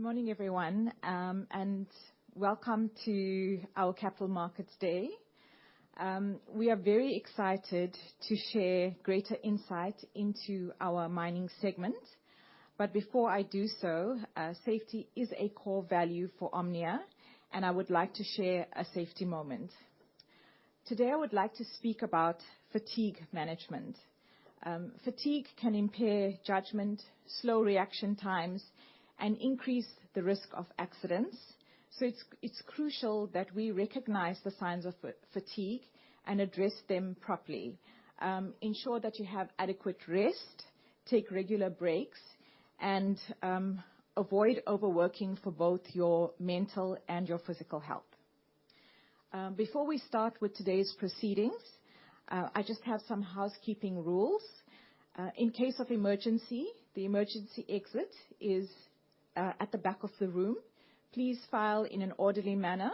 Good morning, everyone, and welcome to our Capital Markets Day. We are very excited to share greater insight into our mining segment. But before I do so, safety is a core value for Omnia, and I would like to share a safety moment. Today, I would like to speak about fatigue management. Fatigue can impair judgment, slow reaction times, and increase the risk of accidents, so it's crucial that we recognize the signs of fatigue and address them properly. Ensure that you have adequate rest, take regular breaks, and avoid overworking for both your mental and your physical health. Before we start with today's proceedings, I just have some housekeeping rules. In case of emergency, the emergency exit is at the back of the room. Please file in an orderly manner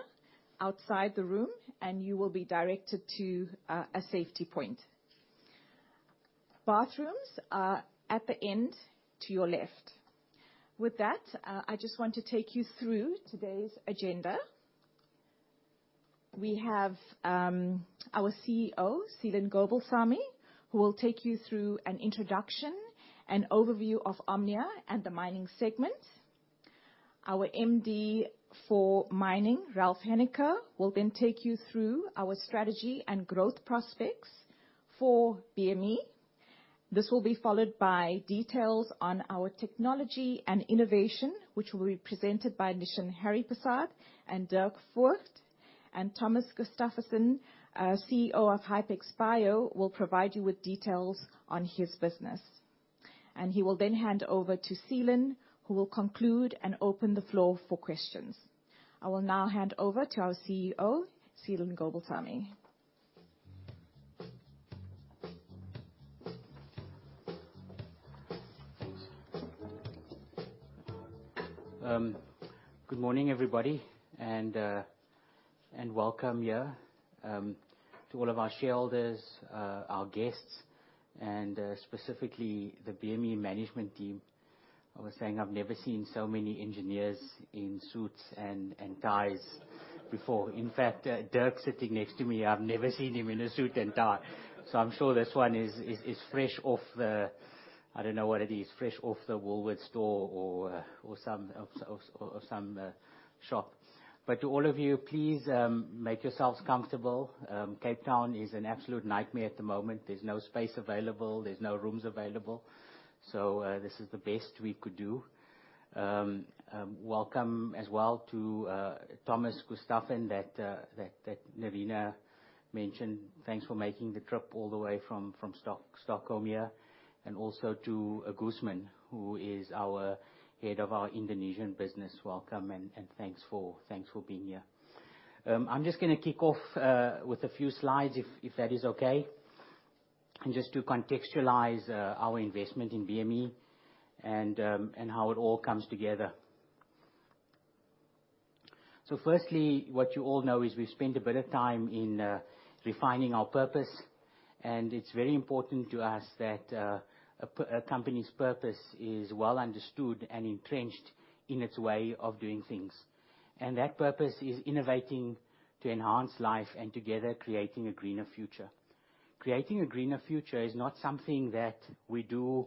outside the room, and you will be directed to a safety point. Bathrooms are at the end to your left. With that, I just want to take you through today's agenda. We have our CEO, Seelan Gobalsamy, who will take you through an introduction and overview of Omnia and the mining segment. Our MD for mining, Ralf Hennecke, will then take you through our strategy and growth prospects for BME. This will be followed by details on our technology and innovation, which will be presented by Nishan Hariprasad and Dirk Voigt, and Thomas Gustafsson, our CEO of Hypex Bio, will provide you with details on his business, and he will then hand over to Seelan, who will conclude and open the floor for questions. I will now hand over to our CEO, Seelan Gobalsamy. Good morning, everybody, and welcome here to all of our shareholders, our guests, and specifically, the BME management team. I was saying I've never seen so many engineers in suits and ties before. In fact, Dirk sitting next to me, I've never seen him in a suit and tie, so I'm sure this one is fresh off the... I don't know what it is, fresh off the Woolworths store or some shop. But to all of you, please, make yourselves comfortable. Cape Town is an absolute nightmare at the moment. There's no space available. There's no rooms available. So, this is the best we could do. Welcome as well to Thomas Gustafsson, that Nirina mentioned. Thanks for making the trip all the way from Stockholm here, and also to Agusman, who is our head of our Indonesian business. Welcome, and thanks for being here. I'm just gonna kick off with a few slides, if that is okay, and just to contextualize our investment in BME and how it all comes together. So firstly, what you all know is we've spent a bit of time in refining our purpose, and it's very important to us that a company's purpose is well understood and entrenched in its way of doing things. And that purpose is innovating to enhance life, and together, creating a greener future. Creating a greener future is not something that we do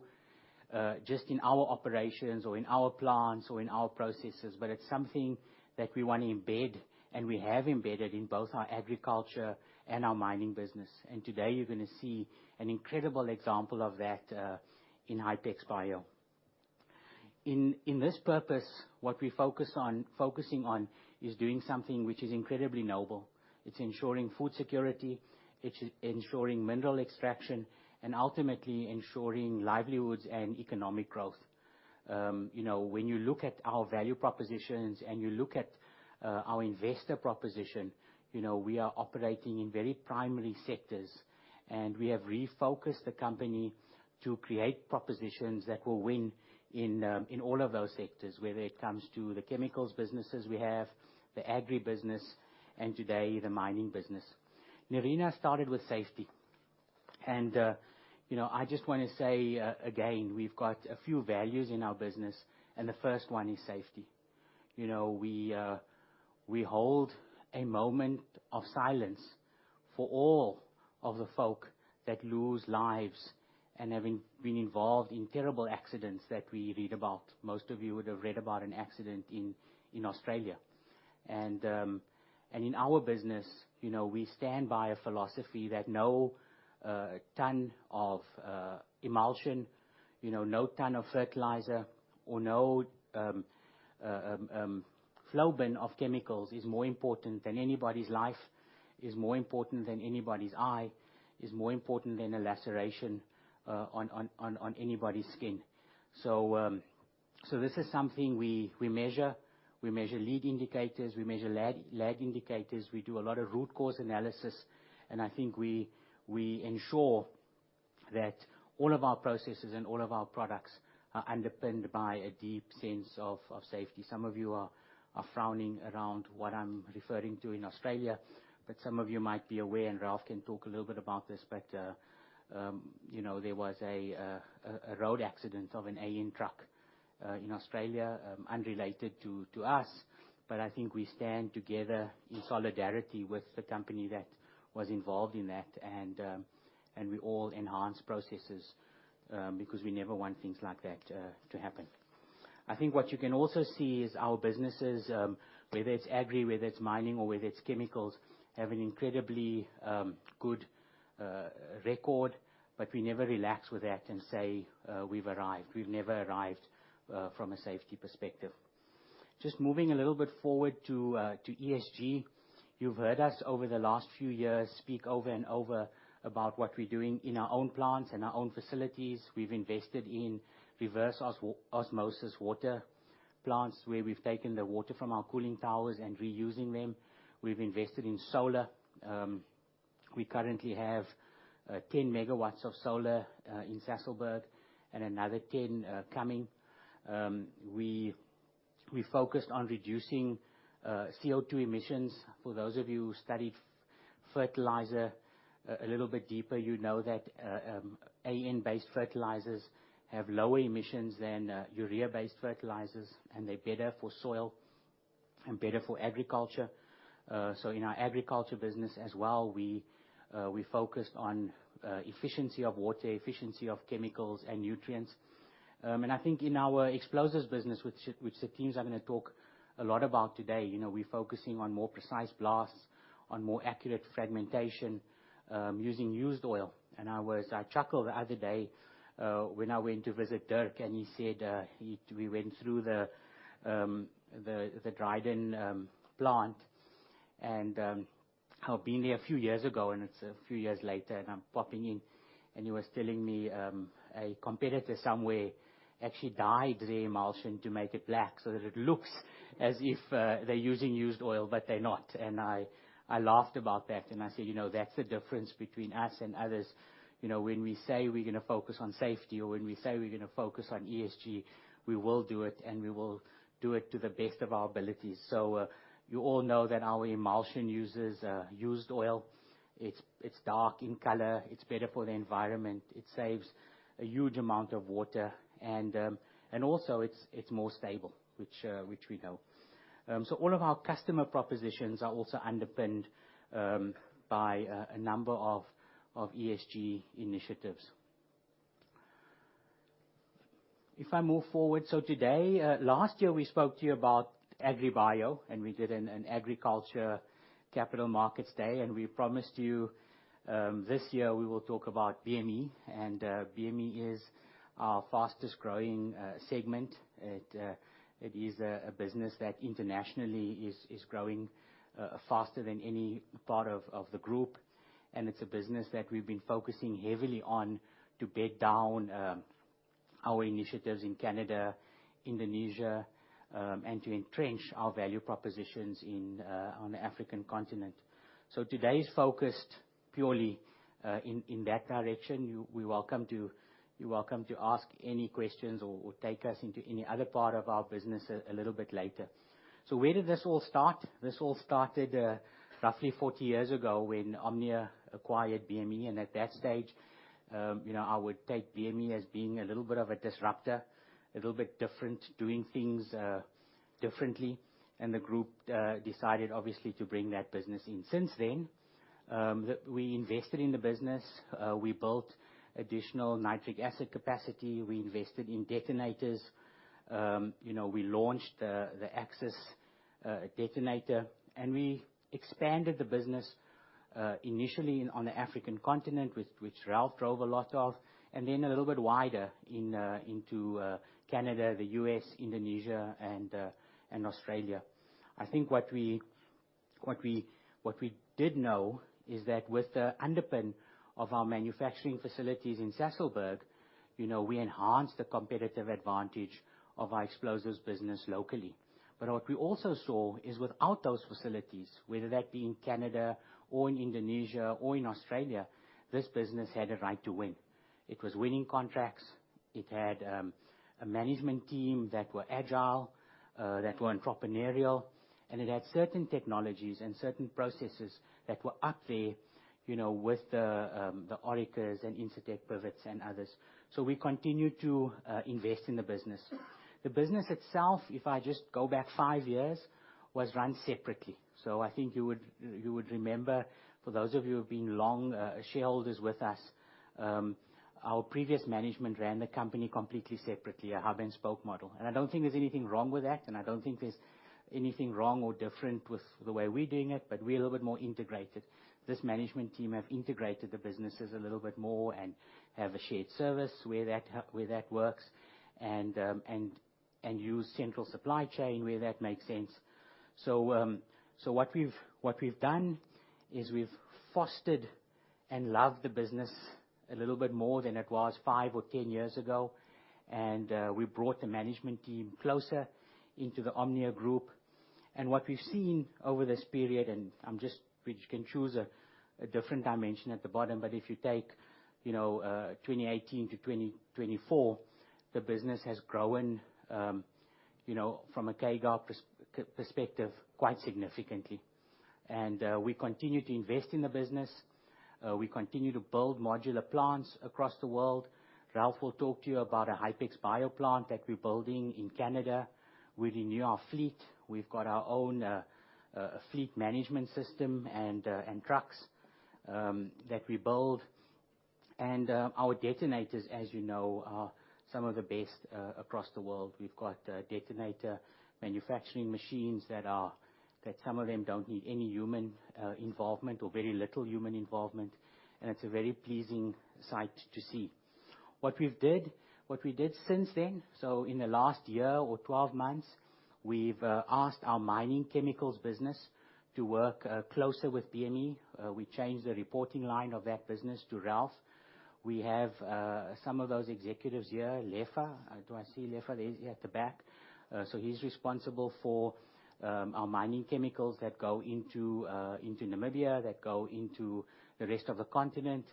just in our operations or in our plants or in our processes, but it's something that we want to embed, and we have embedded in both our agriculture and our mining business. And today, you're gonna see an incredible example of that in Hypex Bio. In this purpose, what we focus on, focusing on is doing something which is incredibly noble. It's ensuring food security, it's ensuring mineral extraction, and ultimately ensuring livelihoods and economic growth. You know, when you look at our value propositions, and you look at our investor proposition, you know, we are operating in very primary sectors, and we have refocused the company to create propositions that will win in all of those sectors, whether it comes to the chemicals businesses we have, the agri business, and today, the mining business. Nirina started with safety, and you know, I just wanna say again, we've got a few values in our business, and the first one is safety. You know, we hold a moment of silence for all of the folk that lose lives and have been involved in terrible accidents that we read about. Most of you would have read about an accident in Australia. And in our business, you know, we stand by a philosophy that no ton of emulsion, you know, no ton of fertilizer, or no flow bin of chemicals is more important than anybody's life, is more important than anybody's eye, is more important than a laceration on anybody's skin. So this is something we measure. We measure leading indicators, we measure lag indicators. We do a lot of root cause analysis, and I think we ensure that all of our processes and all of our products are underpinned by a deep sense of safety. Some of you are frowning around what I'm referring to in Australia, but some of you might be aware, and Ralf can talk a little bit about this, but you know, there was a road accident of an AN truck in Australia, unrelated to us. But I think we stand together in solidarity with the company that was involved in that, and we all enhance processes, because we never want things like that to happen. I think what you can also see is our businesses, whether it's agri, whether it's mining, or whether it's chemicals, have an incredibly good record, but we never relax with that and say we've arrived. We've never arrived from a safety perspective. Just moving a little bit forward to ESG. You've heard us over the last few years speak over and over about what we're doing in our own plants and our own facilities. We've invested in reverse osmosis water plants, where we've taken the water from our cooling towers and reusing them. We've invested in solar. We currently have 10 megawatts of solar in Sasolburg, and another 10 coming. We focused on reducing CO2 emissions. For those of you who studied fertilizer a little bit deeper, you know that AN-based fertilizers have lower emissions than urea-based fertilizers, and they're better for soil and better for agriculture. So in our agriculture business as well, we focused on efficiency of water, efficiency of chemicals and nutrients. I think in our explosives business, which the teams are gonna talk a lot about today, you know, we're focusing on more precise blasts, on more accurate fragmentation, using used oil. I chuckled the other day when I went to visit Dirk, and he said we went through the Dryden plant, and I've been there a few years ago, and it's a few years later, and I'm popping in. He was telling me a competitor somewhere actually dyed their emulsion to make it black, so that it looks as if they're using used oil, but they're not. I laughed about that, and I said, "You know, that's the difference between us and others. You know, when we say we're gonna focus on safety, or when we say we're gonna focus on ESG, we will do it, and we will do it to the best of our abilities." So, you all know that our emulsion uses used oil. It's dark in color. It's better for the environment. It saves a huge amount of water, and also, it's more stable, which we know. So all of our customer propositions are also underpinned by a number of ESG initiatives. If I move forward, so today... Last year, we spoke to you about AgriBio, and we did an agriculture capital markets day, and we promised you, this year we will talk about BME, and BME is our fastest-growing segment. It is a business that internationally is growing faster than any part of the group, and it's a business that we've been focusing heavily on to bed down our initiatives in Canada, Indonesia, and to entrench our value propositions in on the African continent. So today is focused purely in that direction. You're welcome to ask any questions or take us into any other part of our business a little bit later. So where did this all start? This all started roughly 40 years ago, when Omnia acquired BME, and at that stage, you know, I would take BME as being a little bit of a disruptor, a little bit different, doing things differently, and the group decided, obviously, to bring that business in. Since then, we invested in the business. We built additional nitric acid capacity. We invested in detonators. You know, we launched the AXXIS detonator, and we expanded the business initially on the African continent, which Ralf drove a lot of, and then a little bit wider into Canada, the U.S., Indonesia, and Australia. I think what we did know is that with the underpin of our manufacturing facilities in Sasolburg, you know, we enhanced the competitive advantage of our explosives business locally. But what we also saw is, without those facilities, whether that be in Canada or in Indonesia or in Australia, this business had a right to win. It was winning contracts. It had a management team that were agile, that were entrepreneurial, and it had certain technologies and certain processes that were up there, you know, with the Orica, Incitec Pivot, and others, so we continue to invest in the business. The business itself, if I just go back five years, was run separately, so I think you would remember, for those of you who have been long shareholders with us, our previous management ran the company completely separately, a hub-and-spoke model, and I don't think there's anything wrong with that, and I don't think there's anything wrong or different with the way we're doing it, but we're a little bit more integrated. This management team have integrated the businesses a little bit more and have a shared service where that works, and use central supply chain where that makes sense. So, what we've done is we've fostered and loved the business a little bit more than it was five or 10 years ago, and we brought the management team closer into the Omnia group. What we've seen over this period, we can choose a different dimension at the bottom, but if you take, you know, 2018 to 2024, the business has grown, you know, from a ZAR perspective, quite significantly. And we continue to invest in the business, we continue to build modular plants across the world. Ralf will talk to you about a Hypex Bio plant that we're building in Canada. We renew our fleet. We've got our own fleet management system and trucks that we build. Our detonators, as you know, are some of the best across the world. We've got detonator manufacturing machines that some of them don't need any human involvement or very little human involvement, and it's a very pleasing sight to see. What we did since then, so in the last year or twelve months, we've asked our mining chemicals business to work closer with BME. We changed the reporting line of that business to Ralf. We have some of those executives here, Lefa. Do I see Lefa? There he is at the back. So he's responsible for our mining chemicals that go into Namibia, that go into the rest of the continent.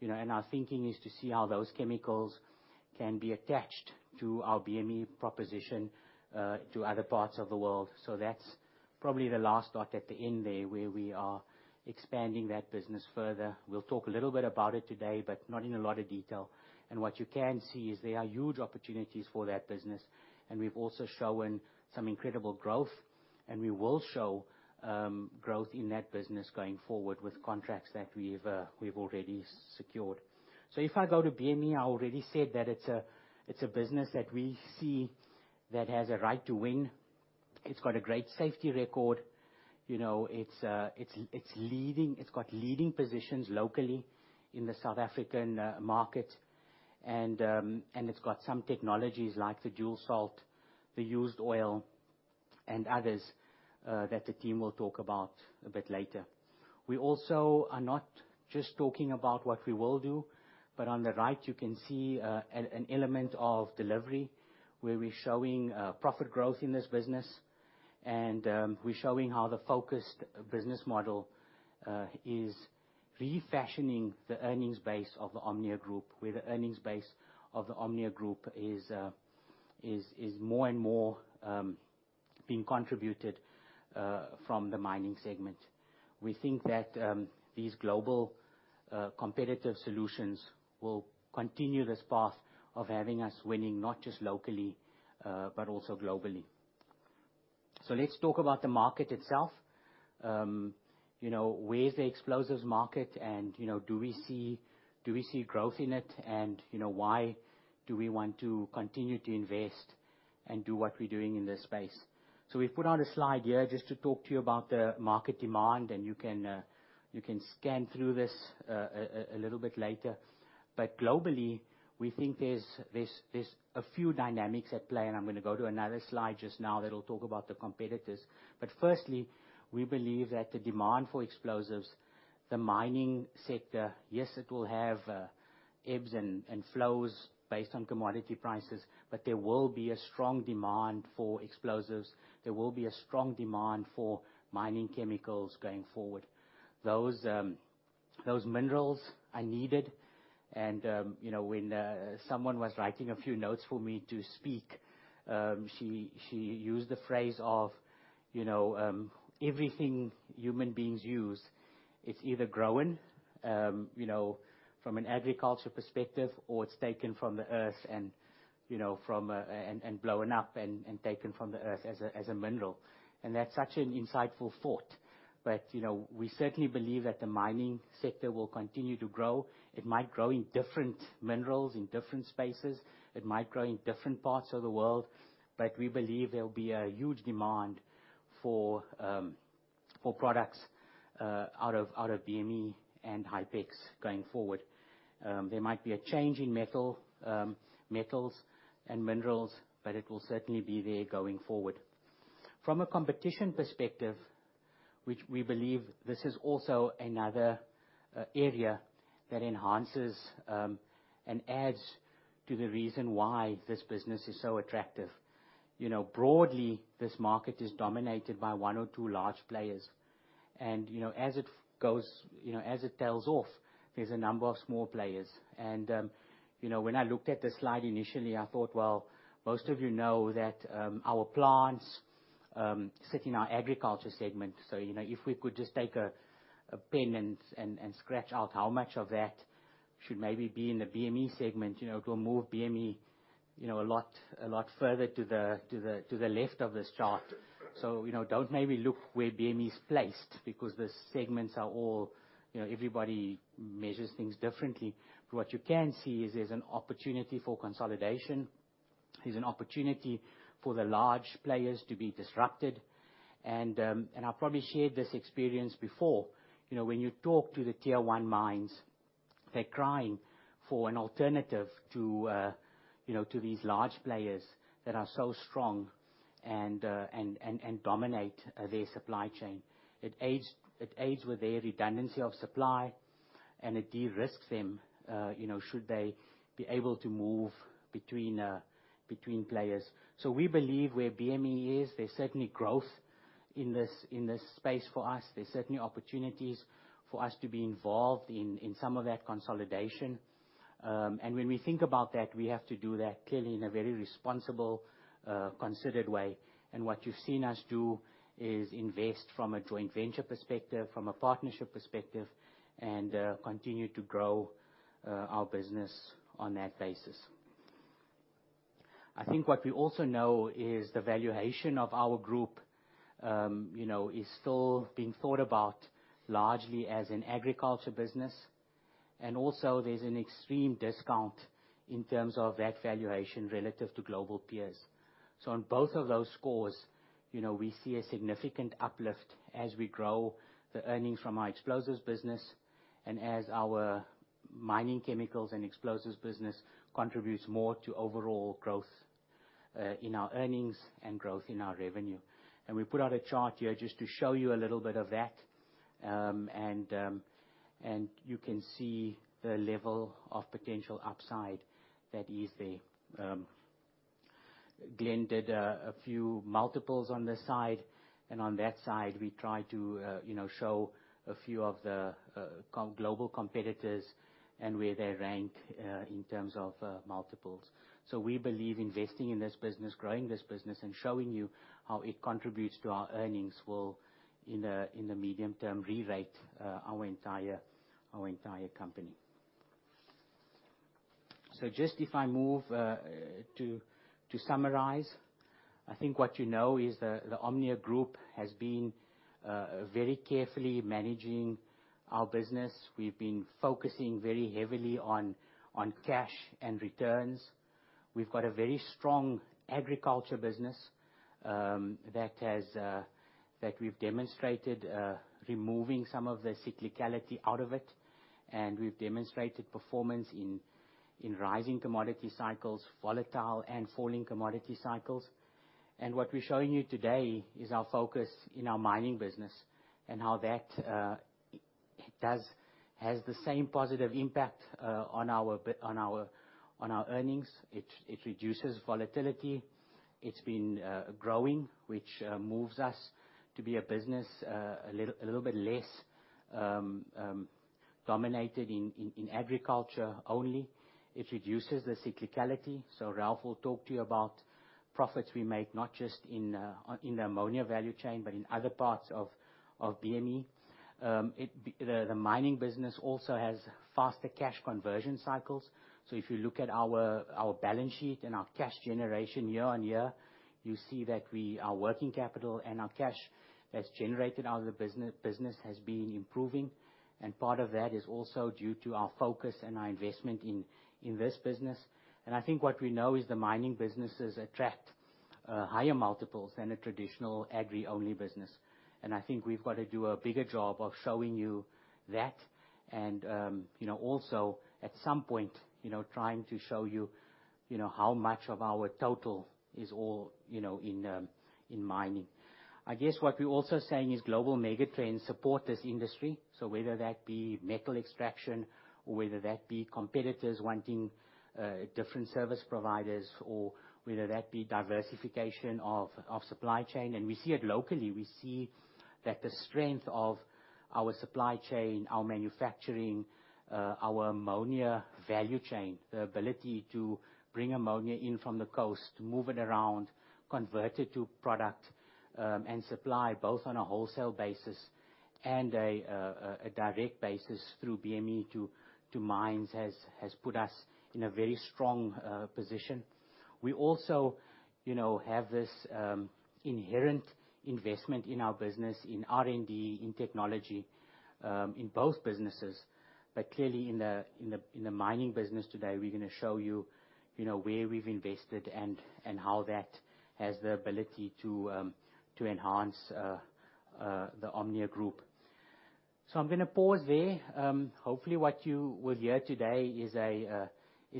You know, and our thinking is to see how those chemicals can be attached to our BME proposition to other parts of the world. So that's probably the last dot at the end there, where we are expanding that business further. We'll talk a little bit about it today, but not in a lot of detail. And what you can see is there are huge opportunities for that business, and we've also shown some incredible growth, and we will show growth in that business going forward with contracts that we've already secured. So if I go to BME, I already said that it's a business that we see that has a right to win. It's got a great safety record. You know, it's got leading positions locally in the South African market, and it's got some technologies like the dual salt, the used oil, and others that the team will talk about a bit later. We also are not just talking about what we will do, but on the right, you can see an element of delivery, where we're showing profit growth in this business, and we're showing how the focused business model is refashioning the earnings base of the Omnia Group, where the earnings base of the Omnia Group is more and more being contributed from the mining segment. We think that these global competitive solutions will continue this path of having us winning, not just locally, but also globally. So let's talk about the market itself. You know, where is the explosives market? And, you know, do we see growth in it? And, you know, why do we want to continue to invest and do what we're doing in this space? So we've put out a slide here just to talk to you about the market demand, and you can scan through this a little bit later. But globally, we think there's a few dynamics at play, and I'm gonna go to another slide just now that will talk about the competitors. But firstly, we believe that the demand for explosives, the mining sector, yes, it will have ebbs and flows based on commodity prices, but there will be a strong demand for explosives. There will be a strong demand for mining chemicals going forward. Those minerals are needed, and, you know, when someone was writing a few notes for me to speak, she used the phrase of, you know, everything human beings use, it's either growing, you know, from an agriculture perspective, or it's taken from the earth and, you know, from the earth and blown up and taken from the earth as a mineral, and that's such an insightful thought, but, you know, we certainly believe that the mining sector will continue to grow. It might grow in different minerals, in different spaces. It might grow in different parts of the world, but we believe there will be a huge demand for products out of BME and Hypex going forward. There might be a change in metal, metals and minerals, but it will certainly be there going forward. From a competition perspective, which we believe this is also another area that enhances and adds to the reason why this business is so attractive. You know, broadly, this market is dominated by one or two large players, and, you know, as it goes, you know, as it tails off, there's a number of small players. And, you know, when I looked at this slide initially, I thought, well, most of you know that our plants sit in our agriculture segment. So, you know, if we could just take a pen and scratch out how much of that should maybe be in the BME segment, you know, it will move BME a lot further to the left of this chart. You know, don't maybe look where BME is placed because the segments are all... You know, everybody measures things differently. But what you can see is there's an opportunity for consolidation. There's an opportunity for the large players to be disrupted. And I've probably shared this experience before. You know, when you talk to the tier one mines, they're crying for an alternative to, you know, to these large players that are so strong and dominate their supply chain. It aids with their redundancy of supply, and it de-risks them, you know, should they be able to move between players, so we believe where BME is, there's certainly growth in this space for us. There's certainly opportunities for us to be involved in some of that consolidation, and when we think about that, we have to do that clearly in a very responsible, considered way, and what you've seen us do is invest from a joint venture perspective, from a partnership perspective, and continue to grow our business on that basis. I think what we also know is the valuation of our group, you know, is still being thought about largely as an agriculture business, and also there's an extreme discount in terms of that valuation relative to global peers. So on both of those scores, you know, we see a significant uplift as we grow the earnings from our explosives business and as our mining, chemicals, and explosives business contributes more to overall growth in our earnings and growth in our revenue. And we put out a chart here just to show you a little bit of that. You can see the level of potential upside that is there. Glenn did a few multiples on this side, and on that side, we try to, you know, show a few of the global competitors and where they rank in terms of multiples. So we believe investing in this business, growing this business, and showing you how it contributes to our earnings will, in the medium term, rerate our entire company. Just if I move to summarize, I think what you know is the Omnia Group has been very carefully managing our business. We've been focusing very heavily on cash and returns. We've got a very strong agriculture business that we've demonstrated removing some of the cyclicality out of it, and we've demonstrated performance in rising commodity cycles, volatile and falling commodity cycles. What we're showing you today is our focus in our mining business and how that has the same positive impact on our earnings. It reduces volatility. It's been growing, which moves us to be a business a little bit less dominated in agriculture only. It reduces the cyclicality. So Ralf will talk to you about profits we make, not just in the ammonia value chain, but in other parts of BME. The mining business also has faster cash conversion cycles. So if you look at our balance sheet and our cash generation year on year, you see that our working capital and our cash that's generated out of the business has been improving, and part of that is also due to our focus and our investment in this business, and I think what we know is the mining businesses attract higher multiples than a traditional agri-only business. I think we've got to do a bigger job of showing you that, and, you know, also, at some point, you know, trying to show you, you know, how much of our total is all, you know, in, in mining. I guess what we're also saying is global megatrends support this industry. So whether that be metal extraction, or whether that be competitors wanting, different service providers, or whether that be diversification of supply chain, and we see it locally. We see that the strength of our supply chain, our manufacturing, our ammonia value chain, the ability to bring ammonia in from the coast, to move it around, convert it to product, and supply both on a wholesale basis and a direct basis through BME to mines, has put us in a very strong position. We also, you know, have this inherent investment in our business, in R&D, in technology, in both businesses. But clearly, in the mining business today, we're gonna show you, you know, where we've invested and how that has the ability to enhance the Omnia group. So I'm gonna pause there. Hopefully, what you will hear today is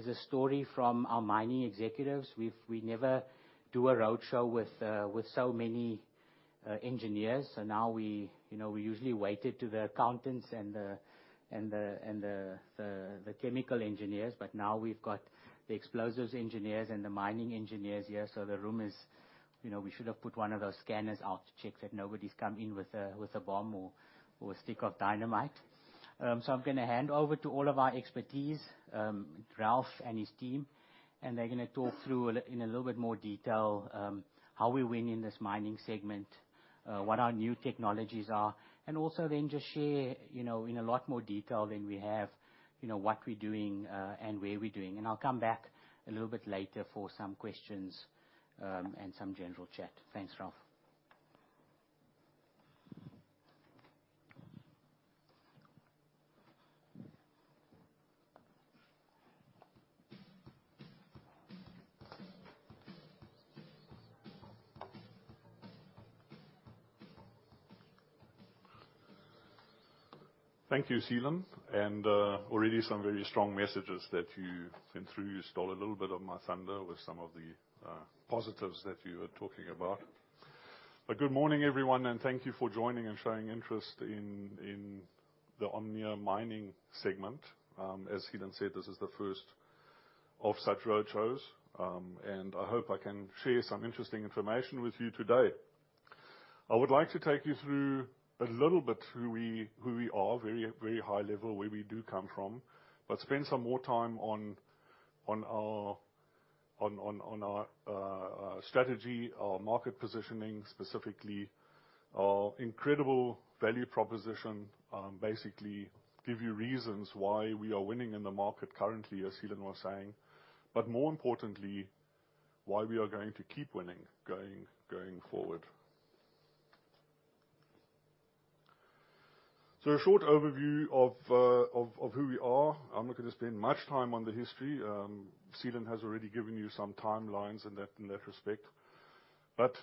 a story from our mining executives. We never do a roadshow with so many engineers, so now, you know, we usually waited to the accountants and the chemical engineers, but now we've got the explosives engineers and the mining engineers here, so the room is... You know, we should have put one of those scanners out to check that nobody's come in with a bomb or a stick of dynamite. So I'm gonna hand over to all of our expertise, Ralf and his team, and they're gonna talk through in a little bit more detail how we win in this mining segment, what our new technologies are, and also then just share, you know, in a lot more detail than we have, you know, what we're doing and where we're doing. I'll come back a little bit later for some questions and some general chat. Thanks, Ralf. Thank you, Seelan, and already some very strong messages that you sent through. You stole a little bit of my thunder with some of the positives that you were talking about. But good morning, everyone, and thank you for joining and showing interest in the Omnia mining segment. As Seelan said, this is the first of such roadshows, and I hope I can share some interesting information with you today. I would like to take you through a little bit who we are, very, very high level, where we do come from, but spend some more time on our strategy, our market positioning, specifically, our incredible value proposition. Basically give you reasons why we are winning in the market currently, as Seelan was saying, but more importantly, why we are going to keep winning going forward, so a short overview of who we are. I'm not going to spend much time on the history. Seelan has already given you some timelines in that respect. But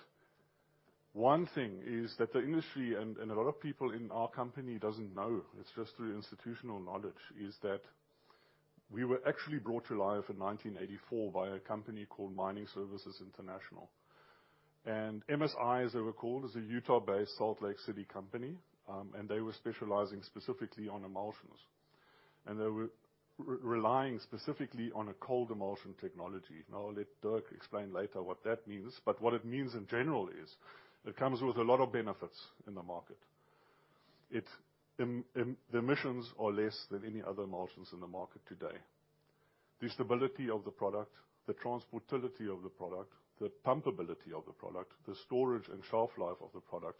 one thing is that the industry, and a lot of people in our company doesn't know, it's just through institutional knowledge, is that we were actually brought to life in 1984 by a company called Mining Services International. And MSI, as they were called, is a Utah-based Salt Lake City company, and they were specializing specifically on emulsions. And they were relying specifically on a cold emulsion technology. Now, I'll let Dirk explain later what that means, but what it means in general is, it comes with a lot of benefits in the market. It, the emissions are less than any other emulsions in the market today. The stability of the product, the transportability of the product, the pumpability of the product, the storage and shelf life of the product,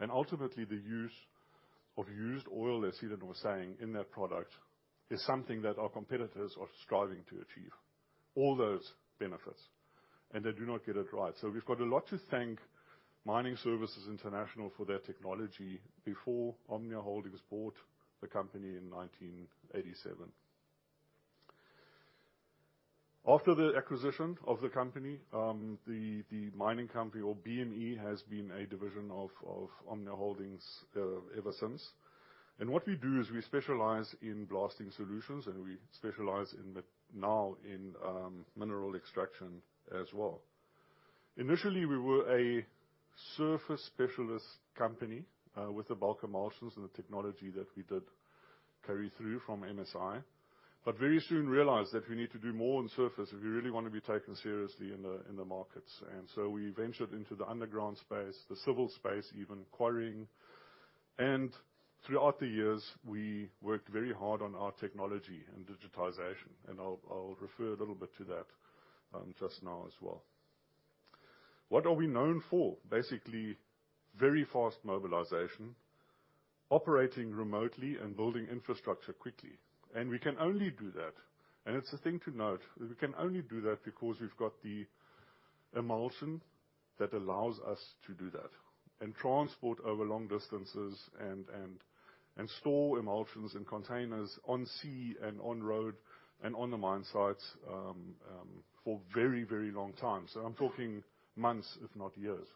and ultimately, the use of used oil, as Seelan was saying, in that product, is something that our competitors are striving to achieve. All those benefits, and they do not get it right. So we've got a lot to thank Mining Services International for their technology before Omnia Holdings bought the company in 1987. After the acquisition of the company, the mining company, or BME, has been a division of Omnia Holdings ever since. What we do is we specialize in blasting solutions, and we specialize in the, now in, mineral extraction as well. Initially, we were a surface specialist company, with the bulk emulsions and the technology that we did carry through from MSI, but very soon realized that we need to do more on surface if we really wanna be taken seriously in the markets. So we ventured into the underground space, the civil space, even quarrying. Throughout the years, we worked very hard on our technology and digitization, and I'll refer a little bit to that, just now as well. What are we known for? Basically, very fast mobilization, operating remotely, and building infrastructure quickly. And we can only do that, and it's a thing to note, that we can only do that because we've got the emulsion that allows us to do that. And transport over long distances and store emulsions in containers on sea, and on road, and on the mine sites for very, very long time. So I'm talking months, if not years.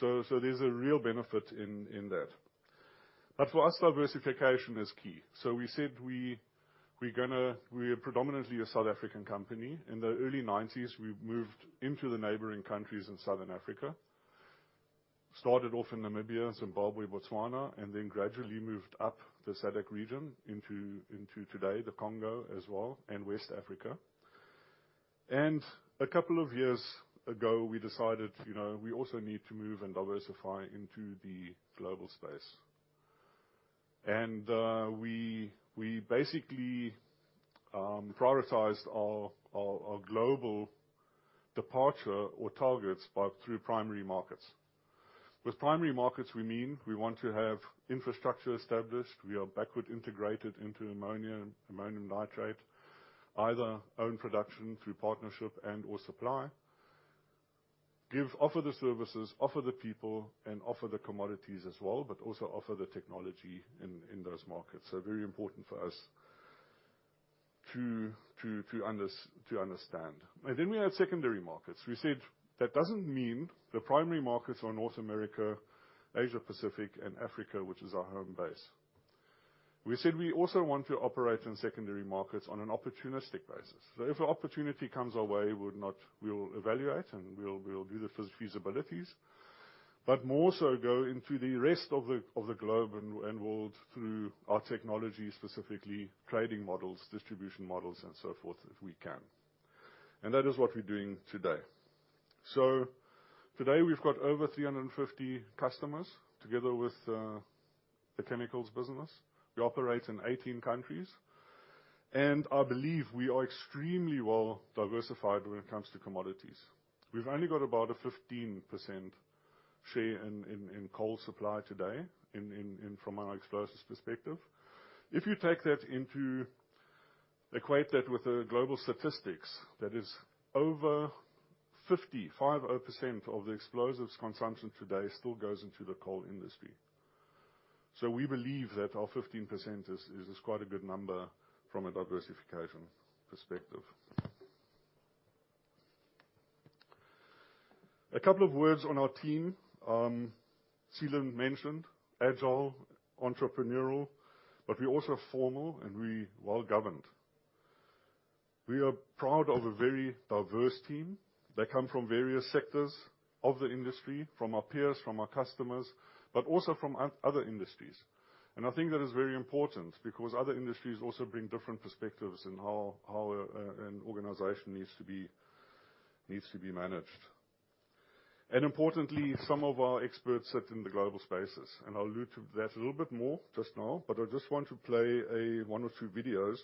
So there's a real benefit in that. But for us, diversification is key. So we said we're gonna, we're predominantly a South African company. In the early 1990s, we moved into the neighboring countries in Southern Africa, started off in Namibia, Zimbabwe, Botswana, and then gradually moved up the SADC region into today the Congo as well, and West Africa. And a couple of years ago, we decided, you know, we also need to move and diversify into the global space. We basically prioritized our global deployment or targets through primary markets. With primary markets, we mean we want to have infrastructure established. We are backward integrated into ammonia, ammonium nitrate, either own production through partnership and/or supply, offer the services, offer the people, and offer the commodities as well, but also offer the technology in those markets. Very important for us to understand. We have secondary markets. We said that. That doesn't mean the primary markets are North America, Asia Pacific, and Africa, which is our home base. We said we also want to operate in secondary markets on an opportunistic basis. If an opportunity comes our way, we'll not... We'll evaluate, and we'll do the feasibilities, but more so go into the rest of the globe and world through our technology, specifically trading models, distribution models, and so forth, if we can. That is what we're doing today. Today, we've got over 350 customers, together with the chemicals business. We operate in 18 countries, and I believe we are extremely well-diversified when it comes to commodities. We've only got about a 15% share in coal supply today, in from an explosives perspective. If you take that into equate that with the global statistics, that is over 50% of the explosives consumption today still goes into the coal industry. We believe that our 15% is quite a good number from a diversification perspective. A couple of words on our team. Seelan mentioned agile, entrepreneurial, but we're also formal, and we're well-governed. We are proud of a very diverse team. They come from various sectors of the industry, from our peers, from our customers, but also from other industries. I think that is very important, because other industries also bring different perspectives in how an organization needs to be managed, and importantly, some of our experts sit in the global spaces, and I'll allude to that a little bit more just now, but I just want to play one or two videos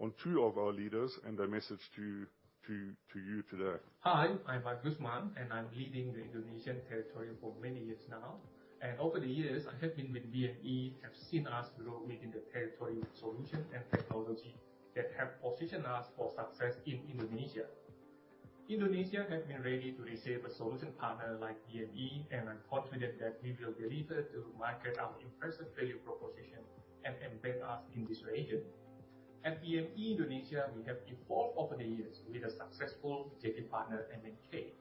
on two of our leaders and their message to you today. Hi, I'm Pak Usman, and I'm leading the Indonesian territory for many years now, and over the years, I have been with BME, have seen us grow within the territory with solution and technology that have positioned us for success in Indonesia. Indonesia has been ready to receive a solution partner like BME, and I'm confident that we will deliver to market our impressive value proposition and embed us in this region. At BME Indonesia, we have evolved over the years with a successful strategic partner, MNK,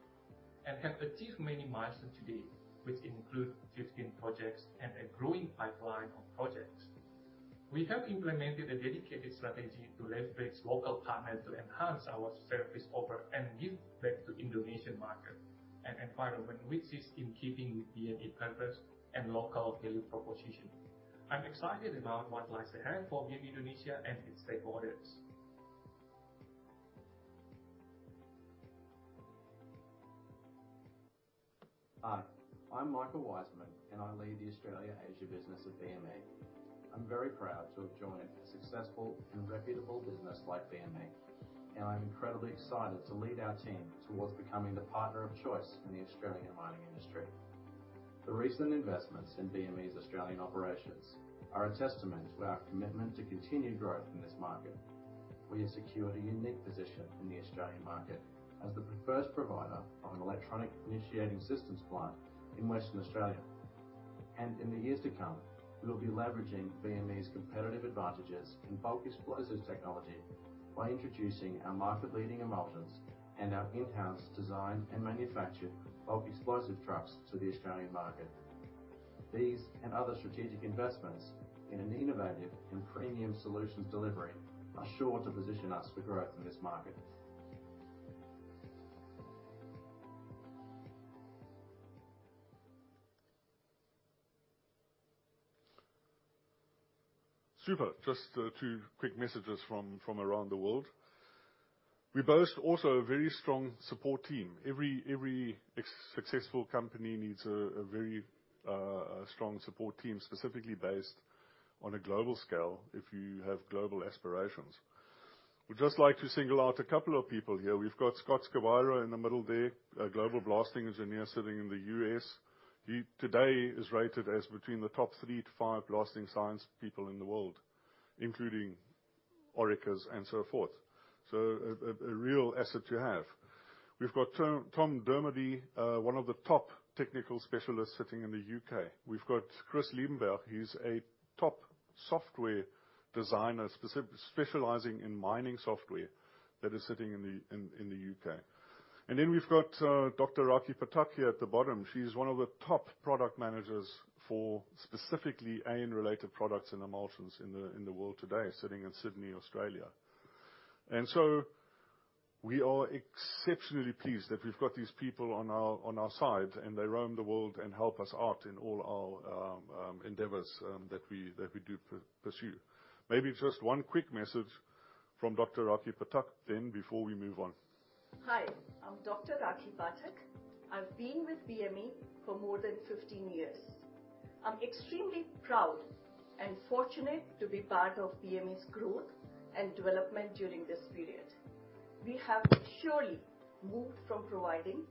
and have achieved many milestones today, which include 15 projects and a growing pipeline of projects. We have implemented a dedicated strategy to leverage local partners to enhance our service offer and give back to Indonesian market, an environment which is in keeping with BME purpose and local value proposition. I'm excited about what lies ahead for BME Indonesia and its stakeholders. Hi, I'm Michael Wiseman, and I lead the Australia-Asia business at BME. I'm very proud to have joined a successful and reputable business like BME, and I'm incredibly excited to lead our team towards becoming the partner of choice in the Australian mining industry. The recent investments in BME's Australian operations are a testament to our commitment to continued growth in this market. We have secured a unique position in the Australian market as the preferred provider of an electronic initiating systems supply in Western Australia, and in the years to come, we will be leveraging BME's competitive advantages in bulk explosives technology by introducing our market-leading emulsions and our in-house design and manufacture of explosive trucks to the Australian market. These and other strategic investments in an innovative and premium solutions delivery are sure to position us for growth in this market. Super! Just two quick messages from around the world. We boast also a very strong support team. Every successful company needs a very strong support team, specifically based on a global scale, if you have global aspirations. We'd just like to single out a couple of people here. We've got Scott Scovira in the middle there, a global blasting engineer sitting in the U.S. He today is rated as between the top three to five blasting science people in the world, including Orica's and so forth, so a real asset to have. We've got Tom Dermody, one of the top technical specialists sitting in the U.K. We've got Chris Liebenberg, he's a top software designer, specializing in mining software that is sitting in the U.K. And then we've got Dr. Rakhi Pathak here at the bottom. She's one of the top product managers for specifically AN related products and emulsions in the world today, sitting in Sydney, Australia, and so we are exceptionally pleased that we've got these people on our side, and they roam the world and help us out in all our endeavors that we do pursue. Maybe just one quick message from Dr. Rakhi Pathak then, before we move on. Hi, I'm Dr. Rakhi Pathak. I've been with BME for more than fifteen years. I'm extremely proud and fortunate to be part of BME's growth and development during this period. We have surely moved from providing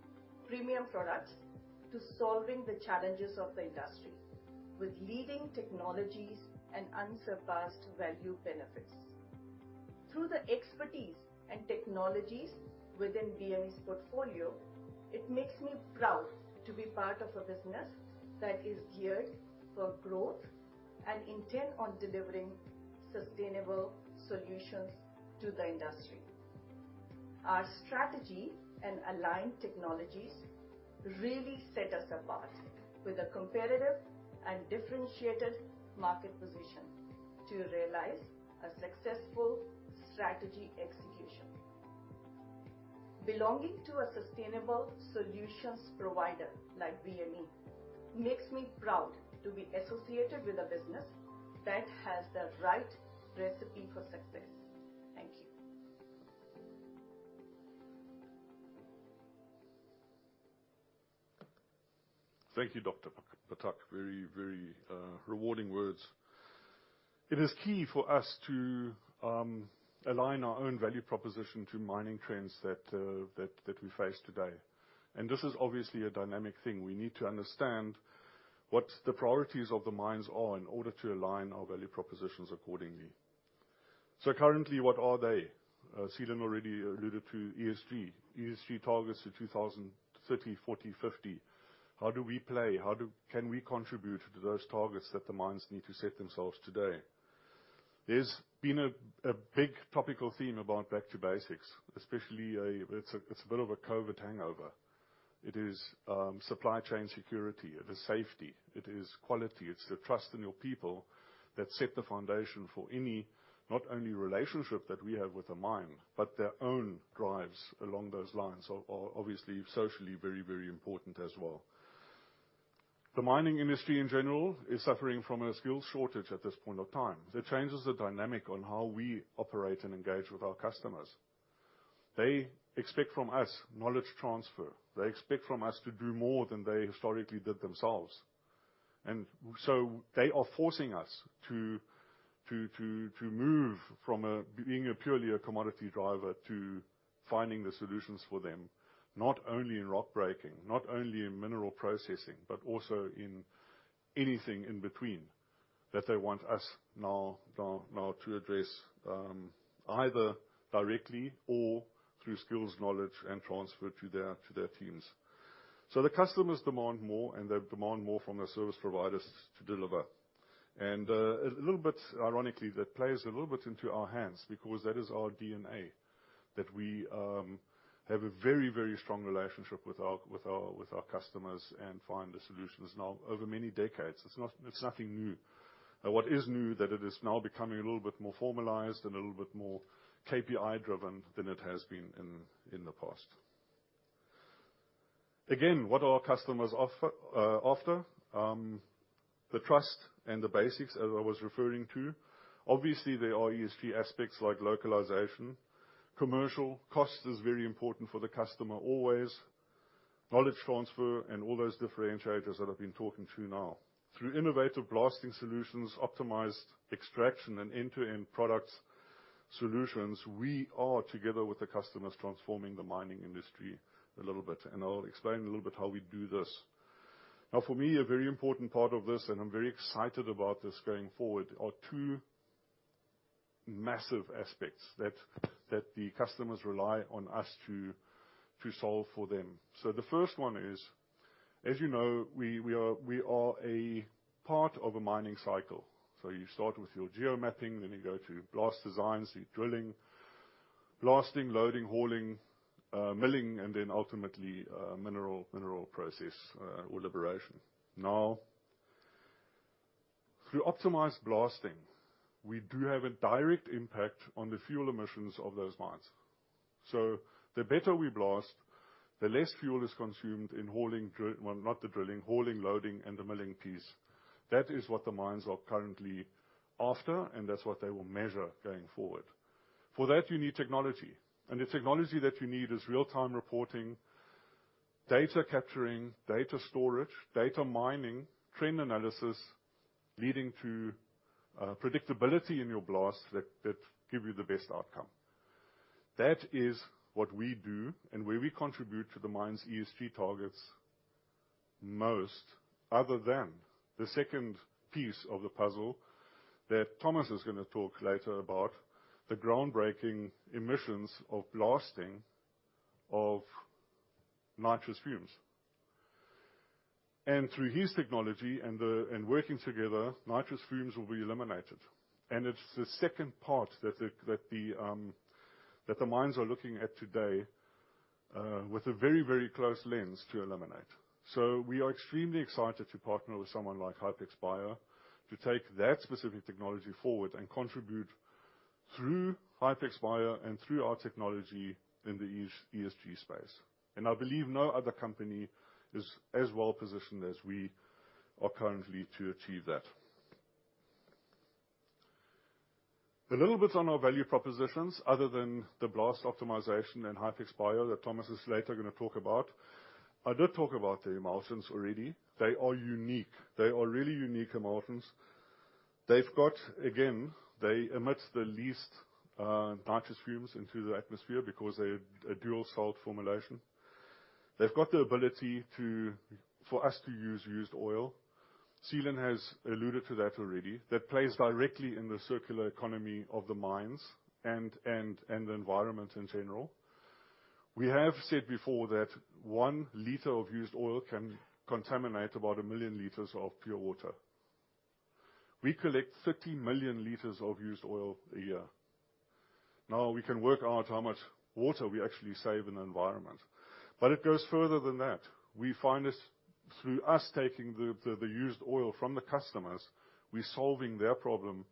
premium products to solving the challenges of the industry with leading technologies and unsurpassed value benefits. Through the expertise and technologies within BME's portfolio, it makes me proud to be part of a business that is geared for growth and intent on delivering sustainable solutions to the industry. Our strategy and aligned technologies really set us apart, with a competitive and differentiated market position to realize a successful strategy execution. Belonging to a sustainable solutions provider, like BME, makes me proud to be associated with a business that has the right recipe for success. Thank you. Thank you, Dr. Pathak. Very, very rewarding words. It is key for us to align our own value proposition to mining trends that we face today. And this is obviously a dynamic thing. We need to understand what the priorities of the mines are in order to align our value propositions accordingly. So currently, what are they? Seelan already alluded to ESG. ESG targets for 2030, 2040, 2050. How do we play? Can we contribute to those targets that the mines need to set themselves today? There's been a big topical theme about back to basics, especially. It's a bit of a COVID hangover. It is supply chain security, it is safety, it is quality, it's the trust in your people that set the foundation for any, not only relationship that we have with the mine, but their own drives along those lines are obviously socially very, very important as well. The mining industry in general is suffering from a skills shortage at this point of time. That changes the dynamic on how we operate and engage with our customers. They expect from us knowledge transfer. They expect from us to do more than they historically did themselves, and so they are forcing us to move from being a purely commodity driver to finding the solutions for them, not only in rock breaking, not only in mineral processing, but also in anything in between, that they want us now to address, either directly or through skills, knowledge, and transfer to their teams. So the customers demand more, and they demand more from their service providers to deliver. And, a little bit ironically, that plays a little bit into our hands because that is our DNA, that we have a very, very strong relationship with our customers and find the solutions now over many decades. It's nothing new. But what is new, that it is now becoming a little bit more formalized and a little bit more KPI-driven than it has been in the past. Again, what our customers offer after the trust and the basics, as I was referring to, obviously, there are ESG aspects like localization. Commercial cost is very important for the customer, always. Knowledge transfer and all those differentiators that I've been talking to now. Through innovative blasting solutions, optimized extraction, and end-to-end product solutions, we are, together with the customers, transforming the mining industry a little bit, and I'll explain a little bit how we do this. Now, for me, a very important part of this, and I'm very excited about this going forward, are two massive aspects that the customers rely on us to solve for them. So the first one is, as you know, we are a part of a mining cycle. You start with your geo-mapping, then you go to blast designs, you're drilling, blasting, loading, hauling, milling, and then ultimately, mineral process or liberation. Now, through optimized blasting, we do have a direct impact on the fuel emissions of those mines. So the better we blast, the less fuel is consumed in hauling, well, not the drilling, hauling, loading, and the milling piece. That is what the mines are currently after, and that's what they will measure going forward. For that, you need technology, and the technology that you need is real-time reporting, data capturing, data storage, data mining, trend analysis, leading to predictability in your blast that give you the best outcome. That is what we do and where we contribute to the mine's ESG targets most, other than the second piece of the puzzle that Thomas is gonna talk later about, the groundbreaking emissions of blasting of nitrous fumes. And through his technology and working together, nitrous fumes will be eliminated. And it's the second part that the mines are looking at today with a very, very close lens to eliminate. So we are extremely excited to partner with someone like Hypex Bio to take that specific technology forward and contribute through Hypex Bio and through our technology in the ESG space. And I believe no other company is as well-positioned as we are currently to achieve that. A little bit on our value propositions, other than the blast optimization and Hypex Bio that Thomas is later gonna talk about. I did talk about the emulsions already. They are unique. They are really unique emulsions. They've got, again, they emit the least nitrous fumes into the atmosphere because they're a dual salt formulation. They've got the ability to- for us to use used oil. Seelan has alluded to that already. That plays directly in the circular economy of the mines and the environment in general. We have said before that one liter of used oil can contaminate about 1 million liters of pure water. We collect 30 million liters of used oil a year. Now, we can work out how much water we actually save in the environment, but it goes further than that. We find this, through us taking the used oil from the customers, we're solving their problem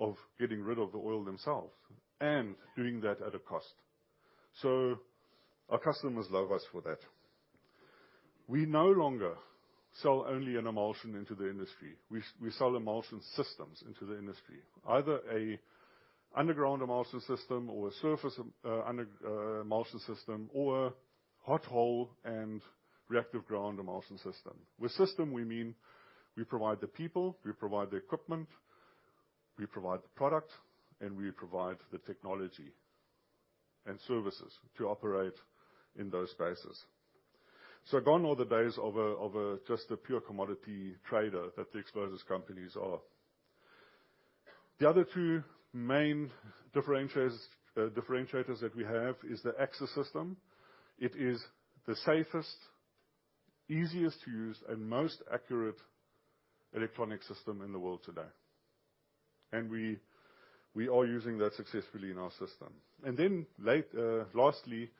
of getting rid of the oil themselves and doing that at a cost. So our customers love us for that. We no longer sell only an emulsion into the industry. We sell emulsion systems into the industry, either a underground emulsion system or a surface, under, emulsion system, or a hot hole and reactive ground emulsion system. With system, we mean we provide the people, we provide the equipment, we provide the product, and we provide the technology and services to operate in those spaces. So gone are the days of a just a pure commodity trader that the explosives companies are. The other two main differentiators that we have is the AXXIS system. It is the safest, easiest to use, and most accurate electronic system in the world today, and we are using that successfully in our system. And then lastly,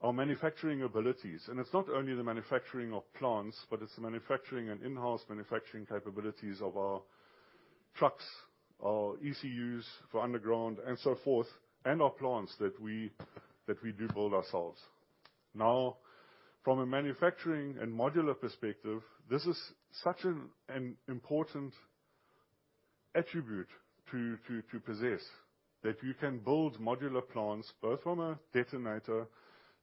our manufacturing abilities, and it's not only the manufacturing of plants, but it's the manufacturing and in-house manufacturing capabilities of our trucks or ECUs for underground, and so forth, and our plants that we do build ourselves. Now, from a manufacturing and modular perspective, this is such an important attribute to possess, that you can build modular plants, both from a detonator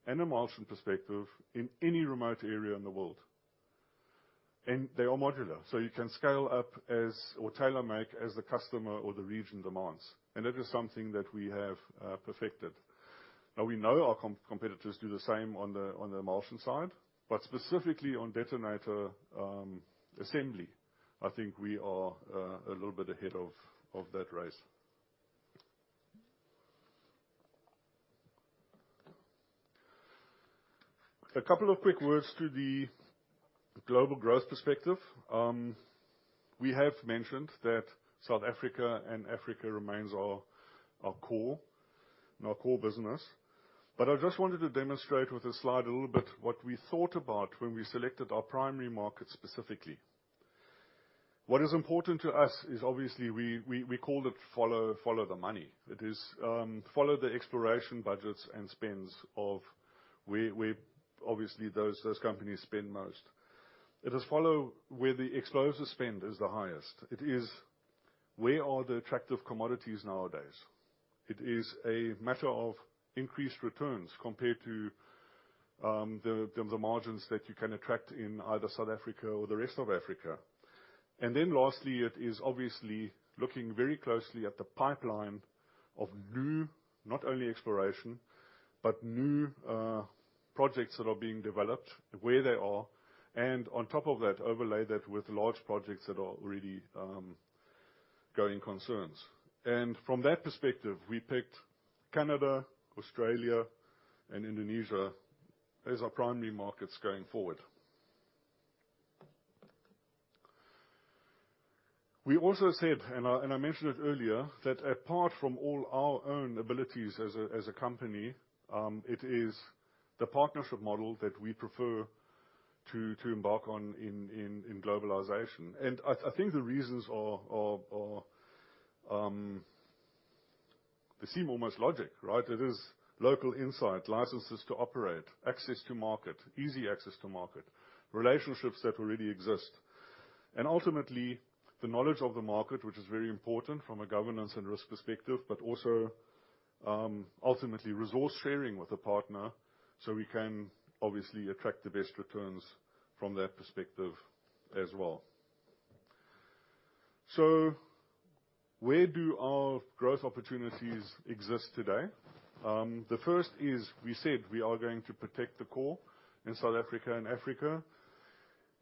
and emulsion perspective, in any remote area in the world. They are modular, so you can scale up or tailor-make as the customer or the region demands, and that is something that we have perfected. Now, we know our competitors do the same on the emulsion side, but specifically on detonator assembly, I think we are a little bit ahead of that race. A couple of quick words to the global growth perspective. We have mentioned that South Africa and Africa remains our core, and our core business, but I just wanted to demonstrate with this slide a little bit what we thought about when we selected our primary market specifically. What is important to us is obviously we call it follow the money. It is follow the exploration budgets and spends of where obviously those companies spend most. It is follow where the explosives spend is the highest. It is where are the attractive commodities nowadays? It is a matter of increased returns compared to the margins that you can attract in either South Africa or the rest of Africa. And then lastly, it is obviously looking very closely at the pipeline of new, not only exploration, but new projects that are being developed, where they are, and on top of that, overlay that with large projects that are already going concerns. And from that perspective, we picked Canada, Australia, and Indonesia as our primary markets going forward. We also said, and I mentioned it earlier, that apart from all our own abilities as a company, it is the partnership model that we prefer to embark on in globalization. And I think the reasons are they seem almost logical, right? It is local insight, licenses to operate, access to market, easy access to market, relationships that already exist, and ultimately, the knowledge of the market, which is very important from a governance and risk perspective, but also, ultimately, resource sharing with a partner, so we can obviously attract the best returns from that perspective as well. So where do our growth opportunities exist today? The first is, we said we are going to protect the core in South Africa and Africa.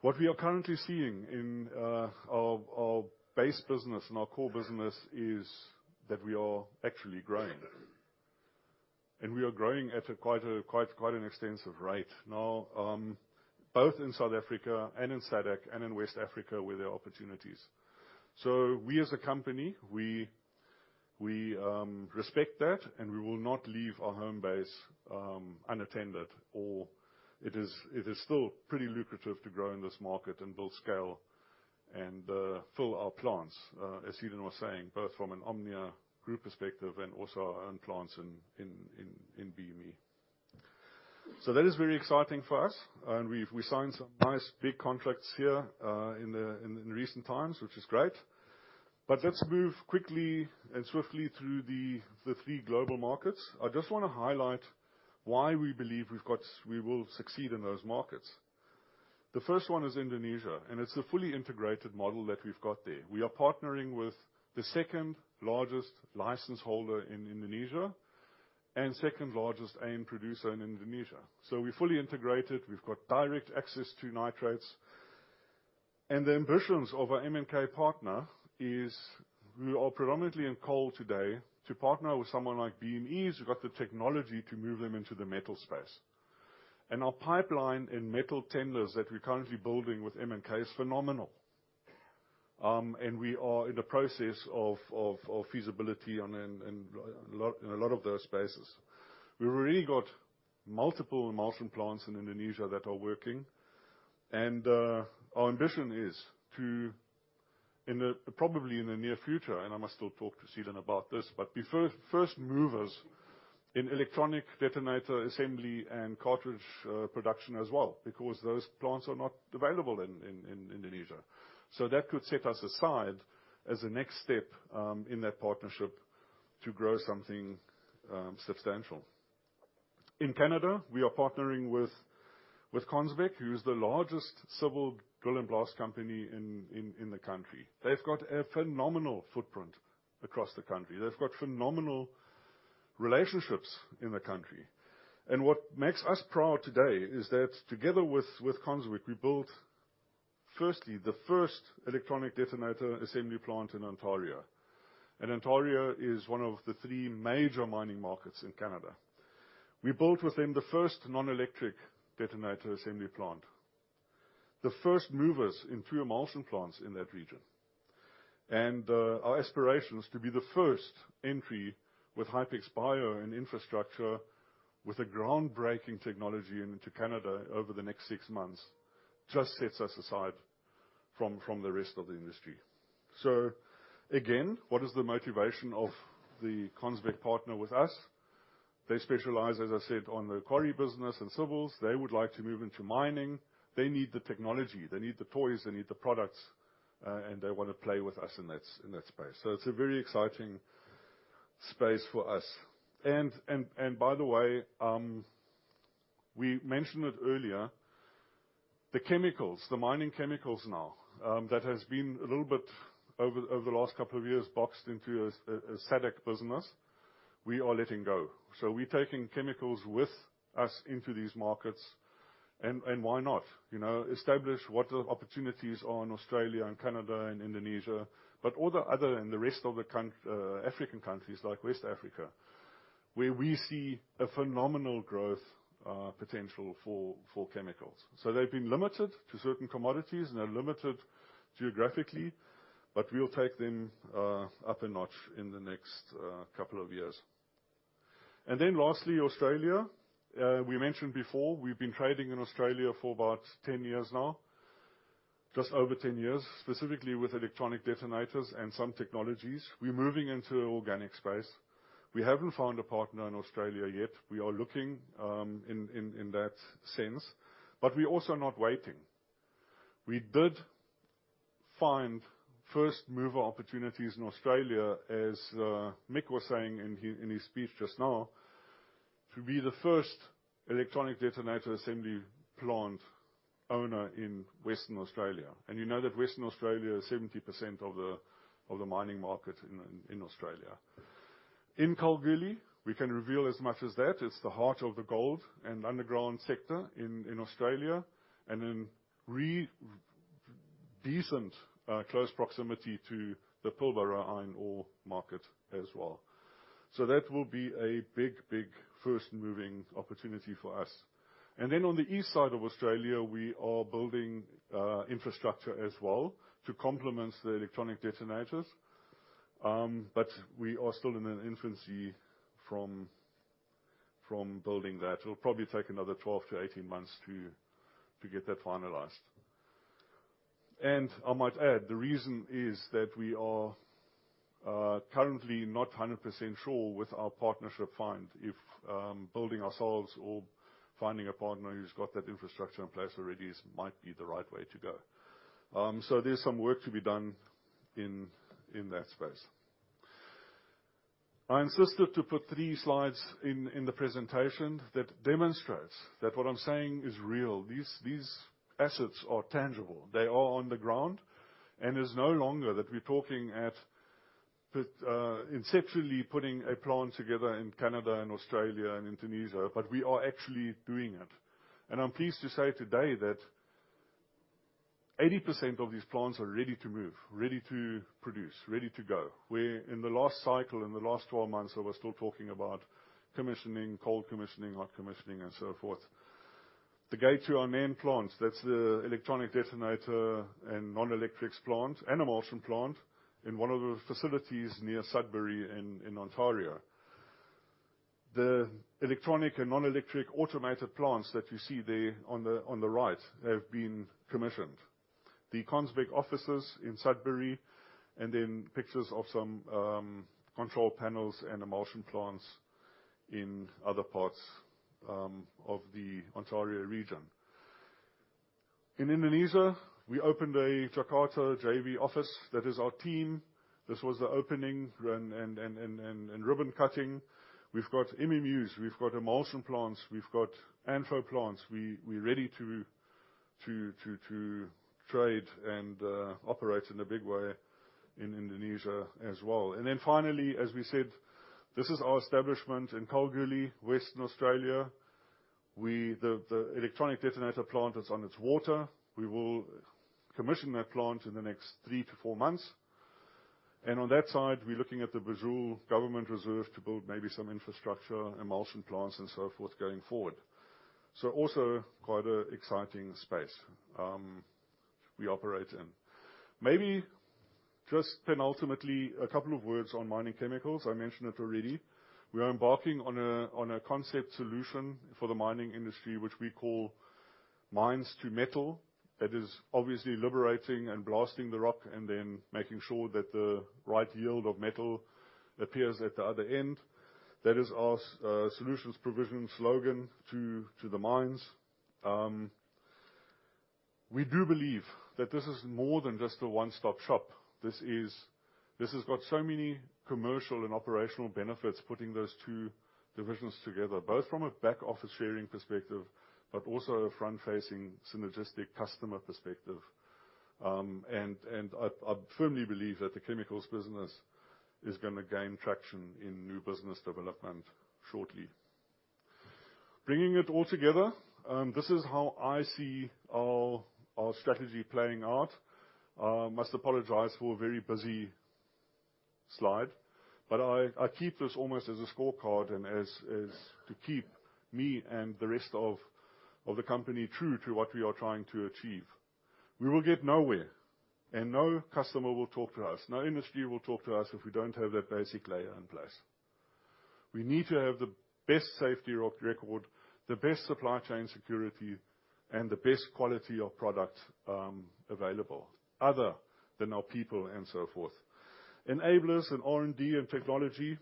What we are currently seeing in our base business and our core business is that we are actually growing, and we are growing at quite an extensive rate now, both in South Africa and in SADC and in West Africa, where there are opportunities. So we as a company, we respect that, and we will not leave our home base unattended, or it is still pretty lucrative to grow in this market and build scale and fill our plants, as Eden was saying, both from an Omnia group perspective and also our own plants in BME. So that is very exciting for us, and we've signed some nice, big contracts here in recent times, which is great. But let's move quickly and swiftly through the three global markets. I just wanna highlight why we believe we will succeed in those markets. The first one is Indonesia, and it's a fully integrated model that we've got there. We are partnering with the second-largest license holder in Indonesia, and second-largest AM producer in Indonesia. We're fully integrated. We've got direct access to nitrates, and the ambitions of our MNK partner is. We are predominantly in coal today, to partner with someone like BME, who's got the technology to move them into the metal space. Our pipeline in metal tenders that we're currently building with MNK is phenomenal. We are in the process of feasibility in a lot of those spaces. We've already got multiple emulsion plants in Indonesia that are working, and our ambition is to in the probably in the near future, and I must still talk to Eden about this, but be first movers in electronic detonator assembly and cartridge production as well, because those plants are not available in Indonesia. That could set us aside as a next step in that partnership to grow something substantial. In Canada, we are partnering with Consbec, who is the largest civil drill and blast company in the country. They've got a phenomenal footprint across the country. They've got phenomenal relationships in the country. What makes us proud today is that together with Consbec, we built firstly the first electronic detonator assembly plant in Ontario, and Ontario is one of the three major mining markets in Canada. We built the first non-electric detonator assembly plant, the first movers in three emulsion plants in that region, and our aspiration is to be the first entry with Hypex Bio and infrastructure, with a groundbreaking technology into Canada over the next six months. That just sets us aside from the rest of the industry. So again, what is the motivation of the Consbec partner with us? They specialize, as I said, on the quarry business and civils. They would like to move into mining. They need the technology, they need the toys, they need the products, and they wanna play with us in that, in that space. It's a very exciting space for us. And by the way, we mentioned it earlier, the chemicals, the mining chemicals now, that has been a little bit over the last couple of years, boxed into a SADC business; we are letting go. We're taking chemicals with us into these markets, and why not, you know? Establish what the opportunities are in Australia and Canada and Indonesia, but all the other, and the rest of the countries, like West Africa, where we see a phenomenal growth potential for chemicals. So they've been limited to certain commodities, and they're limited geographically, but we'll take them up a notch in the next couple of years. And then lastly, Australia. We mentioned before, we've been trading in Australia for about 10 years now, just over 10 years, specifically with electronic detonators and some technologies. We're moving into the organic space. We haven't found a partner in Australia yet. We are looking in that sense, but we're also not waiting. We did find first-mover opportunities in Australia, as Mick was saying in his speech just now, to be the first electronic detonator assembly plant owner in Western Australia. You know that Western Australia is 70% of the mining market in Australia. In Kalgoorlie, we can reveal as much as that. It's the heart of the gold and underground sector in Australia, and in recent close proximity to the Pilbara iron ore market as well. So that will be a big, big first-mover opportunity for us. And then on the east side of Australia, we are building infrastructure as well to complement the electronic detonators. But we are still in an infancy in building that. It'll probably take another 12-18 months to get that finalized. And I might add, the reason is that we are currently not 100% sure with our partnership find, if building ourselves or finding a partner who's got that infrastructure in place already might be the right way to go. So there's some work to be done in that space. I insisted to put three slides in the presentation that demonstrates that what I'm saying is real. These assets are tangible. They are on the ground, and it's no longer that we're talking conceptually putting a plant together in Canada and Australia and Indonesia, but we are actually doing it. I'm pleased to say today that 80% of these plants are ready to move, ready to produce, ready to go, where in the last cycle, in the last 12 months, they were still talking about commissioning, cold commissioning, hot commissioning, and so forth. The gate to our main plants, that's the electronic detonator and non-electrics plant and emulsion plant in one of the facilities near Sudbury in Ontario. The electronic and non-electric automated plants that you see there on the right, have been commissioned. The Consbec offices in Sudbury, and then pictures of some control panels and emulsion plants in other parts of the Ontario region. In Indonesia, we opened a Jakarta JV office. That is our team. This was the opening and ribbon cutting. We've got MMUs, we've got emulsion plants, we've got ANFO plants. We're ready to trade and operate in a big way in Indonesia as well. And then finally, as we said, this is our establishment in Kalgoorlie, Western Australia. The electronic detonator plant is on its way. We will commission that plant in the next three to four months. And on that side, we're looking at the federal government reserve to build maybe some infrastructure, emulsion plants, and so forth, going forward. So also quite an exciting space we operate in. Maybe just penultimately, a couple of words on mining chemicals. I mentioned it already. We are embarking on a concept solution for the mining industry, which we call Mine to Metal. That is obviously liberating and blasting the rock, and then making sure that the right yield of metal appears at the other end. That is our solutions provision slogan to the mines. We do believe that this is more than just a one-stop shop. This has got so many commercial and operational benefits, putting those two divisions together, both from a back office sharing perspective, but also a front-facing, synergistic customer perspective, and I firmly believe that the chemicals business is gonna gain traction in new business development shortly. Bringing it all together, this is how I see our strategy playing out. I must apologize for a very busy slide, but I keep this almost as a scorecard and as to keep me and the rest of the company true to what we are trying to achieve. We will get nowhere, and no customer will talk to us, no industry will talk to us, if we don't have that basic layer in place. We need to have the best safety record, the best supply chain security, and the best quality of product available, other than our people and so forth. Enablers in R&D and technology,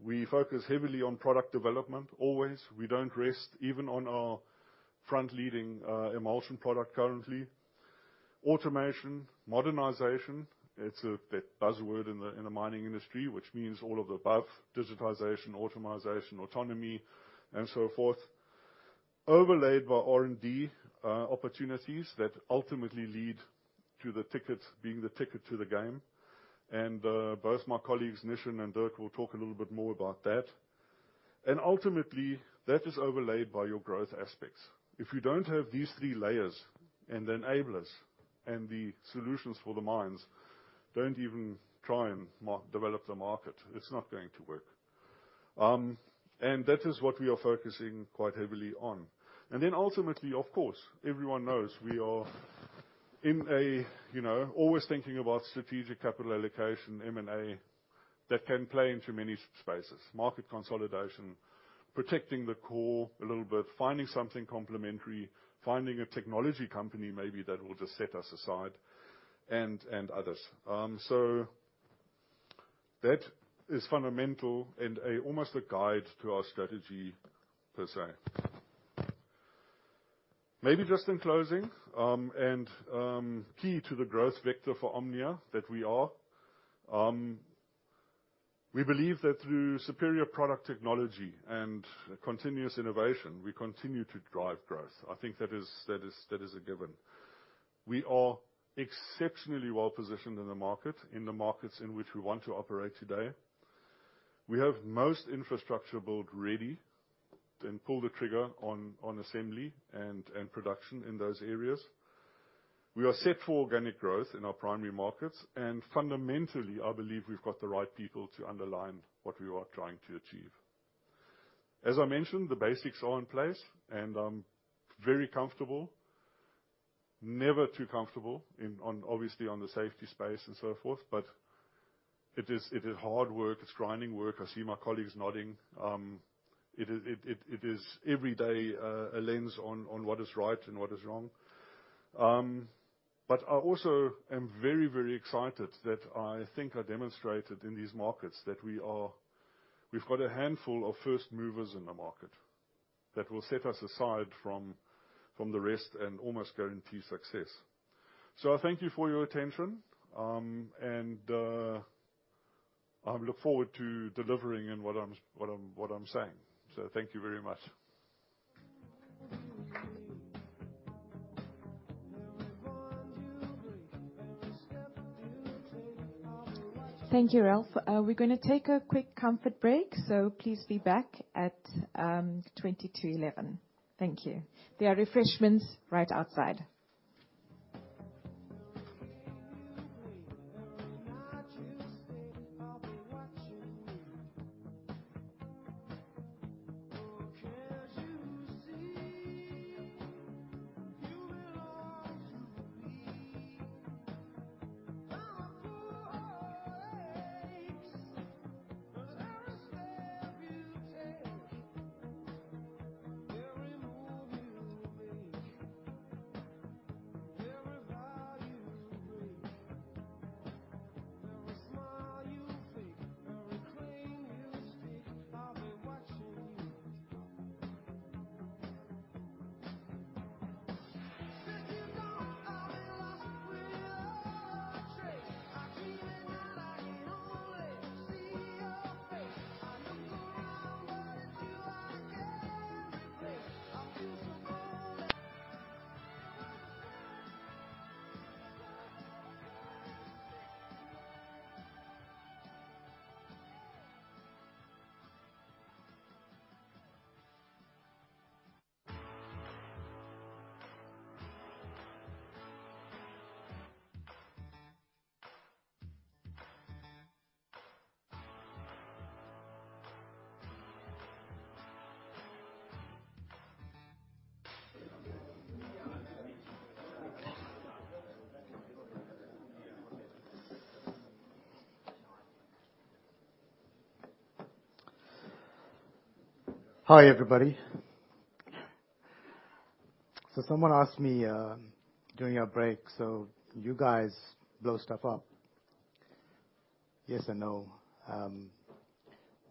we focus heavily on product development, always. We don't rest even on our front-leading emulsion product currently. Automation, modernization, it's the buzzword in the mining industry, which means all of the above, digitization, automation, autonomy, and so forth, overlaid by R&D opportunities that ultimately lead to the ticket, being the ticket to the game. And both my colleagues, Nishan and Dirk, will talk a little bit more about that. And ultimately, that is overlaid by your growth aspects. If you don't have these three layers and the enablers, and the solutions for the mines, don't even try and develop the market. It's not going to work. That is what we are focusing quite heavily on. Ultimately, of course, everyone knows we are in a, you know, always thinking about strategic capital allocation, M&A, that can play into many spaces. Market consolidation, protecting the core a little bit, finding something complementary, finding a technology company maybe that will just set us aside, and others. That is fundamental and a, almost a guide to our strategy, per se. Maybe just in closing, key to the growth vector for Omnia, that we are, we believe that through superior product technology and continuous innovation, we continue to drive growth. I think that is a given. We are exceptionally well-positioned in the market, in the markets in which we want to operate today. We have most infrastructure built ready, then pull the trigger on assembly and production in those areas. We are set for organic growth in our primary markets, and fundamentally, I believe we've got the right people to underline what we are trying to achieve. As I mentioned, the basics are in place, and I'm very comfortable, never too comfortable, obviously, on the safety space and so forth, but it is hard work, it's grinding work. I see my colleagues nodding. It is every day a lens on what is right and what is wrong. But I also am very, very excited that I think I demonstrated in these markets that we are. We've got a handful of first movers in the market that will set us aside from the rest and almost guarantee success. So I thank you for your attention. I look forward to delivering in what I'm saying. So thank you very much. Thank you, Ralf. We're gonna take a quick comfort break, so please be back at twenty to eleven. Thank you. There are refreshments right outside. Hi, everybody. So someone asked me during our break, "So you guys blow stuff up?" Yes and no.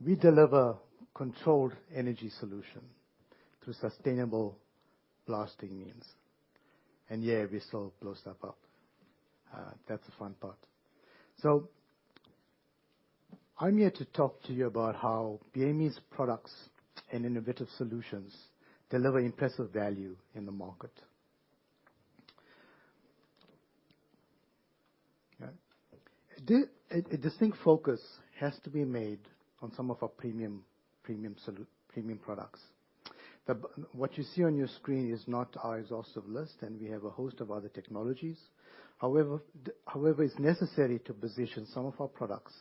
We deliver controlled energy solution through sustainable blasting means, and yeah, we still blow stuff up. That's the fun part. So I'm here to talk to you about how BME's products and innovative solutions deliver impressive value in the market. Okay. A distinct focus has to be made on some of our premium products. What you see on your screen is not our exhaustive list, and we have a host of other technologies. However, it's necessary to position some of our products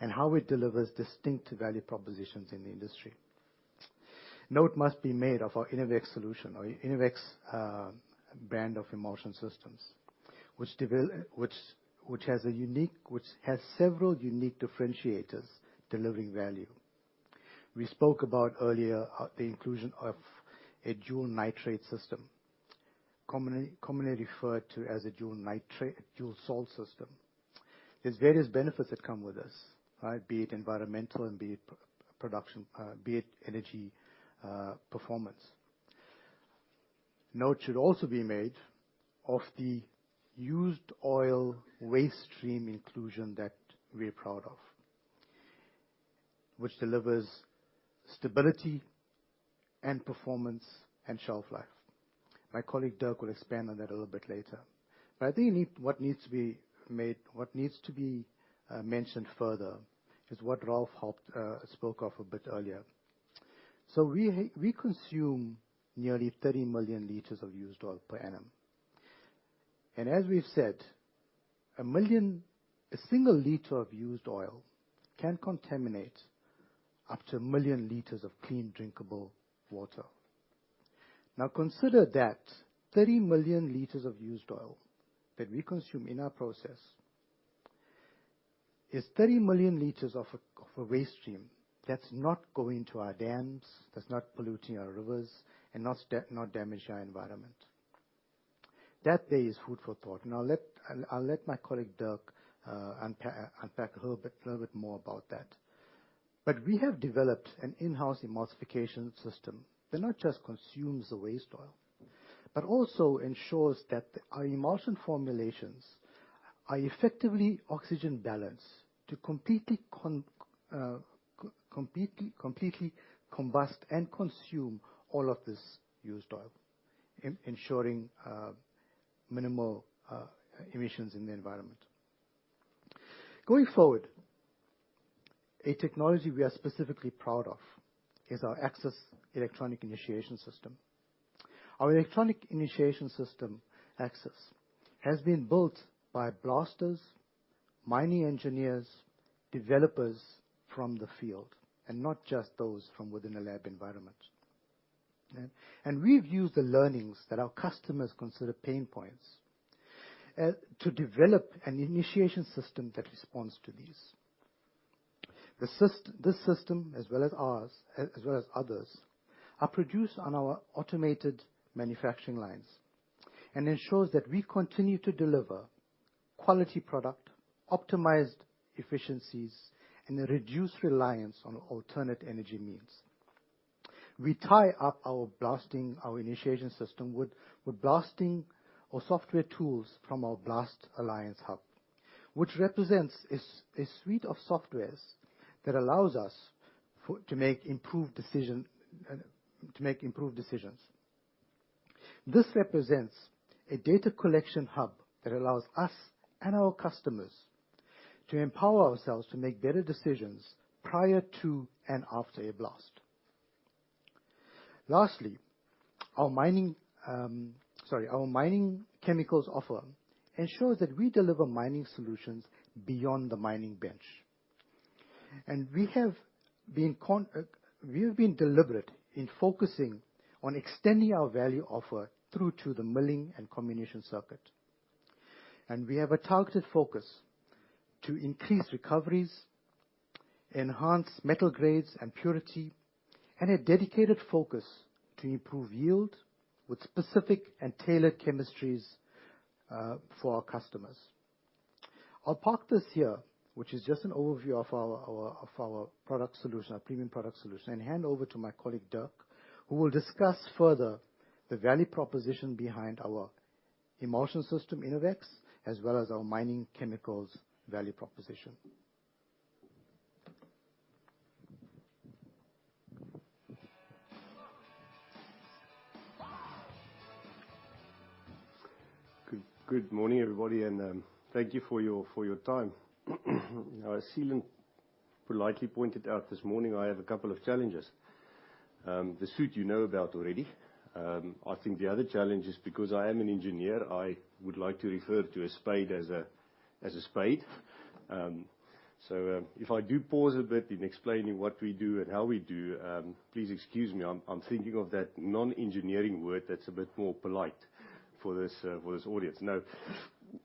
and how it delivers distinct value propositions in the industry. Note must be made of our INNOVEX solution, or INNOVEX, brand of emulsion systems, which has several unique differentiators delivering value. We spoke about earlier, the inclusion of a dual nitrate system, commonly referred to as a dual nitrate, a dual salt system. There's various benefits that come with this, right? Be it environmental and be it production, be it energy, performance. Note should also be made of the used oil waste stream inclusion that we're proud of, which delivers stability and performance and shelf life. My colleague, Dirk, will expand on that a little bit later. But I think what needs to be mentioned further is what Ralf Hennecke spoke of a bit earlier. So we consume nearly 30 million liters of used oil per annum, and as we've said, a million. A single liter of used oil can contaminate up to a million liters of clean, drinkable water. Now, consider that 30 million liters of used oil that we consume in our process is 30 million liters of a waste stream that's not going to our dams, that's not polluting our rivers and not damaging our environment. That there is food for thought, and I'll let my colleague, Dirk, unpack a little bit more about that. But we have developed an in-house emulsification system that not just consumes the waste oil, but also ensures that our emulsion formulations are effectively oxygen-balanced to completely combust and consume all of this used oil, ensuring minimal emissions in the environment. Going forward, a technology we are specifically proud of is our AXXIS electronic initiation system. Our electronic initiation system, AXXIS, has been built by blasters, mining engineers, developers from the field, and not just those from within a lab environment. Okay? We've used the learnings that our customers consider pain points to develop an initiation system that responds to these. This system, as well as ours, as well as others, are produced on our automated manufacturing lines and ensures that we continue to deliver quality product, optimized efficiencies, and a reduced reliance on alternate energy means. We tie up our blasting, our initiation system, with blasting or software tools from our Blast Alliance hub, which represents a suite of software that allows us to make improved decisions. This represents a data collection hub that allows us and our customers to empower ourselves to make better decisions prior to and after a blast. Lastly, our mining chemicals offer ensures that we deliver mining solutions beyond the mining bench, and we have been deliberate in focusing on extending our value offer through to the milling and combination circuit. We have a targeted focus to increase recoveries, enhance metal grades and purity, and a dedicated focus to improve yield with specific and tailored chemistries for our customers. I'll park this here, which is just an overview of our product solution, our premium product solution, and hand over to my colleague, Dirk, who will discuss further the value proposition behind our emulsion system, INNOVEX, as well as our mining chemicals value proposition. Good morning, everybody, and thank you for your time. Now, as Seelan politely pointed out this morning, I have a couple of challenges. The suit you know about already. I think the other challenge is because I am an engineer, I would like to refer to a spade as a spade. So, if I do pause a bit in explaining what we do and how we do, please excuse me. I'm thinking of that non-engineering word that's a bit more polite for this audience. Now,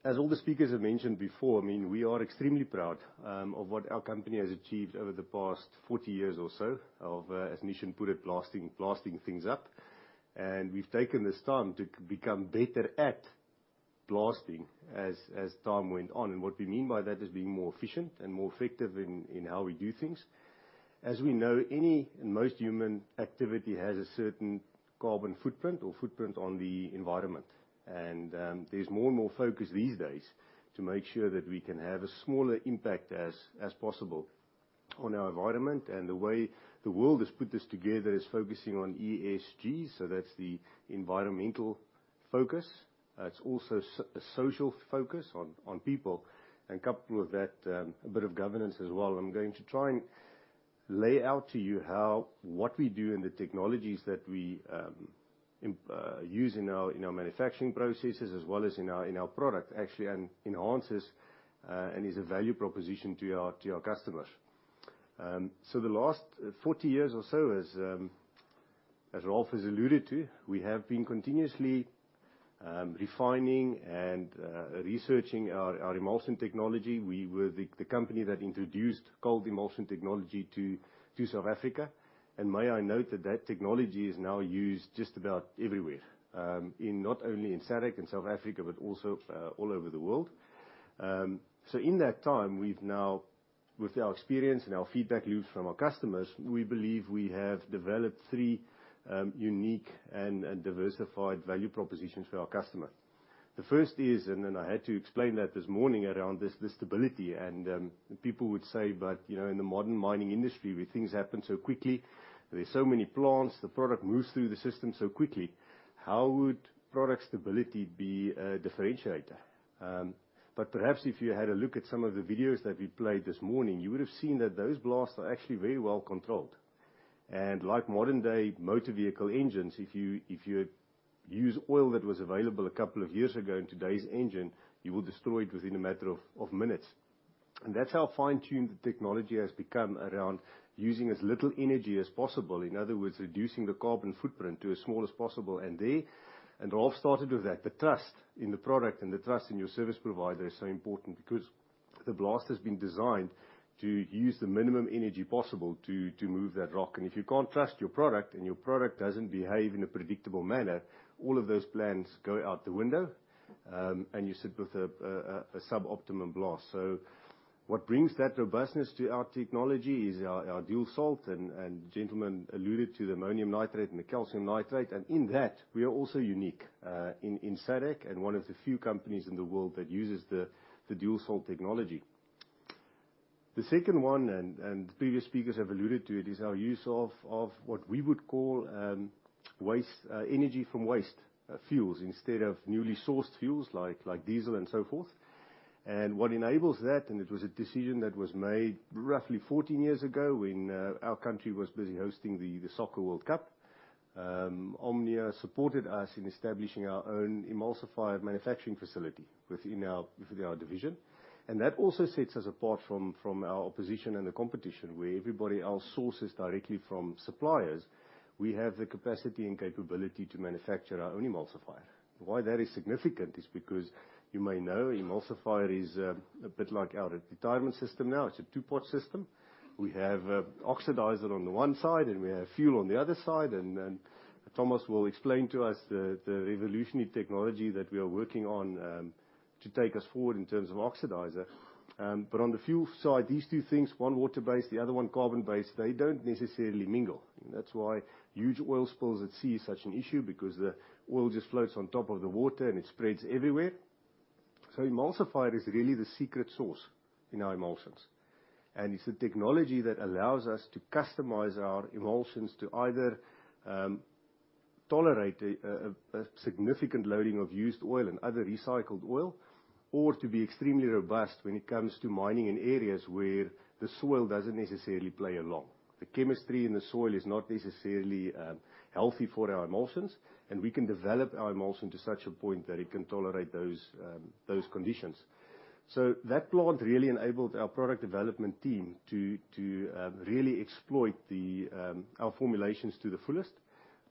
as all the speakers have mentioned before, I mean, we are extremely proud of what our company has achieved over the past forty years or so, as Nishan put it, blasting things up. And we've taken this time to become better at blasting as time went on. And what we mean by that is being more efficient and more effective in how we do things. As we know, any and most human activity has a certain carbon footprint or footprint on the environment. And there's more and more focus these days to make sure that we can have a smaller impact as possible on our environment. And the way the world has put this together is focusing on ESG, so that's the environmental focus. It's also a social focus on people, and coupled with that, a bit of governance as well. I'm going to try and lay out to you how what we do and the technologies that we use in our manufacturing processes, as well as in our product, actually enhances and is a value proposition to our customers. The last forty years or so has, as Ralf has alluded to, we have been continuously refining and researching our emulsion technology. We were the company that introduced Cold Emulsion Technology to South Africa, and may I note that that technology is now used just about everywhere in not only SADC in South Africa, but also all over the world. So in that time, we've now, with our experience and our feedback loops from our customers, we believe we have developed three unique and diversified value propositions for our customer. The first is, and then I had to explain that this morning around the stability and people would say, "But, you know, in the modern mining industry, where things happen so quickly, there are so many plants, the product moves through the system so quickly, how would product stability be a differentiator?" But perhaps if you had a look at some of the videos that we played this morning, you would have seen that those blasts are actually very well controlled. And like modern-day motor vehicle engines, if you use oil that was available a couple of years ago in today's engine, you will destroy it within a matter of minutes. That's how fine-tuned the technology has become around using as little energy as possible. In other words, reducing the carbon footprint to as small as possible, and Ralf started with that. The trust in the product and the trust in your service provider is so important because the blast has been designed to use the minimum energy possible to move that rock. And if you can't trust your product and your product doesn't behave in a predictable manner, all of those plans go out the window, and you sit with a sub-optimum blast. So what brings that robustness to our technology is our dual salt, and the gentleman alluded to the ammonium nitrate and the calcium nitrate, and in that, we are also unique in SADC, and one of the few companies in the world that uses the dual salt technology. The second one, and the previous speakers have alluded to it, is our use of what we would call waste energy from waste fuels, instead of newly sourced fuels, like diesel and so forth. And what enables that, and it was a decision that was made roughly fourteen years ago, when our country was busy hosting the Soccer World Cup. Omnia supported us in establishing our own emulsifier manufacturing facility within our division, and that also sets us apart from our opposition and the competition. Where everybody else sources directly from suppliers, we have the capacity and capability to manufacture our own emulsifier. Why that is significant is because you may know, emulsifier is a bit like our retirement system now. It's a two-part system. We have oxidizer on the one side, and we have fuel on the other side, and then Thomas will explain to us the revolutionary technology that we are working on to take us forward in terms of oxidizer, but on the fuel side, these two things, one water-based, the other one carbon-based, they don't necessarily mingle, and that's why huge oil spills at sea is such an issue, because the oil just floats on top of the water, and it spreads everywhere. So emulsifier is really the secret sauce in our emulsions, and it's the technology that allows us to customize our emulsions to either tolerate a significant loading of used oil and other recycled oil or to be extremely robust when it comes to mining in areas where the soil doesn't necessarily play along. The chemistry in the soil is not necessarily healthy for our emulsions, and we can develop our emulsion to such a point that it can tolerate those conditions. So that plant really enabled our product development team to really exploit our formulations to the fullest,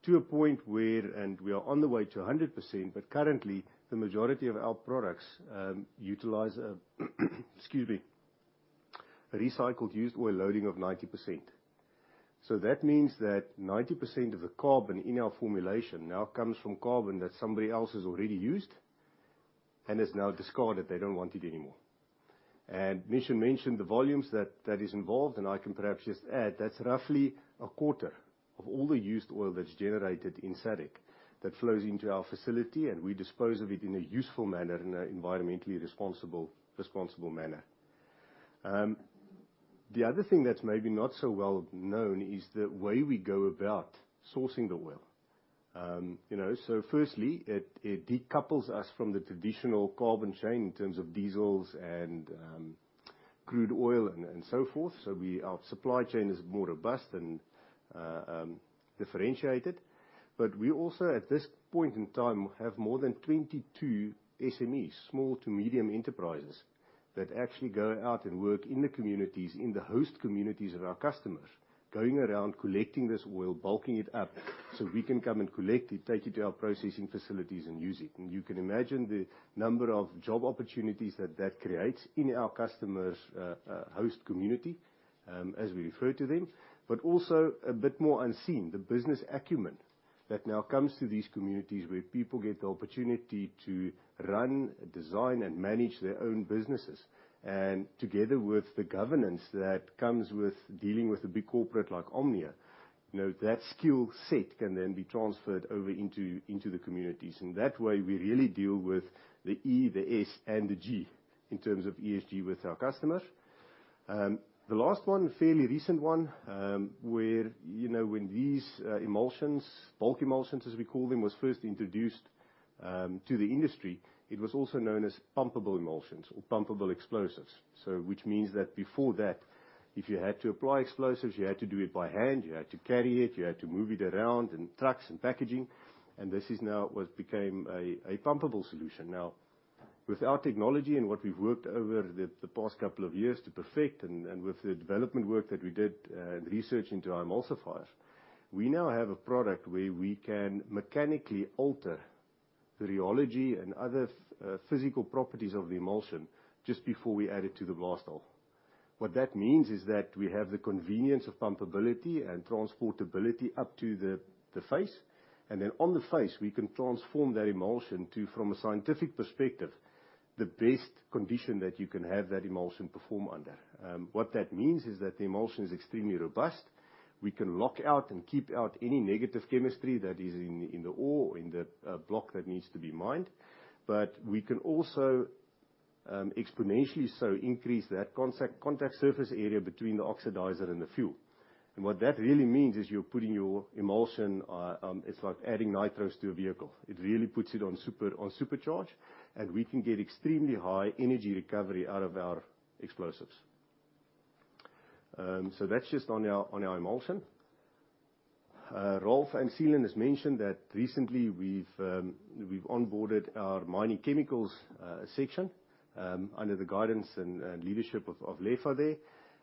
to a point where... and we are on the way to 100%, but currently, the majority of our products utilize recycled used oil loading of 90%. So that means that 90% of the carbon in our formulation now comes from carbon that somebody else has already used and is now discarded. They don't want it anymore. And Nishan mentioned the volumes that is involved, and I can perhaps just add, that's roughly a quarter of all the used oil that's generated in SADC that flows into our facility, and we dispose of it in a useful manner, in a environmentally responsible manner. The other thing that's maybe not so well known is the way we go about sourcing the oil. You know, so firstly, it decouples us from the traditional carbon chain in terms of diesels and, crude oil and so forth. So our supply chain is more robust and differentiated. But we also, at this point in time, have more than twenty-two SMEs, small to medium enterprises, that actually go out and work in the communities, in the host communities of our customers, going around collecting this oil, bulking it up, so we can come and collect it, take it to our processing facilities, and use it. And you can imagine the number of job opportunities that that creates in our customers', host community, as we refer to them. But also a bit more unseen, the business acumen that now comes to these communities, where people get the opportunity to run, design, and manage their own businesses. Together with the governance that comes with dealing with a big corporate like Omnia, you know, that skill set can then be transferred over into the communities, and that way, we really deal with the E, the S, and the G in terms of ESG with our customers. The last one, fairly recent one, where, you know, when these emulsions, bulk emulsions, as we call them, was first introduced to the industry, it was also known as pumpable emulsions or pumpable explosives. Which means that before that, if you had to apply explosives, you had to do it by hand, you had to carry it, you had to move it around in trucks and packaging, and this is now what became a pumpable solution. With our technology and what we've worked over the past couple of years to perfect, and with the development work that we did, and research into our emulsifiers, we now have a product where we can mechanically alter the rheology and other physical properties of the emulsion just before we add it to the blast hole. What that means is that we have the convenience of pumpability and transportability up to the face, and then on the face, we can transform that emulsion to, from a scientific perspective, the best condition that you can have that emulsion perform under. What that means is that the emulsion is extremely robust. We can lock out and keep out any negative chemistry that is in the ore in the block that needs to be mined. But we can also exponentially so increase that contact surface area between the oxidizer and the fuel. And what that really means is you're putting your emulsion. It's like adding nitrous to a vehicle. It really puts it on supercharge, and we can get extremely high energy recovery out of our explosives. So that's just on our emulsion. Ralf and Seelan has mentioned that recently we've onboarded our mining chemicals section under the guidance and leadership of Lefa there.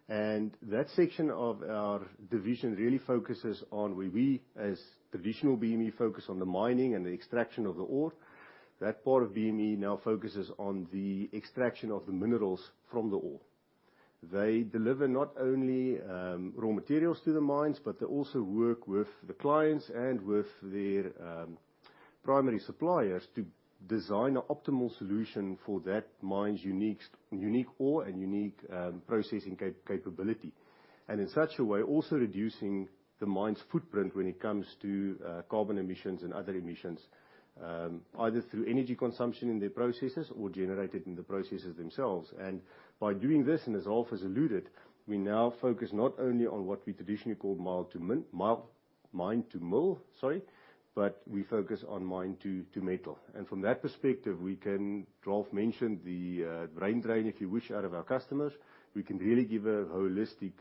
And that section of our division really focuses on where we, as traditional BME, focus on the mining and the extraction of the ore. That part of BME now focuses on the extraction of the minerals from the ore. They deliver not only raw materials to the mines, but they also work with the clients and with their primary suppliers to design an optimal solution for that mine's unique ore and unique processing capability. In such a way, they also reduce the mine's footprint when it comes to carbon emissions and other emissions, either through energy consumption in their processes or generated in the processes themselves. By doing this, and as Ralf has alluded, we now focus not only on what we traditionally call mine-to-mill, sorry, but we focus on mine to metal. From that perspective, we can. Ralf mentioned the brain drain, if you wish, out of our customers. We can really give a holistic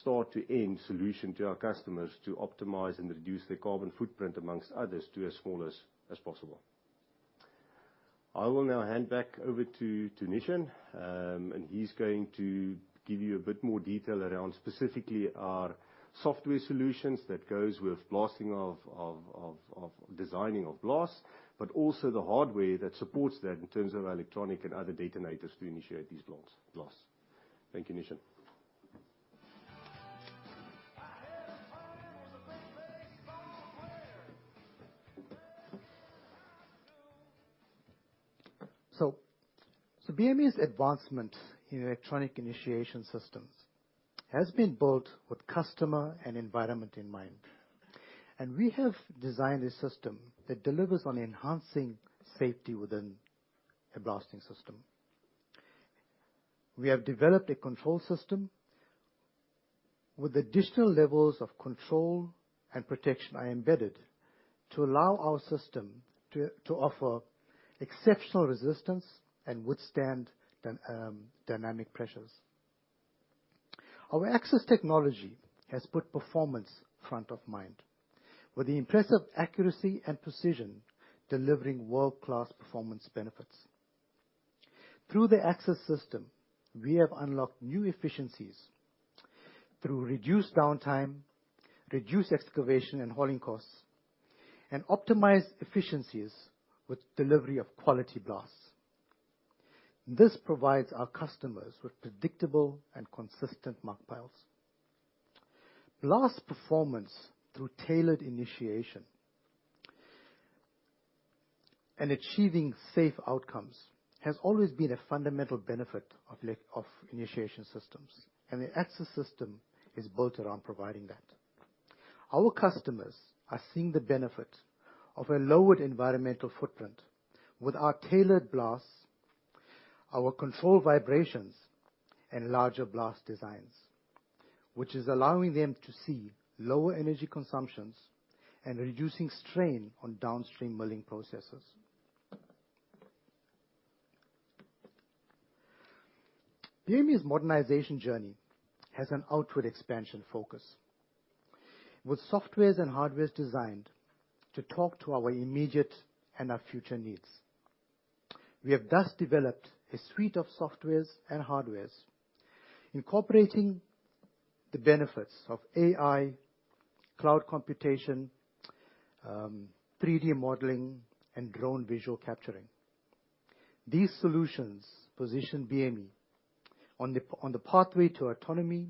start-to-end solution to our customers to optimize and reduce their carbon footprint, amongst others, to as small as possible. I will now hand back over to Nishan, and he's going to give you a bit more detail around specifically our software solutions that goes with blasting of designing blasts, but also the hardware that supports that in terms of electronic and other detonators to initiate these blasts. Thank you, Nishan. So BME's advancements in electronic initiation systems has been built with customer and environment in mind. And we have designed a system that delivers on enhancing safety within a blasting system. We have developed a control system where the additional levels of control and protection are embedded to allow our system to offer exceptional resistance and withstand dynamic pressures. Our AXXIS technology has put performance front of mind, with the impressive accuracy and precision, delivering world-class performance benefits. Through the AXXIS system, we have unlocked new efficiencies through reduced downtime, reduced excavation and hauling costs, and optimized efficiencies with delivery of quality blasts. This provides our customers with predictable and consistent muck piles. Blast performance through tailored initiation and achieving safe outcomes has always been a fundamental benefit of initiation systems, and the AXXIS system is built around providing that. Our customers are seeing the benefit of a lowered environmental footprint with our tailored blasts, our controlled vibrations, and larger blast designs, which is allowing them to see lower energy consumptions and reducing strain on downstream milling processes. BME's modernization journey has an outward expansion focus, with softwares and hardwares designed to talk to our immediate and our future needs. We have thus developed a suite of softwares and hardwares, incorporating the benefits of AI, cloud computation, 3D modeling, and drone visual capturing. These solutions position BME on the pathway to autonomy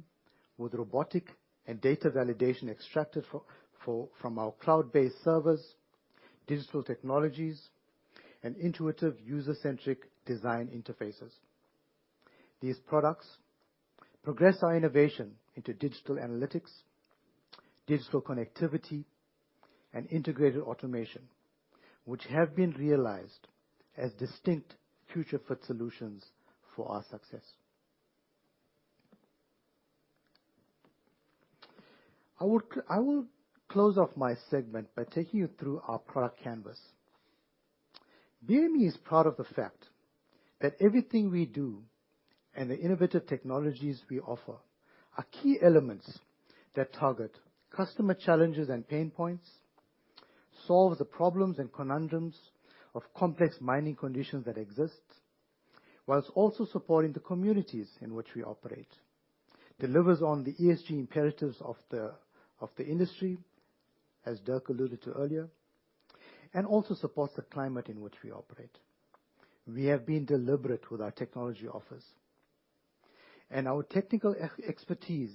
with robotic and data validation extracted from our cloud-based servers, digital technologies, and intuitive user-centric design interfaces. These products progress our innovation into digital analytics, digital connectivity, and integrated automation, which have been realized as distinct future-fit solutions for our success. I will close off my segment by taking you through our product canvas. BME is proud of the fact that everything we do and the innovative technologies we offer are key elements that target customer challenges and pain points, solve the problems and conundrums of complex mining conditions that exist, while also supporting the communities in which we operate, delivers on the ESG imperatives of the industry, as Dirk alluded to earlier, and also supports the climate in which we operate. We have been deliberate with our technology offers and our technical expertise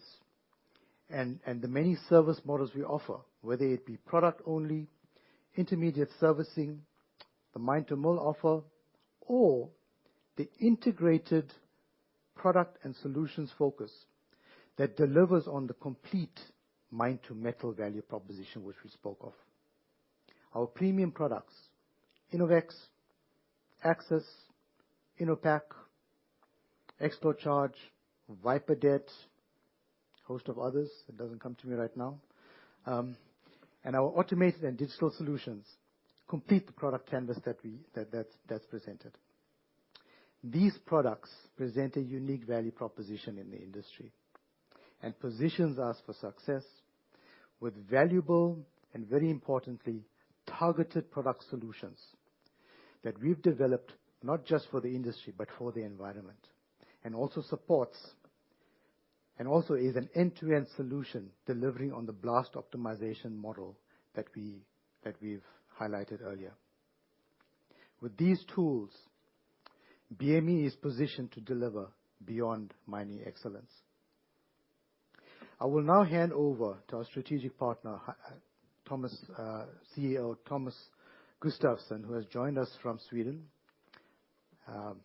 and the many service models we offer, whether it be product only, intermediate servicing, the mine-to-mill offer, or the integrated product and solutions focus, that delivers on the complete mine-to-metal value proposition, which we spoke of. Our premium products, Innovex, AXXIS, Innopak, XploCharge, Viperdet, a host of others, it doesn't come to me right now, and our automated and digital solutions complete the product canvas that we present. These products present a unique value proposition in the industry, and positions us for success with valuable and, very importantly, targeted product solutions that we've developed not just for the industry, but for the environment. And also is an end-to-end solution, delivering on the blast optimization model that we've highlighted earlier. With these tools, BME is positioned to deliver beyond mining excellence. I will now hand over to our strategic partner, Thomas, CEO Thomas Gustafsson, who has joined us from Sweden,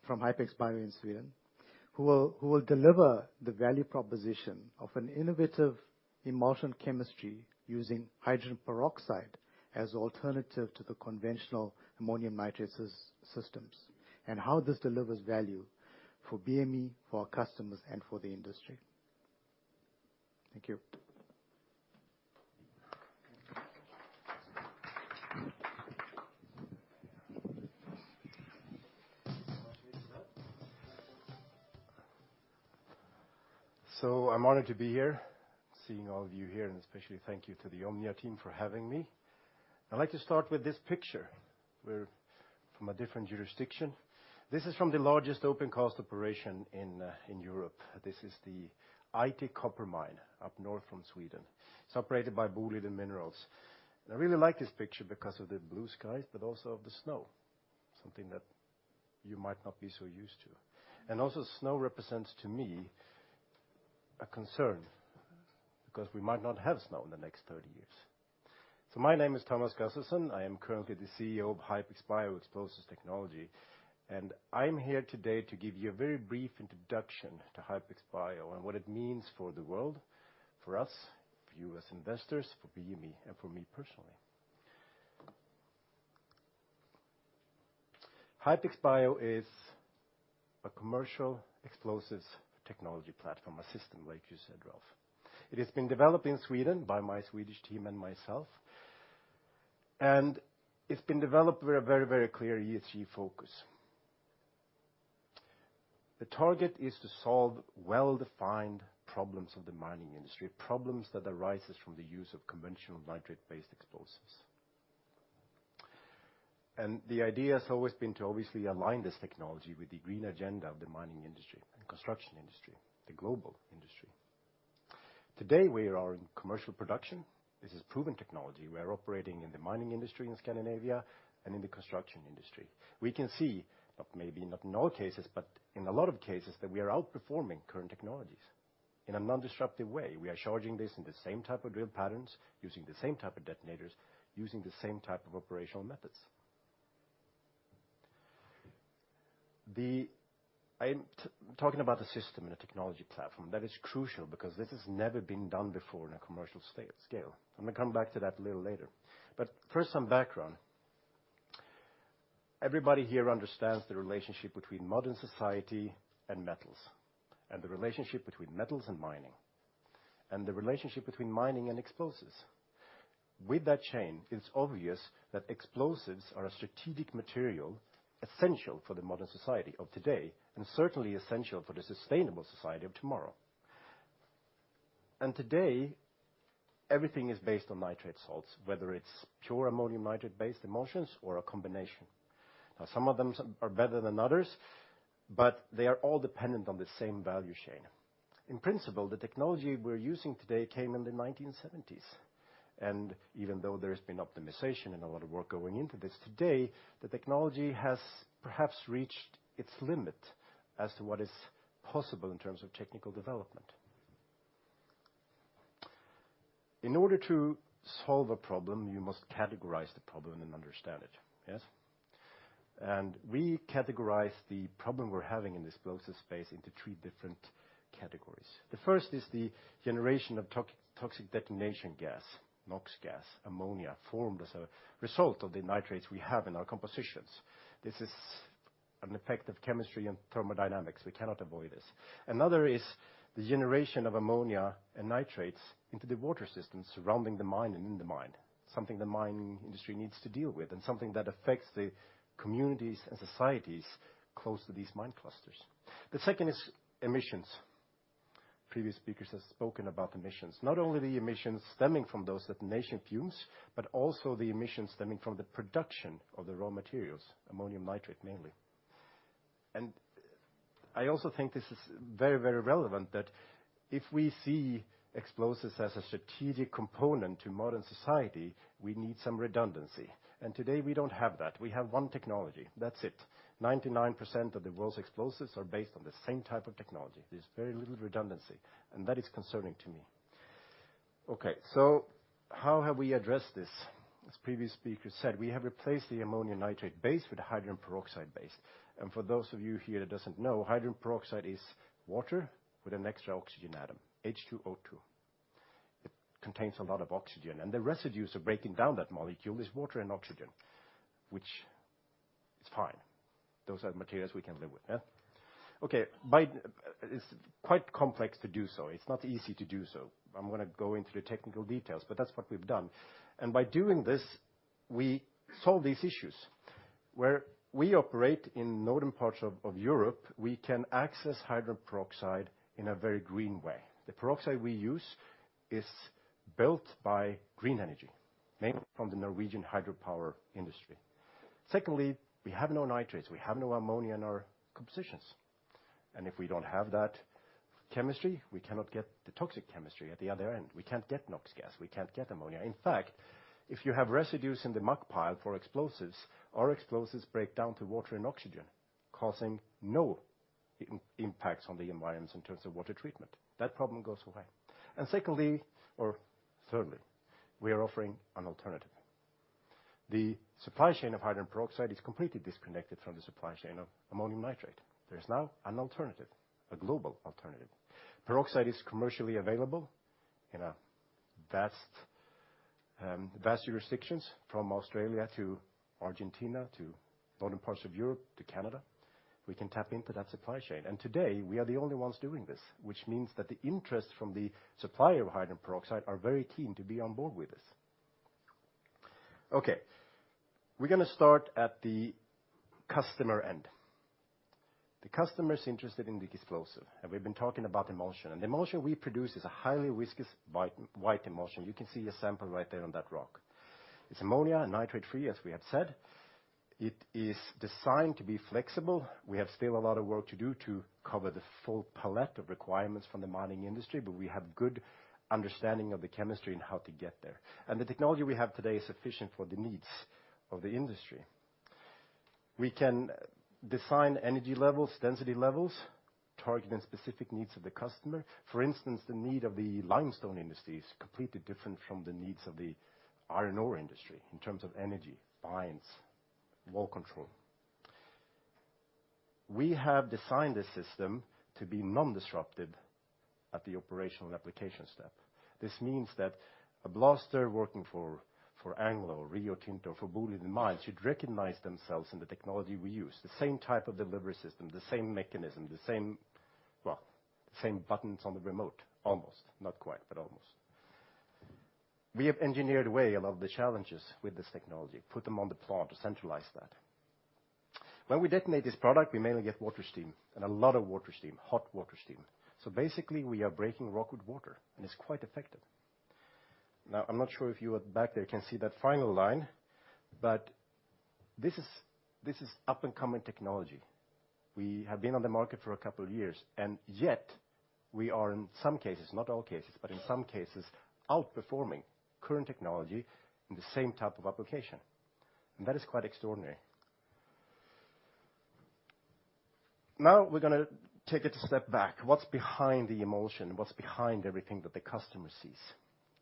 from Hypex Bio in Sweden, who will deliver the value proposition of an innovative emulsion chemistry using hydrogen peroxide as alternative to the conventional ammonium nitrate systems, and how this delivers value for BME, for our customers, and for the industry. Thank you. I'm honored to be here, seeing all of you here, and especially thank you to the Omnia team for having me. I'd like to start with this picture. We're from a different jurisdiction. This is from the largest open cast operation in Europe. This is the Aitik Copper Mine, up north from Sweden. It's operated by Boliden Minerals. And I really like this picture because of the blue skies, but also of the snow, something that you might not be so used to. And also, snow represents to me a concern, because we might not have snow in the next thirty years. So my name is Thomas Gustafsson. I am currently the CEO of Hypex Bio Explosives Technology, and I'm here today to give you a very brief introduction to Hypex Bio and what it means for the world, for us, for you as investors, for BME, and for me personally. Hypex Bio is a commercial explosives technology platform, a system like you said, Ralf. It has been developed in Sweden by my Swedish team and myself, and it's been developed with a very, very clear ESG focus. The target is to solve well-defined problems of the mining industry, problems that arises from the use of conventional nitrate-based explosives. And the idea has always been to obviously align this technology with the green agenda of the mining industry and construction industry, the global industry. Today, we are in commercial production. This is proven technology. We are operating in the mining industry in Scandinavia and in the construction industry. We can see, but maybe not in all cases, but in a lot of cases, that we are outperforming current technologies in a non-disruptive way. We are charging this in the same type of drill patterns, using the same type of detonators, using the same type of operational methods. I'm talking about a system and a technology platform. That is crucial, because this has never been done before in a commercial scale. I'm gonna come back to that a little later. But first, some background. Everybody here understands the relationship between modern society and metals, and the relationship between metals and mining, and the relationship between mining and explosives. With that chain, it's obvious that explosives are a strategic material, essential for the modern society of today, and certainly essential for the sustainable society of tomorrow. Today, everything is based on nitrate salts, whether it's pure ammonium nitrate-based emulsions or a combination. Now, some of them are better than others, but they are all dependent on the same value chain. In principle, the technology we're using today came in the 1970s, and even though there has been optimization and a lot of work going into this, today, the technology has perhaps reached its limit as to what is possible in terms of technical development. In order to solve a problem, you must categorize the problem and understand it, yes? And we categorize the problem we're having in the explosives space into three different categories. The first is the generation of toxic detonation gas, NOx gas, ammonia, formed as a result of the nitrates we have in our compositions. This is an effect of chemistry and thermodynamics. We cannot avoid this. Another is the generation of ammonia and nitrates into the water systems surrounding the mine and in the mine, something the mining industry needs to deal with, and something that affects the communities and societies close to these mine clusters. The second is emissions. Previous speakers have spoken about emissions. Not only the emissions stemming from those detonation fumes, but also the emissions stemming from the production of the raw materials, ammonium nitrate, mainly. And I also think this is very, very relevant, that if we see explosives as a strategic component to modern society, we need some redundancy, and today we don't have that. We have one technology. That's it. 99% of the world's explosives are based on the same type of technology. There's very little redundancy, and that is concerning to me. Okay, so how have we addressed this? As previous speakers said, we have replaced the ammonium nitrate base with a hydrogen peroxide base. And for those of you here that doesn't know, hydrogen peroxide is water with an extra oxygen atom, H2O2. It contains a lot of oxygen, and the residues of breaking down that molecule is water and oxygen, which is fine. Those are materials we can live with, yeah? Okay, It's quite complex to do so. It's not easy to do so. I'm gonna go into the technical details, but that's what we've done. And by doing this, we solve these issues. Where we operate in northern parts of Europe, we can access hydrogen peroxide in a very green way. The peroxide we use is built by green energy, mainly from the Norwegian hydropower industry. Secondly, we have no nitrates, we have no ammonia in our compositions, and if we don't have that chemistry, we cannot get the toxic chemistry at the other end. We can't get NOx gas, we can't get ammonia. In fact, if you have residues in the muck pile for explosives, our explosives break down to water and oxygen, causing no impacts on the environment in terms of water treatment. That problem goes away. And secondly, or thirdly, we are offering an alternative. The supply chain of hydrogen peroxide is completely disconnected from the supply chain of ammonium nitrate. There is now an alternative, a global alternative. Peroxide is commercially available in a vast jurisdictions, from Australia to Argentina to northern parts of Europe to Canada. We can tap into that supply chain, and today we are the only ones doing this, which means that the interest from the supplier of hydrogen peroxide are very keen to be on board with this. Okay, we're gonna start at the customer end. The customer is interested in the explosive, and we've been talking about emulsion. The emulsion we produce is a highly viscous, white, white emulsion. You can see a sample right there on that rock. It's ammonia and nitrate-free, as we have said. It is designed to be flexible. We have still a lot of work to do to cover the full palette of requirements from the mining industry, but we have good understanding of the chemistry and how to get there. The technology we have today is sufficient for the needs of the industry. We can design energy levels, density levels, targeting specific needs of the customer. For instance, the need of the limestone industry is completely different from the needs of the iron ore industry in terms of energy, binds, wall control. We have designed this system to be non-disruptive at the operational application step. This means that a blaster working for Anglo or Rio Tinto, for Boliden Mines, should recognize themselves in the technology we use. The same type of delivery system, the same mechanism, the same... Well, the same buttons on the remote, almost. Not quite, but almost. We have engineered away a lot of the challenges with this technology, put them at the plant to centralize that. When we detonate this product, we mainly get water steam, and a lot of water steam, hot water steam, so basically we are breaking rock with water, and it's quite effective. Now, I'm not sure if you at the back there can see that final line, but this is, this is up-and-coming technology. We have been on the market for a couple of years, and yet we are, in some cases, not all cases, but in some cases, outperforming current technology in the same type of application. And that is quite extraordinary. Now, we're gonna take it a step back. What's behind the emulsion? What's behind everything that the customer sees?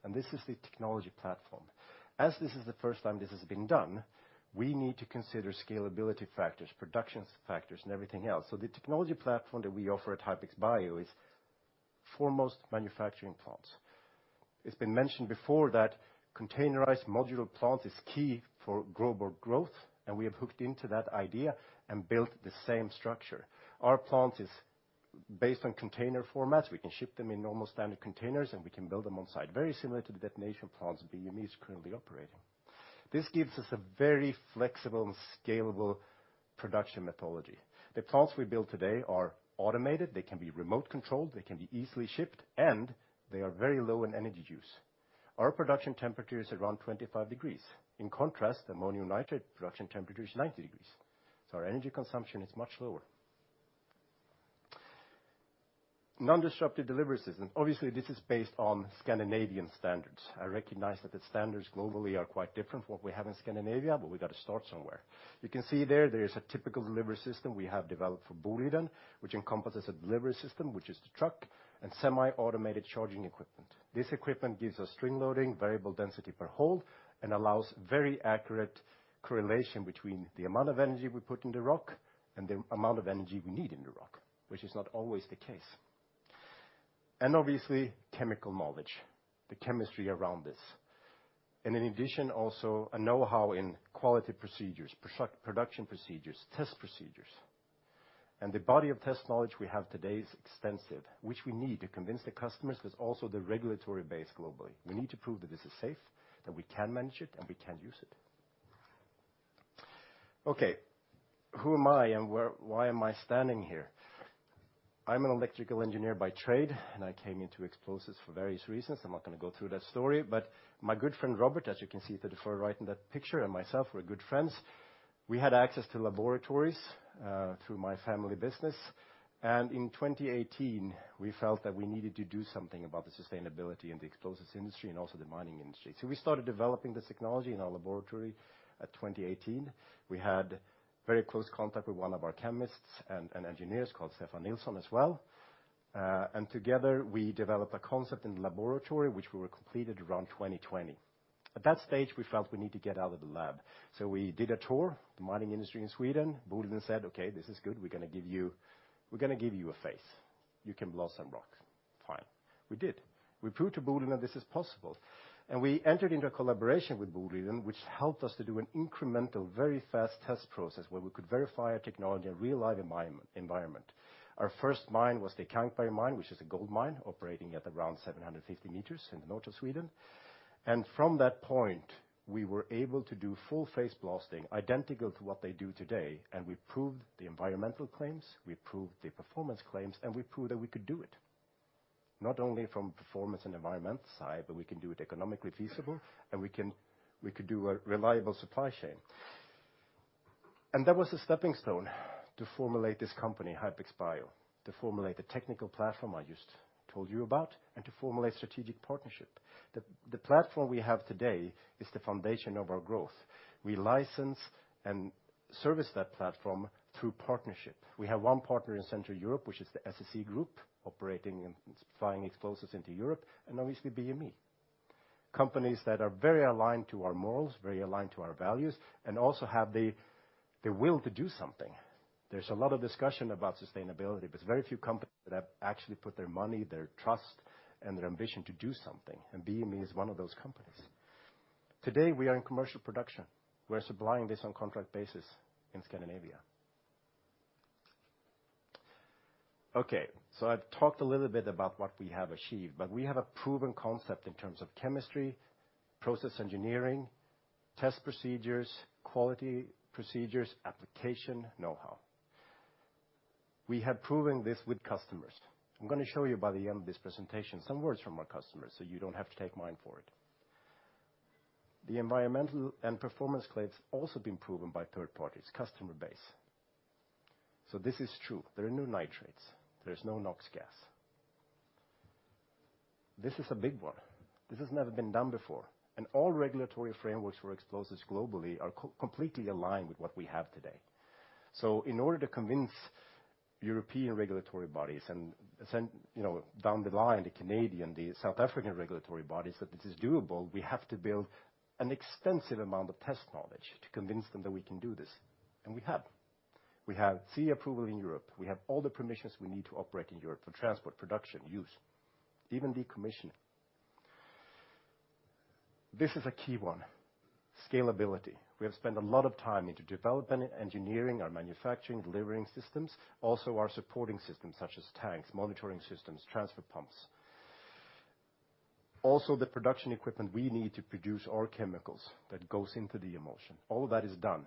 And this is the technology platform. As this is the first time this has been done, we need to consider scalability factors, production factors, and everything else. So the technology platform that we offer at Hypex Bio is foremost manufacturing plants. It's been mentioned before that containerized modular plant is key for global growth, and we have hooked into that idea and built the same structure. Our plant is based on container formats. We can ship them in normal standard containers, and we can build them on site, very similar to the detonation plants BME is currently operating. This gives us a very flexible and scalable production methodology. The plants we build today are automated, they can be remote-controlled, they can be easily shipped, and they are very low in energy use. Our production temperature is around 25 degrees. In contrast, ammonium nitrate production temperature is 90 degrees, so our energy consumption is much lower. Non-disruptive delivery system. Obviously, this is based on Scandinavian standards. I recognize that the standards globally are quite different from what we have in Scandinavia, but we've got to start somewhere. You can see there, there is a typical delivery system we have developed for Boliden, which encompasses a delivery system, which is the truck and semi-automated charging equipment. This equipment gives us string loading, variable density per hole, and allows very accurate correlation between the amount of energy we put in the rock and the amount of energy we need in the rock, which is not always the case. And obviously, chemical knowledge, the chemistry around this. And in addition, also a know-how in quality procedures, production procedures, test procedures. And the body of test knowledge we have today is extensive, which we need to convince the customers there's also the regulatory base globally. We need to prove that this is safe, that we can manage it, and we can use it. Okay, who am I and where, why am I standing here? I'm an electrical engineer by trade, and I came into explosives for various reasons. I'm not gonna go through that story, but my good friend, Robert, as you can see to the far right in that picture, and myself, we're good friends. We had access to laboratories through my family business, and in 2018, we felt that we needed to do something about the sustainability in the explosives industry and also the mining industry. So we started developing this technology in our laboratory at 2018. We had very close contact with one of our chemists and engineers, called Stefan Nilsson, as well. And together, we developed a concept in the laboratory, which we were completed around 2020. At that stage, we felt we need to get out of the lab, so we did a tour, the mining industry in Sweden. Boliden said, "Okay, this is good. We're gonna give you a face. You can blow some rock." Fine. We did. We proved to Boliden that this is possible, and we entered into a collaboration with Boliden, which helped us to do an incremental, very fast test process, where we could verify our technology in a real-life environment. Our first mine was the Kristineberg Mine, which is a gold mine operating at around 750 meters in the north of Sweden. And from that point, we were able to do full-face blasting, identical to what they do today, and we proved the environmental claims, we proved the performance claims, and we proved that we could do it, not only from performance and environment side, but we can do it economically feasible, and we can, we could do a reliable supply chain. That was a stepping stone to formulate this company, Hypex Bio, to formulate the technical platform I just told you about, and to formulate strategic partnership. The platform we have today is the foundation of our growth. We license and service that platform through partnership. We have one partner in Central Europe, which is the SSE Group, operating and supplying explosives into Europe, and obviously, BME. Companies that are very aligned to our morals, very aligned to our values, and also have the will to do something. There's a lot of discussion about sustainability, but there's very few companies that have actually put their money, their trust, and their ambition to do something, and BME is one of those companies. Today, we are in commercial production. We're supplying this on contract basis in Scandinavia. Okay, so I've talked a little bit about what we have achieved, but we have a proven concept in terms of chemistry, process engineering, test procedures, quality procedures, application, know-how. We have proven this with customers. I'm gonna show you by the end of this presentation, some words from our customers, so you don't have to take mine for it. The environmental and performance claims also been proven by third parties, customer base. So this is true. There are no nitrates. There is no NOx gas. This is a big one. This has never been done before, and all regulatory frameworks for explosives globally are completely aligned with what we have today. In order to convince European regulatory bodies and then, you know, down the line, the Canadian, the South African regulatory bodies, that this is doable, we have to build an extensive amount of test knowledge to convince them that we can do this, and we have. We have CE approval in Europe. We have all the permissions we need to operate in Europe for transport, production, use, even decommissioning. This is a key one, scalability. We have spent a lot of time into developing, engineering, or manufacturing, delivering systems, also our supporting systems, such as tanks, monitoring systems, transfer pumps. Also, the production equipment we need to produce our chemicals that goes into the emulsion. All of that is done.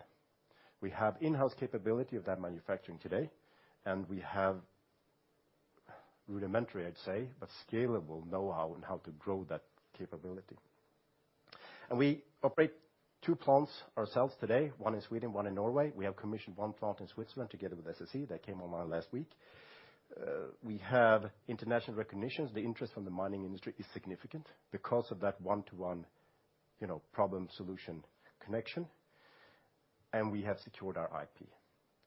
We have in-house capability of that manufacturing today, and we have rudimentary, I'd say, but scalable know-how on how to grow that capability. We operate two plants ourselves today, one in Sweden, one in Norway. We have commissioned one plant in Switzerland together with SSE. That came online last week. We have international recognitions. The interest from the mining industry is significant because of that one-to-one, you know, problem-solution connection, and we have secured our IP.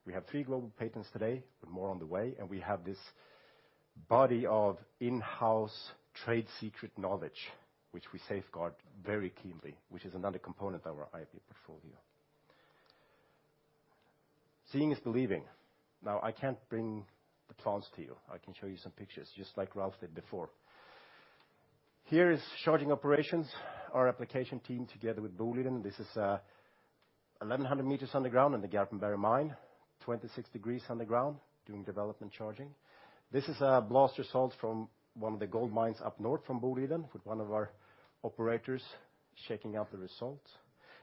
We have three global patents today, but more on the way, and we have this body of in-house trade secret knowledge, which we safeguard very keenly, which is another component of our IP portfolio. Seeing is believing. Now, I can't bring the plants to you. I can show you some pictures, just like Ralf did before. Here is charging operations, our application team, together with Boliden. This is 1,100 meters underground in the Garpenberg Mine, 26 degrees underground, doing development charging. This is a blast result from one of the gold mines up north from Boliden, with one of our operators checking out the results.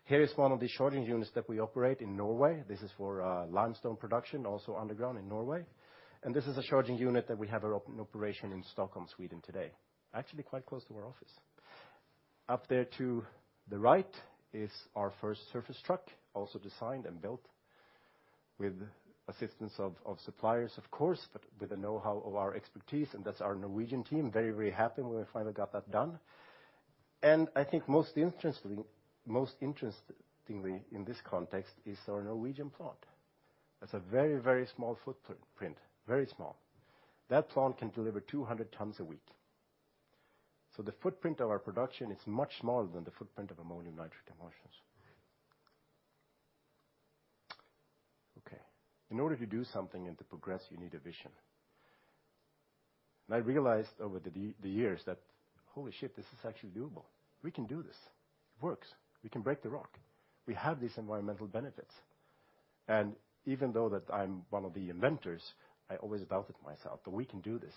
Here is one of the charging units that we operate in Norway. This is for limestone production, also underground in Norway. This is a charging unit that we have in operation in Stockholm, Sweden today, actually quite close to our office. Up there to the right is our first surface truck, also designed and built with assistance of suppliers, of course, but with the know-how of our expertise, and that's our Norwegian team. Very, very happy when we finally got that done. I think most interestingly in this context is our Norwegian plant. That's a very, very small footprint. Very small. That plant can deliver two hundred tons a week. So the footprint of our production is much smaller than the footprint of ammonium nitrate emulsions. Okay, in order to do something and to progress, you need a vision. And I realized over the years that, holy shit, this is actually doable. We can do this. It works. We can break the rock. We have these environmental benefits. And even though that I'm one of the inventors, I always doubted myself, but we can do this.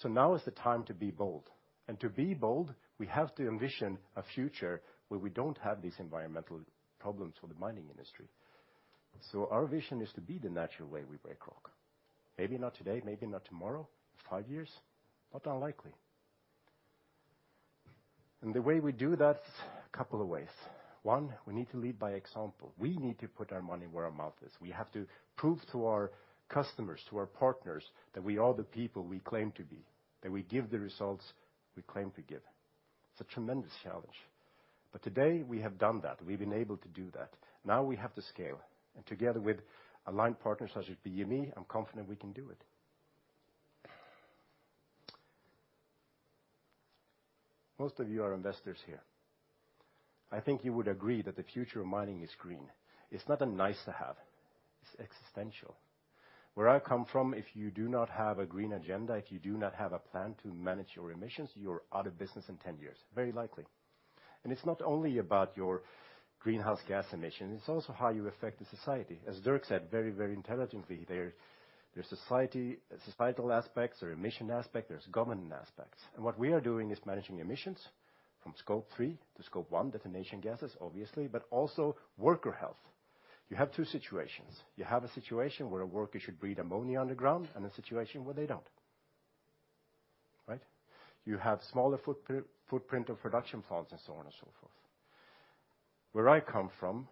So now is the time to be bold. And to be bold, we have to envision a future where we don't have these environmental problems for the mining industry... So our vision is to be the natural way we break rock. Maybe not today, maybe not tomorrow, five years? Not unlikely. And the way we do that, couple of ways. One, we need to lead by example. We need to put our money where our mouth is. We have to prove to our customers, to our partners, that we are the people we claim to be, that we give the results we claim to give. It's a tremendous challenge, but today we have done that. We've been able to do that. Now we have to scale, and together with aligned partners such as BME, I'm confident we can do it. Most of you are investors here. I think you would agree that the future of mining is green. It's not a nice-to-have, it's existential. Where I come from, if you do not have a green agenda, if you do not have a plan to manage your emissions, you're out of business in ten years, very likely, and it's not only about your greenhouse gas emissions, it's also how you affect the society. As Dirk said, very, very intelligently, there, there's societal aspects, there's emission aspects, there's governance aspects. And what we are doing is managing emissions from Scope three to Scope one, detonation gases, obviously, but also worker health. You have two situations. You have a situation where a worker should breathe ammonia on the ground and a situation where they don't, right? You have smaller footprint of production plants and so on and so forth. Where I come from,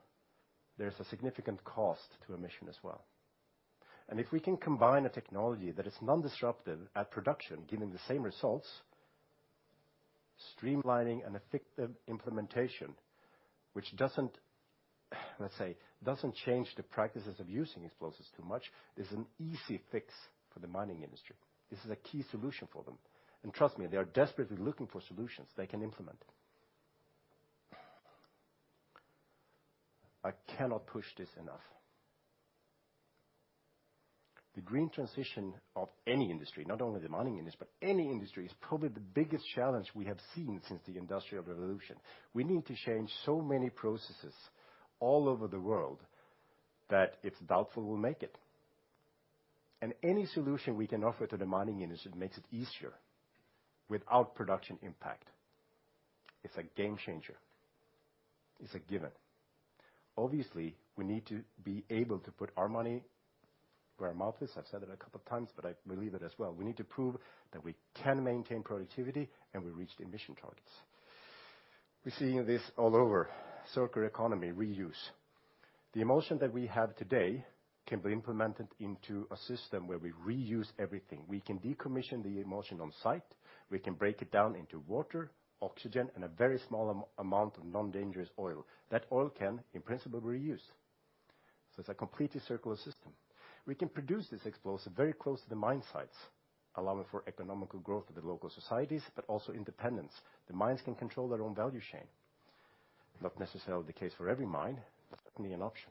there's a significant cost to emission as well. And if we can combine a technology that is non-disruptive at production, giving the same results, streamlining an effective implementation, which doesn't, let's say, doesn't change the practices of using explosives too much, is an easy fix for the mining industry. This is a key solution for them, and trust me, they are desperately looking for solutions they can implement. I cannot push this enough. The green transition of any industry, not only the mining industry, but any industry, is probably the biggest challenge we have seen since the Industrial Revolution. We need to change so many processes all over the world that it's doubtful we'll make it. And any solution we can offer to the mining industry makes it easier without production impact. It's a game changer. It's a given. Obviously, we need to be able to put our money where our mouth is. I've said it a couple of times, but I believe it as well. We need to prove that we can maintain productivity and we reach the emission targets. We're seeing this all over. Circular economy, reuse. The emulsion that we have today can be implemented into a system where we reuse everything. We can decommission the emulsion on site. We can break it down into water, oxygen, and a very small amount of non-dangerous oil. That oil can, in principle, reuse. So it's a completely circular system. We can produce this explosive very close to the mine sites, allowing for economical growth of the local societies, but also independence. The mines can control their own value chain. Not necessarily the case for every mine, but certainly an option.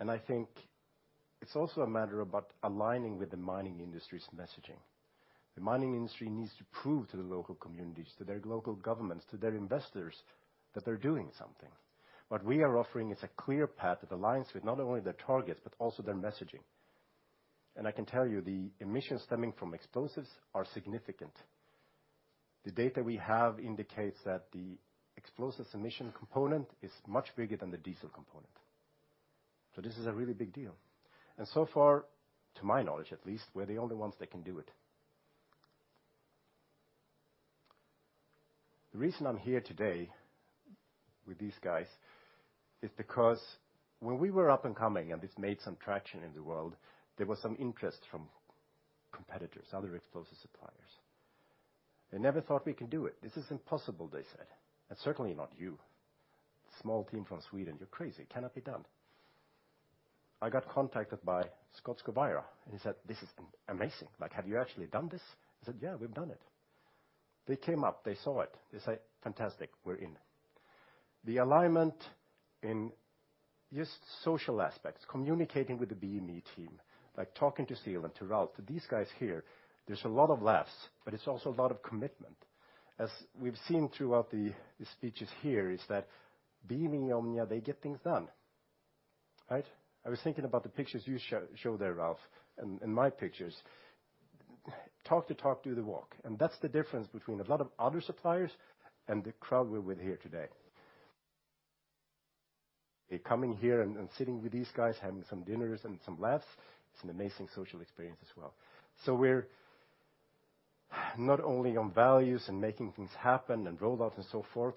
And I think it's also a matter about aligning with the mining industry's messaging. The mining industry needs to prove to the local communities, to their local governments, to their investors, that they're doing something. What we are offering is a clear path that aligns with not only their targets, but also their messaging. And I can tell you, the emissions stemming from explosives are significant. The data we have indicates that the explosives emission component is much bigger than the diesel component. So this is a really big deal, and so far, to my knowledge at least, we're the only ones that can do it. The reason I'm here today with these guys is because when we were up and coming, and this made some traction in the world, there was some interest from competitors, other explosive suppliers. They never thought we could do it. "This is impossible," they said, "and certainly not you. Small team from Sweden, you're crazy. It cannot be done." I got contacted by Scott Scovira, and he said, "This is amazing. Like, have you actually done this?" I said, "Yeah, we've done it." They came up, they saw it. They say, "Fantastic, we're in." The alignment in just social aspects, communicating with the BME team, like talking to Steven, to Ralf, to these guys here, there's a lot of laughs, but it's also a lot of commitment. As we've seen throughout the speeches here is that BME and Omnia, they get things done, right? I was thinking about the pictures you showed there, Ralf, and my pictures. Talk the talk, do the walk, and that's the difference between a lot of other suppliers and the crowd we're with here today. They coming here and sitting with these guys, having some dinners and some laughs, it's an amazing social experience as well. So we're not only on values and making things happen and roll out and so forth,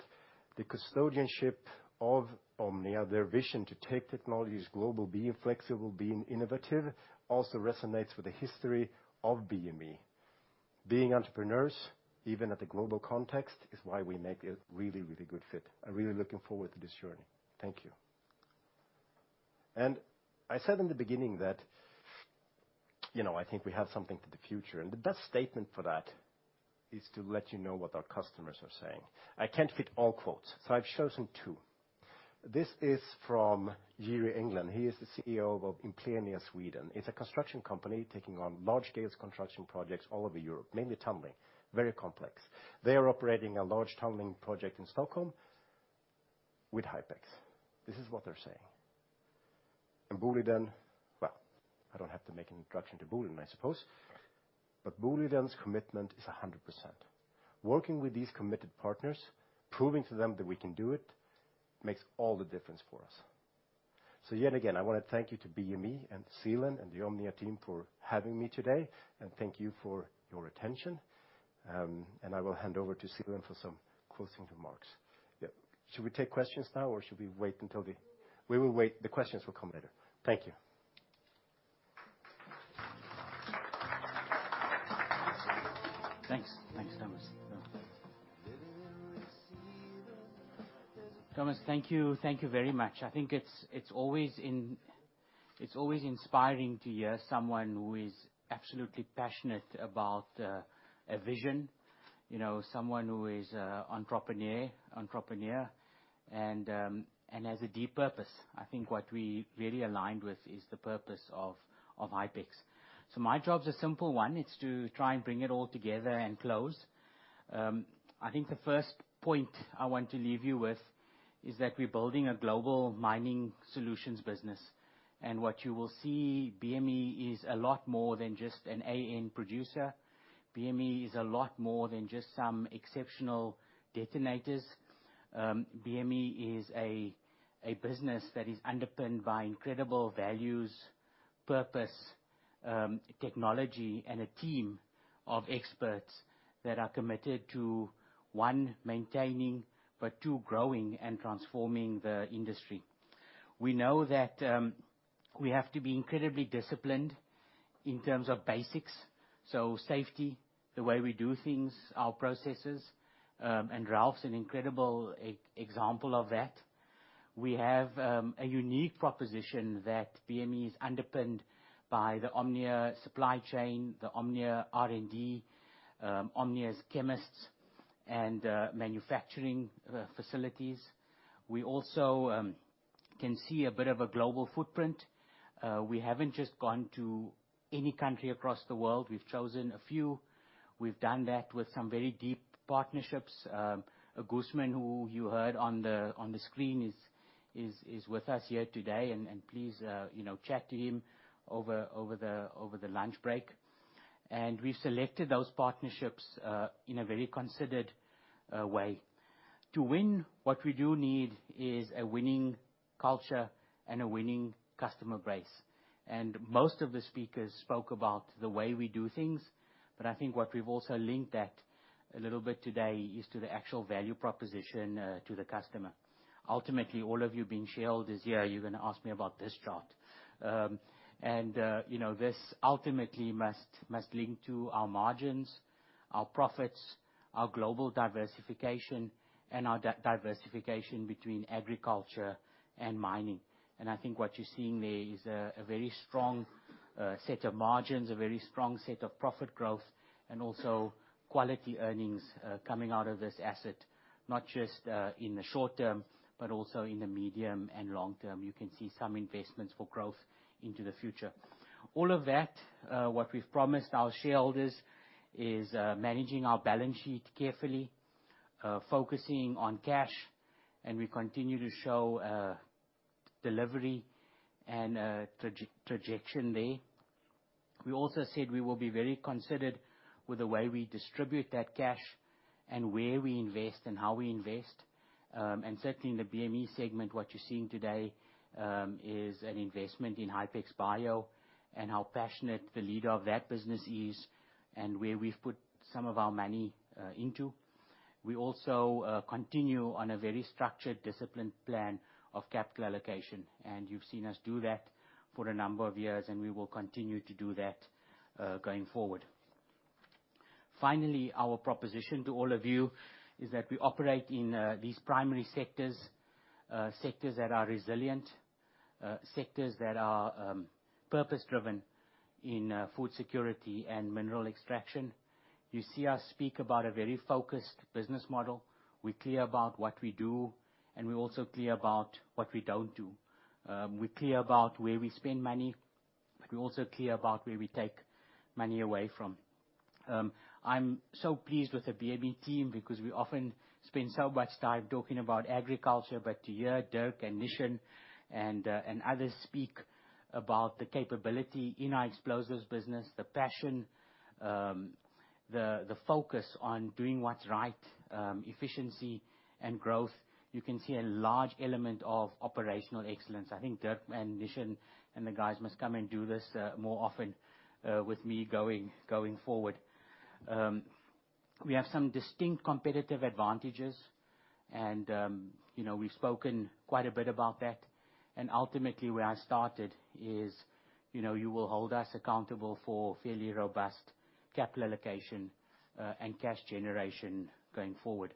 the custodianship of Omnia, their vision to take technologies global, being flexible, being innovative, also resonates with the history of BME. Being entrepreneurs, even at the global context, is why we make a really, really good fit. I'm really looking forward to this journey. Thank you, and I said in the beginning that, you know, I think we have something for the future, and the best statement for that is to let you know what our customers are saying. I can't fit all quotes, so I've chosen two. This is from Jiri Englén. He is the CEO of Implenia Sweden. It's a construction company taking on large-scale construction projects all over Europe, mainly tunneling. Very complex. They are operating a large tunneling project in Stockholm with Hypex. This is what they're saying... And Boliden, well, I don't have to make an introduction to Boliden, I suppose. But Boliden's commitment is a hundred percent. Working with these committed partners, proving to them that we can do it, makes all the difference for us. So yet again, I wanna thank you to BME and Seelan and the Omnia team for having me today, and thank you for your attention. And I will hand over to Seelan for some closing remarks. Yeah. Should we take questions now, or should we wait until the? We will wait. The questions will come later. Thank you. Thanks. Thanks, Thomas. Thomas, thank you. Thank you very much. I think it's always inspiring to hear someone who is absolutely passionate about a vision. You know, someone who is a entrepreneur, and has a deep purpose. I think what we really aligned with is the purpose of Hypex. So my job's a simple one: it's to try and bring it all together and close. I think the first point I want to leave you with is that we're building a global mining solutions business, and what you will see, BME is a lot more than just an AN producer. BME is a lot more than just some exceptional detonators. BME is a business that is underpinned by incredible values, purpose, technology, and a team of experts that are committed to, one, maintaining, but two, growing and transforming the industry. We know that, we have to be incredibly disciplined in terms of basics, so safety, the way we do things, our processes, and Ralf's an incredible example of that. We have a unique proposition that BME is underpinned by the Omnia supply chain, the Omnia R&D, Omnia's chemists, and manufacturing facilities. We also can see a bit of a global footprint. We haven't just gone to any country across the world. We've chosen a few. We've done that with some very deep partnerships. Gusman, who you heard on the screen, is with us here today, and please, you know, chat to him over the lunch break. And we've selected those partnerships in a very considered way. To win, what we do need is a winning culture and a winning customer base, and most of the speakers spoke about the way we do things, but I think what we've also linked that a little bit today is to the actual value proposition to the customer. Ultimately, all of you being shareholders here, you're gonna ask me about this chart. And you know, this ultimately must link to our margins, our profits, our global diversification, and our diversification between agriculture and mining. And I think what you're seeing there is a very strong set of margins, a very strong set of profit growth, and also quality earnings coming out of this asset, not just in the short term, but also in the medium and long term. You can see some investments for growth into the future. All of that, what we've promised our shareholders, is managing our balance sheet carefully, focusing on cash, and we continue to show delivery and trajectory there. We also said we will be very considered with the way we distribute that cash and where we invest and how we invest. And certainly in the BME segment, what you're seeing today is an investment in Hypex Bio, and how passionate the leader of that business is, and where we've put some of our money into. We also continue on a very structured, disciplined plan of capital allocation, and you've seen us do that for a number of years, and we will continue to do that going forward. Finally, our proposition to all of you is that we operate in these primary sectors, sectors that are resilient, sectors that are purpose-driven in food security and mineral extraction. You see us speak about a very focused business model. We're clear about what we do, and we're also clear about what we don't do. We're clear about where we spend money, but we're also clear about where we take money away from. I'm so pleased with the BME team, because we often spend so much time talking about agriculture, but to hear Dirk and Nishan and others speak about the capability in our explosives business, the passion, the focus on doing what's right, efficiency and growth, you can see a large element of operational excellence. I think Dirk and Nishan and the guys must come and do this more often with me going forward. We have some distinct competitive advantages, and, you know, we've spoken quite a bit about that. Ultimately, where I started is, you know, you will hold us accountable for fairly robust capital allocation and cash generation going forward.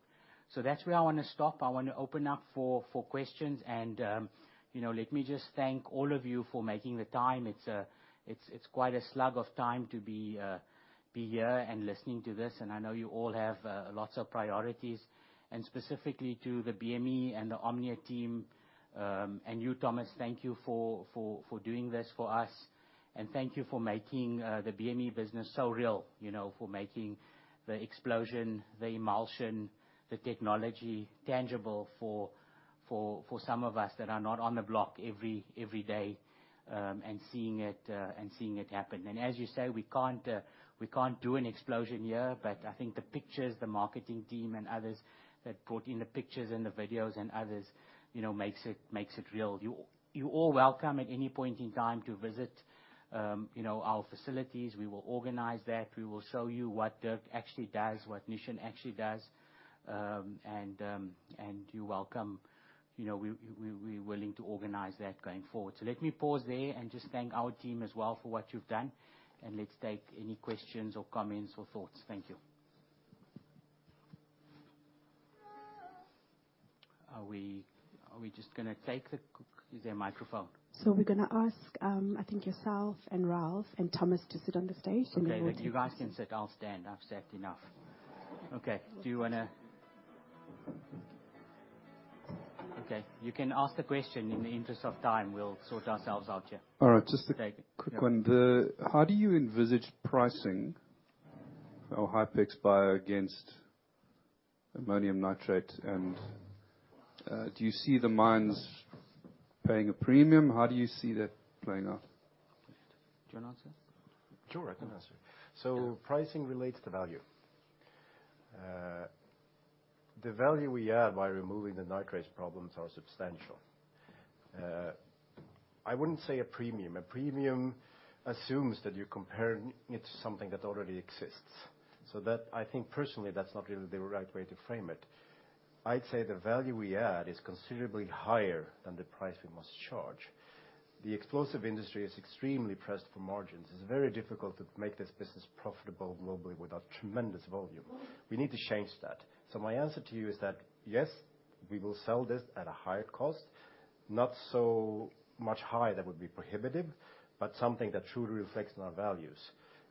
So that's where I wanna stop. I want to open up for questions. You know, let me just thank all of you for making the time. It's quite a slug of time to be here and listening to this, and I know you all have lots of priorities. Specifically to the BME and the Omnia team, and you, Thomas, thank you for doing this for us, and thank you for making the BME business so real, you know, for making the explosion, the emulsion, the technology tangible for some of us that are not on the block every day, and seeing it and seeing it happen. As you say, we can't do an explosion here, but I think the pictures, the marketing team and others that brought in the pictures and the videos and others, you know, makes it real. You're all welcome at any point in time to visit, you know, our facilities. We will organize that. We will show you what Dirk actually does, what Nishan actually does. And you're welcome. You know, we're willing to organize that going forward. So let me pause there and just thank our team as well for what you've done, and let's take any questions or comments or thoughts. Thank you. Are we just gonna take the? Is there a microphone? So we're gonna ask, I think, yourself and Ralf and Thomas to sit on the stage, and then we'll- Okay, but you guys can sit. I'll stand. I've sat enough. Okay, do you wanna... Okay, you can ask the question. In the interest of time, we'll sort ourselves out here. All right, just a- Okay... quick one. How do you envisage pricing our Hypex Bio against ammonium nitrate? And, do you see the mines paying a premium? How do you see that playing out? Do you wanna answer? Sure, I can answer. Yeah. So pricing relates to value. The value we add by removing the nitrates problems are substantial. I wouldn't say a premium. A premium assumes that you're comparing it to something that already exists. So that, I think personally, that's not really the right way to frame it. I'd say the value we add is considerably higher than the price we must charge. The explosive industry is extremely pressed for margins. It's very difficult to make this business profitable globally without tremendous volume. We need to change that. So my answer to you is that, yes, we will sell this at a higher cost, not so much high that would be prohibitive, but something that truly reflects on our values.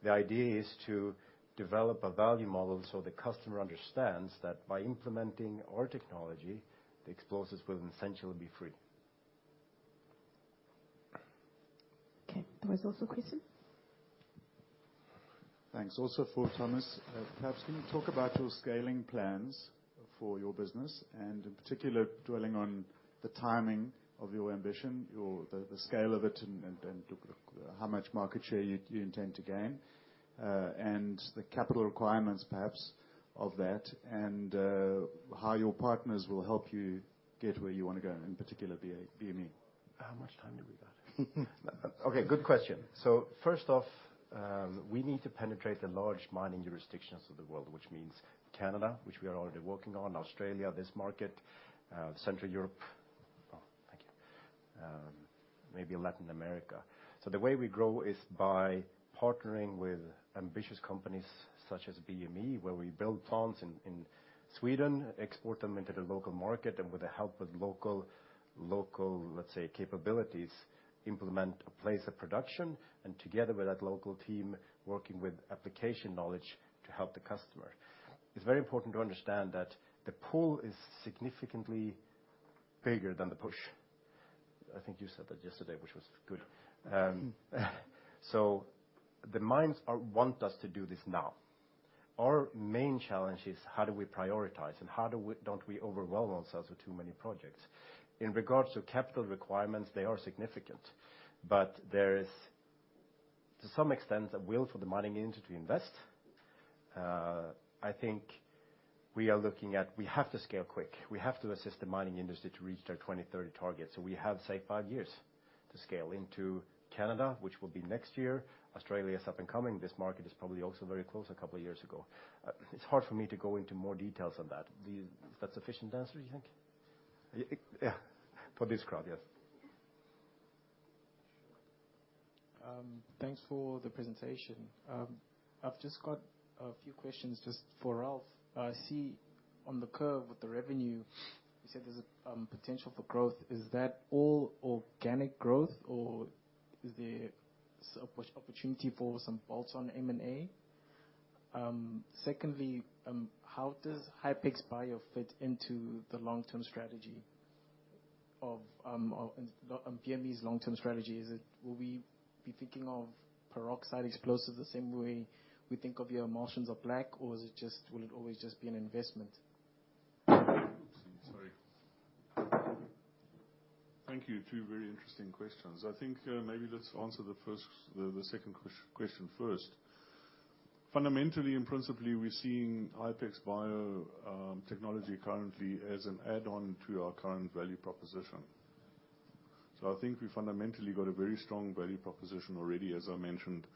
The idea is to develop a value model so the customer understands that by implementing our technology, the explosives will essentially be free. Okay, there was also a question. Thanks also for Thomas. Perhaps can you talk about your scaling plans for your business, and in particular, dwelling on the timing of your ambition, the scale of it and how much market share you intend to gain, and the capital requirements, perhaps, of that, and how your partners will help you get where you wanna go, in particular, BME? How much time do we got? Okay, good question. So first off, we need to penetrate the large mining jurisdictions of the world, which means Canada, which we are already working on, Australia, this market, Central Europe, thank you, maybe Latin America. So the way we grow is by partnering with ambitious companies such as BME, where we build plants in Sweden, export them into the local market, and with the help of local capabilities, implement a place of production, and together with that local team, working with application knowledge to help the customer. It's very important to understand that the pull is significantly bigger than the push. I think you said that yesterday, which was good. So the mines want us to do this now. Our main challenge is how do we prioritize, and how do we don't we overwhelm ourselves with too many projects? In regards to capital requirements, they are significant, but there is, to some extent, a will for the mining industry to invest. I think we are looking at we have to scale quick. We have to assist the mining industry to reach their 2030 target, so we have, say, five years to scale into Canada, which will be next year. Australia is up and coming. This market is probably also very close, a couple years ago. It's hard for me to go into more details on that. Is that a sufficient answer, you think? It, for this crowd, yes. Yeah. Thanks for the presentation. I've just got a few questions just for Ralf. I see on the curve with the revenue, you said there's potential for growth. Is that all organic growth, or is there opportunity for some bolts on M&A? Secondly, how does Hypex Bio fit into the long-term strategy of BME's long-term strategy? Is it... Will we be thinking of peroxide explosives the same way we think of the emulsions or bulk, or is it just, will it always just be an investment? Oops, sorry. Thank you. Two very interesting questions. I think, maybe let's answer the first, the second question first. Fundamentally and principally, we're seeing Hypex Bio technology currently as an add-on to our current value proposition. So I think we've fundamentally got a very strong value proposition already, as I mentioned,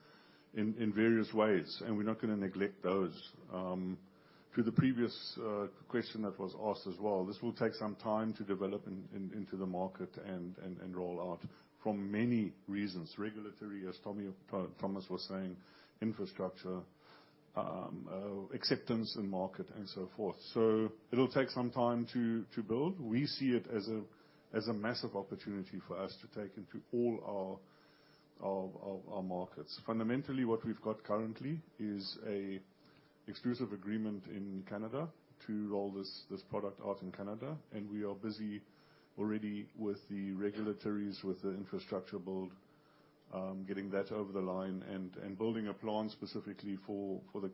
in various ways, and we're not gonna neglect those. To the previous question that was asked as well, this will take some time to develop into the market and roll out for many reasons. Regulatory, as Thomas was saying, infrastructure, acceptance in market, and so forth. So it'll take some time to build. We see it as a massive opportunity for us to take into all our markets. Fundamentally, what we've got currently is a- ... exclusive agreement in Canada to roll this product out in Canada, and we are busy already with the regulatory, with the infrastructure build, getting that over the line and building a plan specifically for the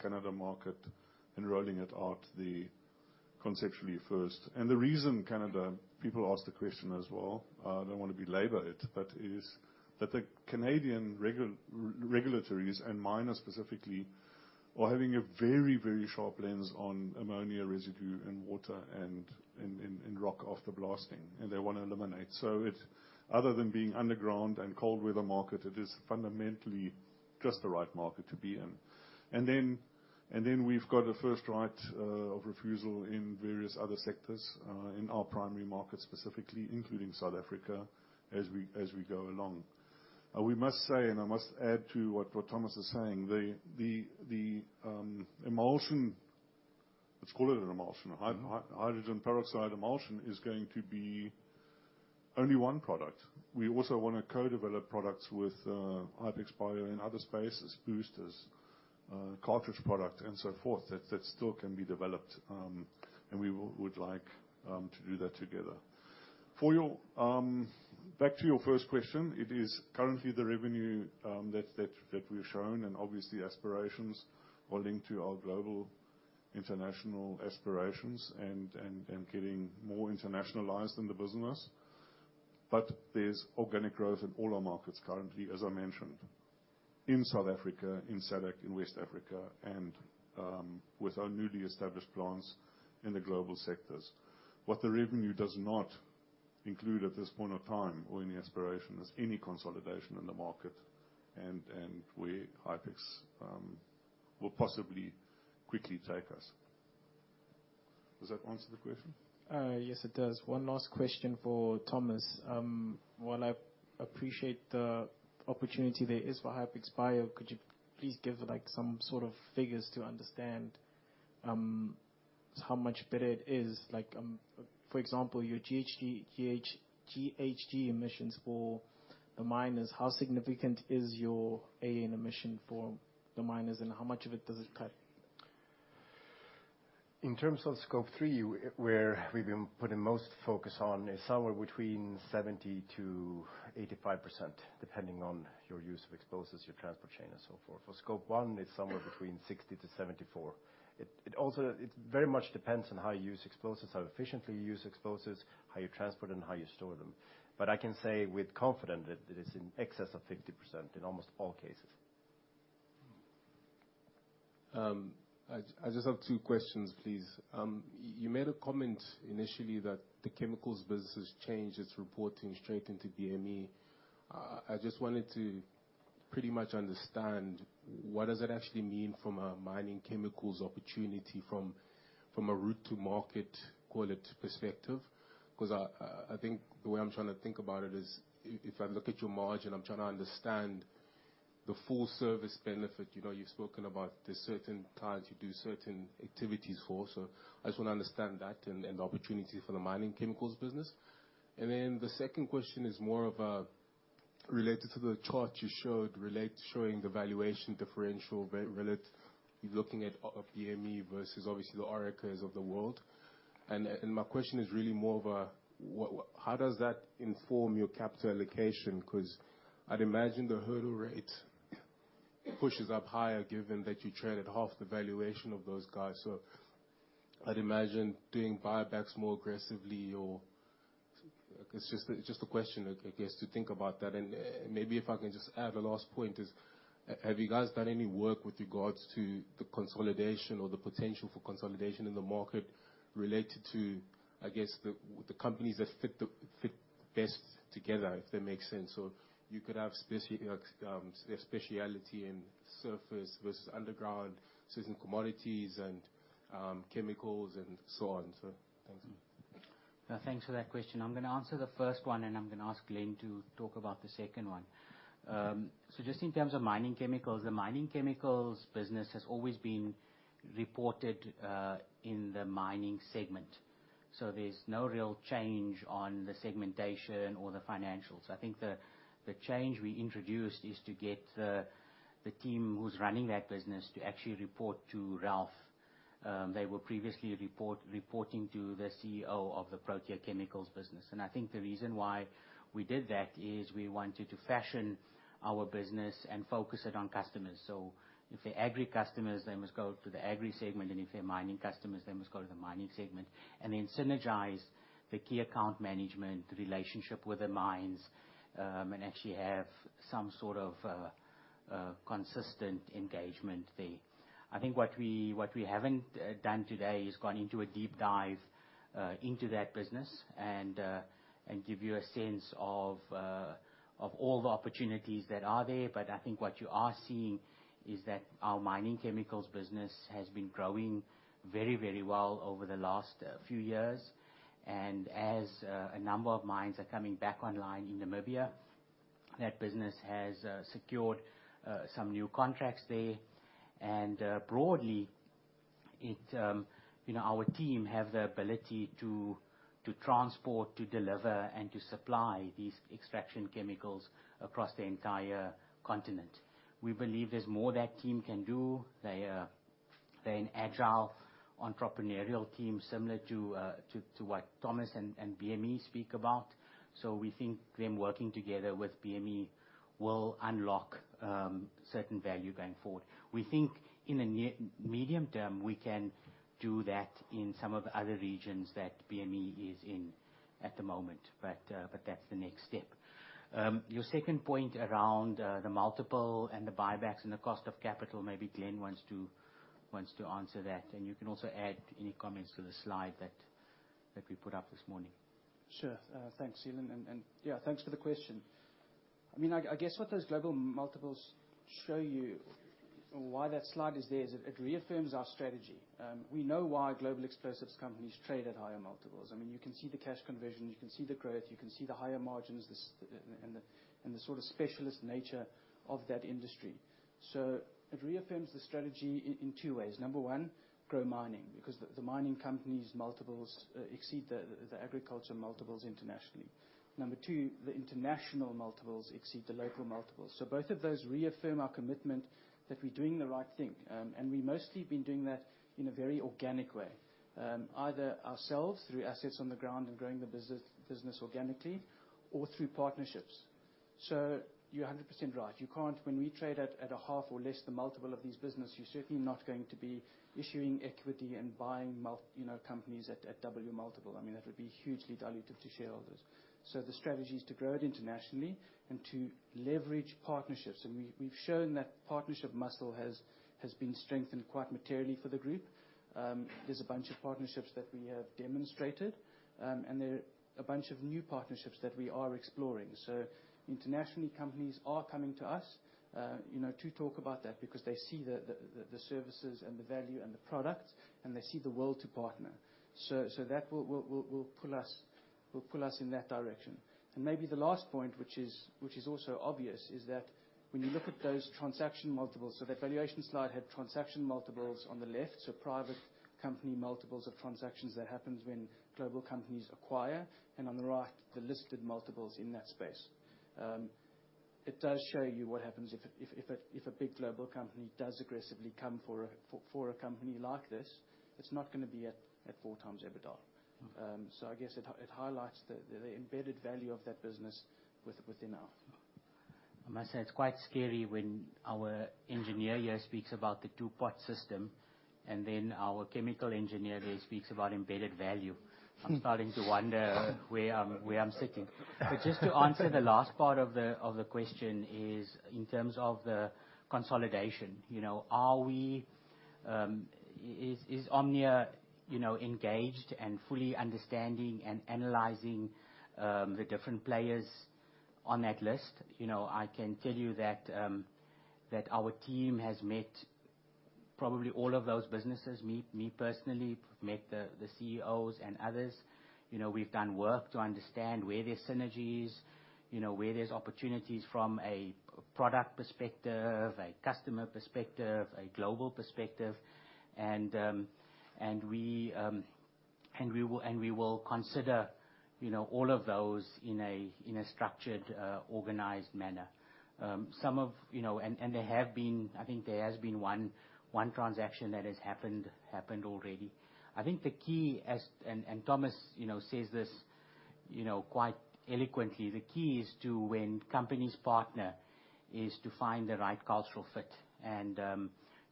Canada market and rolling it out conceptually first. And the reason Canada, people ask the question as well, I don't want to belabor it, but is that the Canadian regulatory and miners specifically are having a very, very sharp lens on ammonia residue and water and rock after blasting, and they want to eliminate. So it other than being underground and cold weather market, it is fundamentally just the right market to be in. And then we've got a first right of refusal in various other sectors in our primary market, specifically, including South Africa, as we go along. We must say, and I must add to what Thomas is saying, the emulsion, let's call it an emulsion. Mm-hmm. Hydrogen peroxide emulsion is going to be only one product. We also want to co-develop products with Hypex Bio in other spaces, boosters, cartridge product, and so forth, that still can be developed, and we would like to do that together. For your... Back to your first question, it is currently the revenue that we've shown, and obviously, aspirations are linked to our global international aspirations and getting more internationalized in the business. But there's organic growth in all our markets currently, as I mentioned, in South Africa, in SADC, in West Africa, and with our newly established plants in the global sectors. What the revenue does not include at this point of time or in the aspiration, is any consolidation in the market, and where Hypex will possibly quickly take us. Does that answer the question? Yes, it does. One last question for Thomas. While I appreciate the opportunity there is for Hypex Bio, could you please give, like, some sort of figures to understand how much better it is? Like, for example, your GHG emissions for the miners, how significant is your AN emission for the miners, and how much of it does it cut? In terms of Scope 3, where we've been putting most focus on, is somewhere between 70%-85%, depending on your use of explosives, your transport chain, and so forth. For Scope 1, it's somewhere between 60-74. It also very much depends on how you use explosives, how efficiently you use explosives, how you transport them, and how you store them. But I can say with confidence that it is in excess of 50% in almost all cases. I just have two questions, please. You made a comment initially that the chemicals business has changed its reporting straight into BME. I just wanted to pretty much understand what does it actually mean from a mining chemicals opportunity, from a route to market, call it, perspective? Because I think the way I'm trying to think about it is if I look at your margin, I'm trying to understand the full service benefit. You know, you've spoken about the certain times you do certain activities for. So I just want to understand that and the opportunity for the mining chemicals business. And then the second question is more related to the chart you showed, showing the valuation differential, relating, looking at BME versus obviously the Orica's of the world. My question is really more of a what- how does that inform your capital allocation? Because I'd imagine the hurdle rate pushes up higher, given that you trade at half the valuation of those guys. So I'd imagine doing buybacks more aggressively or... It's just a question, I guess, to think about that. Maybe if I can just add a last point: have you guys done any work with regards to the consolidation or the potential for consolidation in the market related to, I guess, the companies that fit best together, if that makes sense? Or you could have specific specialty in surface versus underground, certain commodities and chemicals and so on. So thanks. Thanks for that question. I'm going to answer the first one, and I'm going to ask Glenn to talk about the second one. So just in terms of mining chemicals, the mining chemicals business has always been reported in the mining segment, so there's no real change on the segmentation or the financials. I think the change we introduced is to get the team who's running that business to actually report to Ralf. They were previously reporting to the CEO of the Protea Chemicals business, and I think the reason why we did that is we wanted to fashion our business and focus it on customers. So if they're agri customers, they must go to the agri segment, and if they're mining customers, they must go to the mining segment, and then synergize the key account management relationship with the mines, and actually have some sort of consistent engagement there. I think what we haven't done today is gone into a deep dive into that business and give you a sense of all the opportunities that are there. But I think what you are seeing is that our mining chemicals business has been growing very, very well over the last few years. And as a number of mines are coming back online in Namibia, that business has secured some new contracts there. And broadly-... it, you know, our team have the ability to transport, to deliver, and to supply these extraction chemicals across the entire continent. We believe there's more that team can do. They are, they're an agile, entrepreneurial team, similar to what Thomas and BME speak about. So we think them working together with BME will unlock certain value going forward. We think in the medium term, we can do that in some of the other regions that BME is in at the moment, but that's the next step. Your second point around the multiple and the buybacks and the cost of capital, maybe Glenn wants to answer that, and you can also add any comments to the slide that we put up this morning. Sure. Thanks, Seelan, and yeah, thanks for the question. I mean, I guess what those global multiples show you, and why that slide is there, is. It reaffirms our strategy. We know why global explosives companies trade at higher multiples. I mean, you can see the cash conversion, you can see the growth, you can see the higher margins, the scale and the sort of specialist nature of that industry. So it reaffirms the strategy in two ways. Number one, grow mining, because the mining companies' multiples exceed the agriculture multiples internationally. Number two, the international multiples exceed the local multiples. So both of those reaffirm our commitment that we're doing the right thing. And we've mostly been doing that in a very organic way, either ourselves, through assets on the ground and growing the business organically, or through partnerships. So you're 100% right, you can't, when we trade at a half or less the multiple of these business, you're certainly not going to be issuing equity and buying mult- you know, companies at double your multiple. I mean, that would be hugely dilutive to shareholders. So the strategy is to grow it internationally and to leverage partnerships, and we've shown that partnership muscle has been strengthened quite materially for the group. There's a bunch of partnerships that we have demonstrated, and there are a bunch of new partnerships that we are exploring. So internationally, companies are coming to us, you know, to talk about that because they see the services and the value and the product, and they see the will to partner. So that will pull us in that direction. And maybe the last point, which is also obvious, is that when you look at those transaction multiples, so that valuation slide had transaction multiples on the left, so private company multiples of transactions that happens when global companies acquire, and on the right, the listed multiples in that space. It does show you what happens if a big global company does aggressively come for a company like this. It's not gonna be at four times EBITDA. So I guess it highlights the embedded value of that business within our. I must say, it's quite scary when our engineer here speaks about the two-pot system, and then our chemical engineer here speaks about embedded value. I'm starting to wonder where I'm sitting. But just to answer the last part of the question, in terms of the consolidation, you know, is Omnia, you know, engaged and fully understanding and analyzing the different players on that list? You know, I can tell you that our team has met probably all of those businesses. Me, personally, have met the CEOs and others. You know, we've done work to understand where there's synergies, you know, where there's opportunities from a product perspective, a customer perspective, a global perspective. We will consider, you know, all of those in a structured, organized manner. Some of you know, and there have been, I think there has been one transaction that has happened already. I think the key, Thomas, you know, says this, you know, quite eloquently. The key is to, when companies partner, is to find the right cultural fit.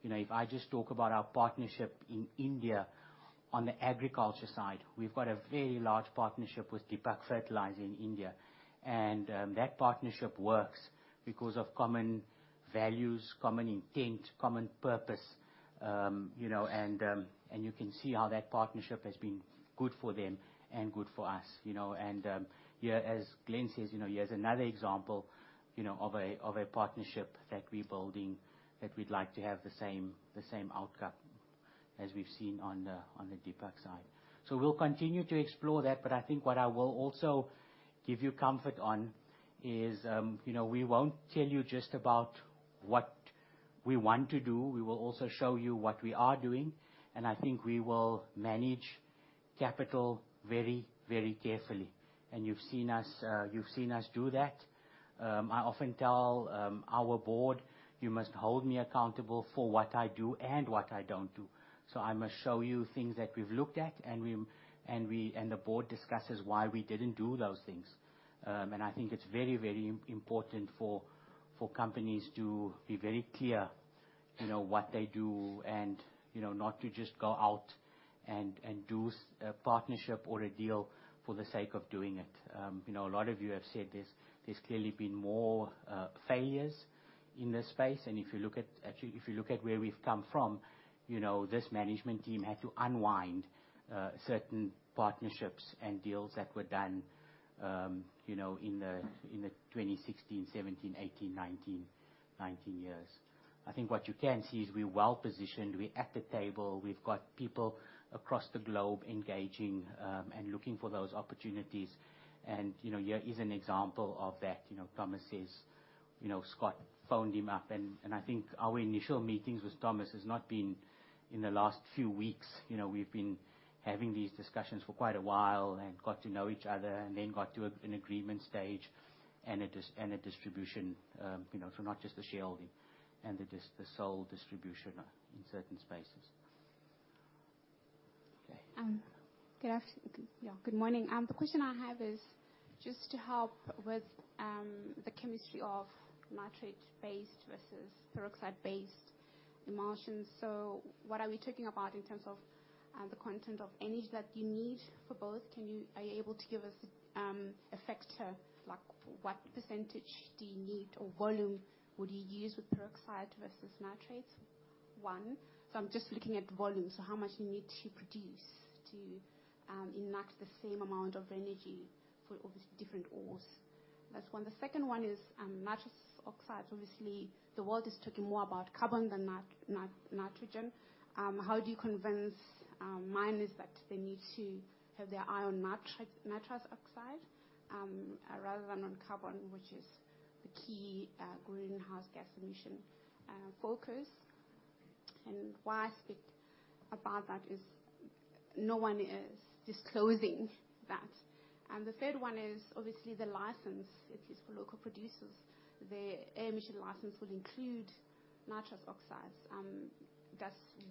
If I just talk about our partnership in India, on the agriculture side, we've got a very large partnership with Deepak Fertilisers in India, and that partnership works because of common values, common intent, common purpose. You know, and you can see how that partnership has been good for them and good for us, you know? As Glenn says, you know, here's another example, you know, of a partnership that we're building, that we'd like to have the same outcome as we've seen on the Deepak side. We'll continue to explore that, but I think what I will also give you comfort on is, you know, we won't tell you just about what we want to do, we will also show you what we are doing, and I think we will manage capital very carefully. You've seen us do that. I often tell our board, "You must hold me accountable for what I do and what I don't do." I must show you things that we've looked at, and the board discusses why we didn't do those things. And I think it's very, very important for companies to be very clear, you know, what they do and, you know, not to just go out and do a partnership or a deal for the sake of doing it. You know, a lot of you have said there's clearly been more failures in this space, and actually, if you look at where we've come from, you know, this management team had to unwind certain partnerships and deals that were done, you know, in the 2016, 2017, 2018, 2019 years. I think what you can see is we're well-positioned, we're at the table, we've got people across the globe engaging and looking for those opportunities. And, you know, here is an example of that. You know, Thomas says... You know, Scott phoned him up, and I think our initial meetings with Thomas has not been in the last few weeks. You know, we've been having these discussions for quite a while and got to know each other and then got to an agreement stage and a distribution, you know, so not just the shareholding and the sole distribution in certain spaces. Okay. Good morning. The question I have is just to help with the chemistry of nitrate-based versus peroxide-based emulsions. So what are we talking about in terms of the content of energy that you need for both? Are you able to give us a factor? Like, what percentage do you need, or volume would you use with peroxide versus nitrates? One, so I'm just looking at volume, so how much you need to produce to enact the same amount of energy for obviously different ores. That's one. The second one is nitrous oxide. Obviously, the world is talking more about carbon than nitrogen. How do you convince miners that they need to have their eye on nitrous oxide rather than on carbon, which is the key greenhouse gas emission focus? Why I speak about that is no one is disclosing that. The third one is obviously the license, at least for local producers. The air emission license will include nitrous oxides.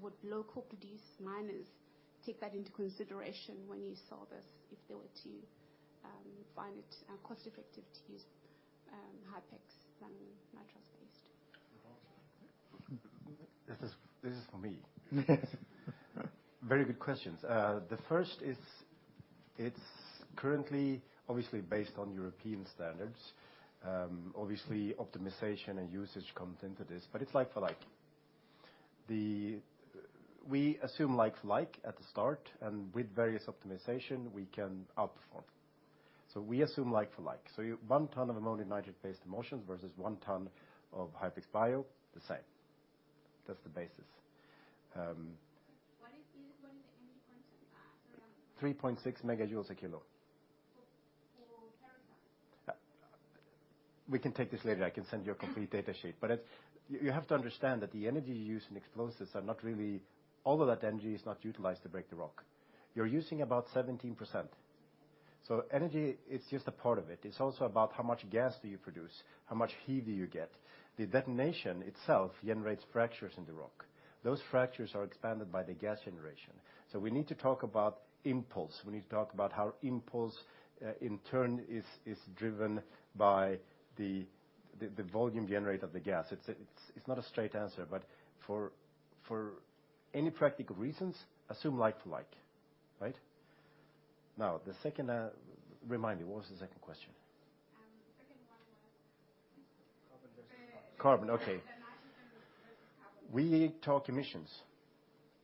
Would local producers, miners take that into consideration when you sell this, if they were to find it cost effective to use Hypex than nitrous-based? This is, this is for me. Very good questions. The first is, it's currently obviously based on European standards. Obviously optimization and usage comes into this, but it's like for like. We assume like for like at the start, and with various optimization, we can outperform. So we assume like for like. So you... One ton of ammonium nitrate-based emulsions versus one ton of Hypex Bio, the same. That's the basis. What is the energy content at around? 3.6 megajoules a kilo. For peroxide? We can take this later. I can send you a complete data sheet. But you have to understand that the energy you use in explosives are not really all of that energy is not utilized to break the rock. You're using about 17%, so energy, it's just a part of it. It's also about how much gas do you produce, how much heat do you get? The detonation itself generates fractures in the rock. Those fractures are expanded by the gas generation. So we need to talk about impulse. We need to talk about how impulse in turn is driven by the volume generated of the gas. It's not a straight answer, but for any practical reasons, assume like to like, right? Now, the second, remind me, what was the second question? Second one was- Carbon versus- Carbon, okay. The nitrogen versus carbon. We talk emissions.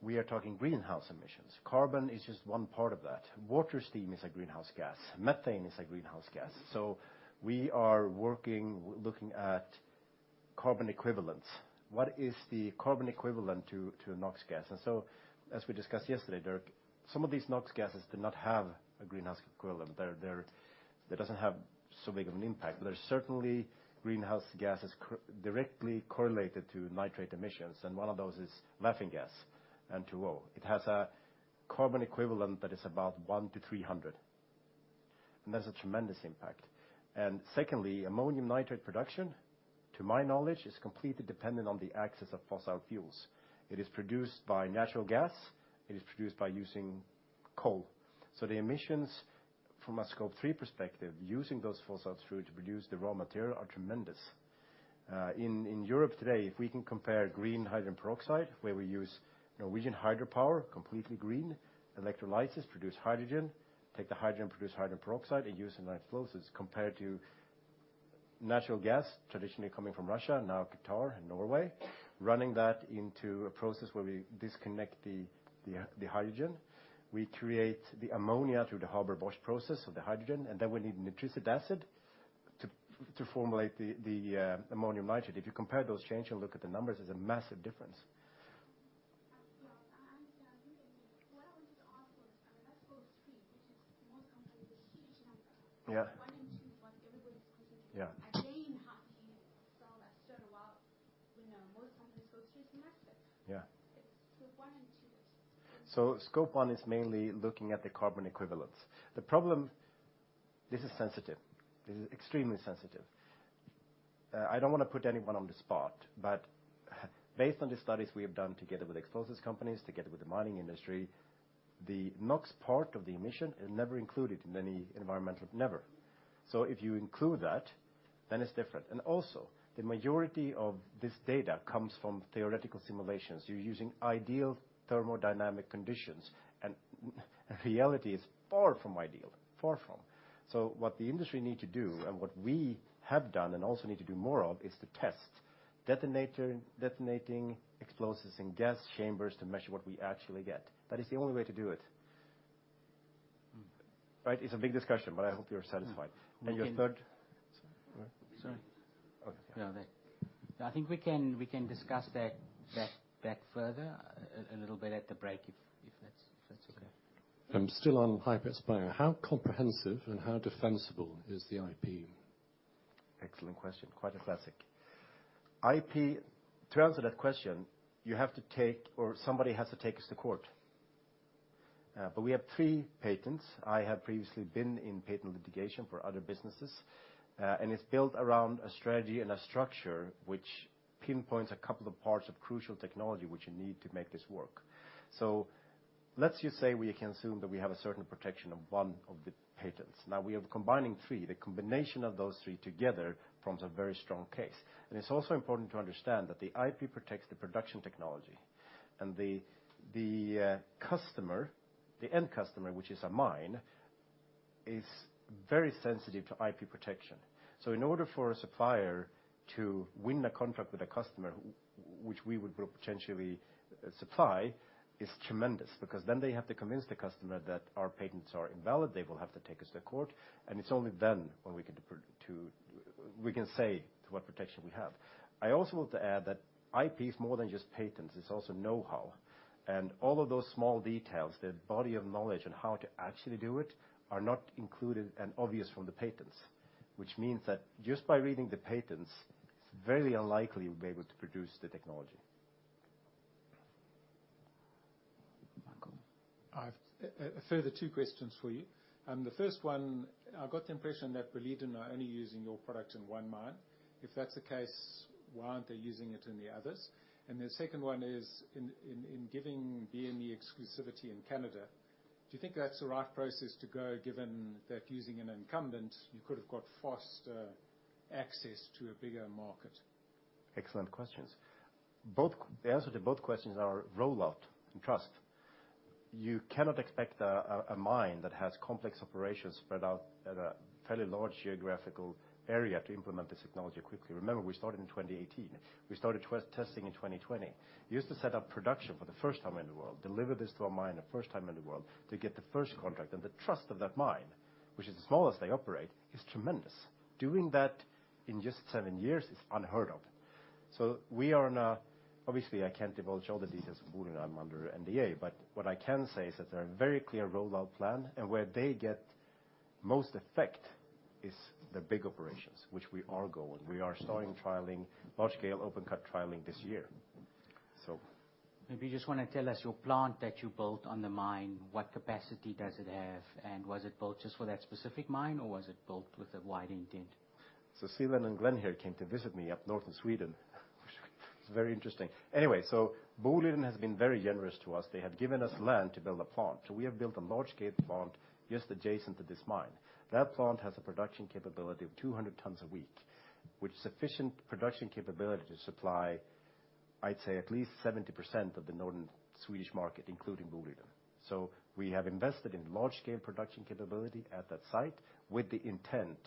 We are talking greenhouse emissions. Carbon is just one part of that. Water vapor is a greenhouse gas. Methane is a greenhouse gas. We are working, looking at carbon equivalents. What is the carbon equivalent to NOx gas? And so, as we discussed yesterday, Dirk, some of these NOx gases do not have a greenhouse equivalent. They're. They don't have so big of an impact. There are certainly greenhouse gases directly correlated to nitrate emissions, and one of those is laughing gas, N2O. It has a carbon equivalent that is about one to three hundred, and that's a tremendous impact. And secondly, ammonium nitrate production, to my knowledge, is completely dependent on the use of fossil fuels. It is produced by natural gas. It is produced by using coal. So the emissions from a Scope 3 perspective, using those fossil fuels to produce the raw material are tremendous. In Europe today, if we can compare green hydrogen peroxide, where we use Norwegian hydropower, completely green, electrolysis produce hydrogen, take the hydrogen, produce hydrogen peroxide, and use it in explosives, compared to natural gas, traditionally coming from Russia, now Qatar and Norway. Running that into a process where we disconnect the hydrogen, we create the ammonia through the Haber-Bosch process, so the hydrogen, and then we need nitric acid to formulate the ammonium nitrate. If you compare those chains and look at the numbers, there's a massive difference. Yeah, what I want to ask was, I mean, that's Scope 3, which is most companies, a huge number. Yeah. One and two, like everybody's considering- Yeah. Again, how can you say that so well? You know, most companies, Scope 3 is massive. Yeah. It's the one and two. So Scope 1 is mainly looking at the carbon equivalents. The problem... This is sensitive. This is extremely sensitive. I don't wanna put anyone on the spot, but based on the studies we have done together with explosives companies, together with the mining industry, the NOx part of the emission is never included in any environmental, never. So if you include that, then it's different. And also, the majority of this data comes from theoretical simulations. You're using ideal thermodynamic conditions, and reality is far from ideal, far from. So what the industry need to do, and what we have done and also need to do more of, is to test detonator detonating explosives in gas chambers to measure what we actually get. That is the only way to do it. Right? It's a big discussion, but I hope you're satisfied. Mm-hmm. Your third? Sorry. Okay. Yeah, I think we can discuss that further a little bit at the break, if-... I'm still on Hypex explaining. How comprehensive and how defensible is the IP? Excellent question, quite a classic. IP, to answer that question, you have to take or somebody has to take us to court. But we have three patents. I have previously been in patent litigation for other businesses, and it's built around a strategy and a structure which pinpoints a couple of parts of crucial technology which you need to make this work. So let's just say we can assume that we have a certain protection of one of the patents. Now, we are combining three. The combination of those three together forms a very strong case. And it's also important to understand that the IP protects the production technology, and the customer, the end customer, which is a mine, is very sensitive to IP protection. In order for a supplier to win a contract with a customer, which we would potentially supply, is tremendous, because then they have to convince the customer that our patents are invalid. They will have to take us to court, and it's only then when we can say to what protection we have. I also want to add that IP is more than just patents, it's also know-how. All of those small details, the body of knowledge on how to actually do it, are not included and obvious from the patents. Which means that just by reading the patents, it's very unlikely you'll be able to produce the technology. Michael? I've a further two questions for you. The first one, I got the impression that Boliden are only using your product in one mine. If that's the case, why aren't they using it in the others? The second one is, giving BME exclusivity in Canada, do you think that's the right process to go, given that using an incumbent, you could have got faster access to a bigger market? Excellent questions. Both. The answer to both questions are rollout and trust. You cannot expect a mine that has complex operations spread out at a fairly large geographical area to implement this technology quickly. Remember, we started in twenty eighteen. We started testing in twenty twenty. We used to set up production for the first time in the world, deliver this to a mine, the first time in the world, to get the first contract. And the trust of that mine, which is the smallest they operate, is tremendous. Doing that in just seven years is unheard of. So we are on a... Obviously, I can't divulge all the details of Boliden, I'm under NDA, but what I can say is that they're a very clear rollout plan, and where they get most effect is the big operations, which we are going. We are starting trialing large-scale open cut trialing this year, so. Maybe you just want to tell us, your plant that you built on the mine, what capacity does it have? And was it built just for that specific mine, or was it built with a wide intent? Seelan and Glenn here came to visit me up north in Sweden. It's very interesting. Anyway, so Boliden has been very generous to us. They have given us land to build a plant. So we have built a large-scale plant just adjacent to this mine. That plant has a production capability of 200 tons a week, which sufficient production capability to supply, I'd say, at least 70% of the northern Swedish market, including Boliden. So we have invested in large-scale production capability at that site with the intent,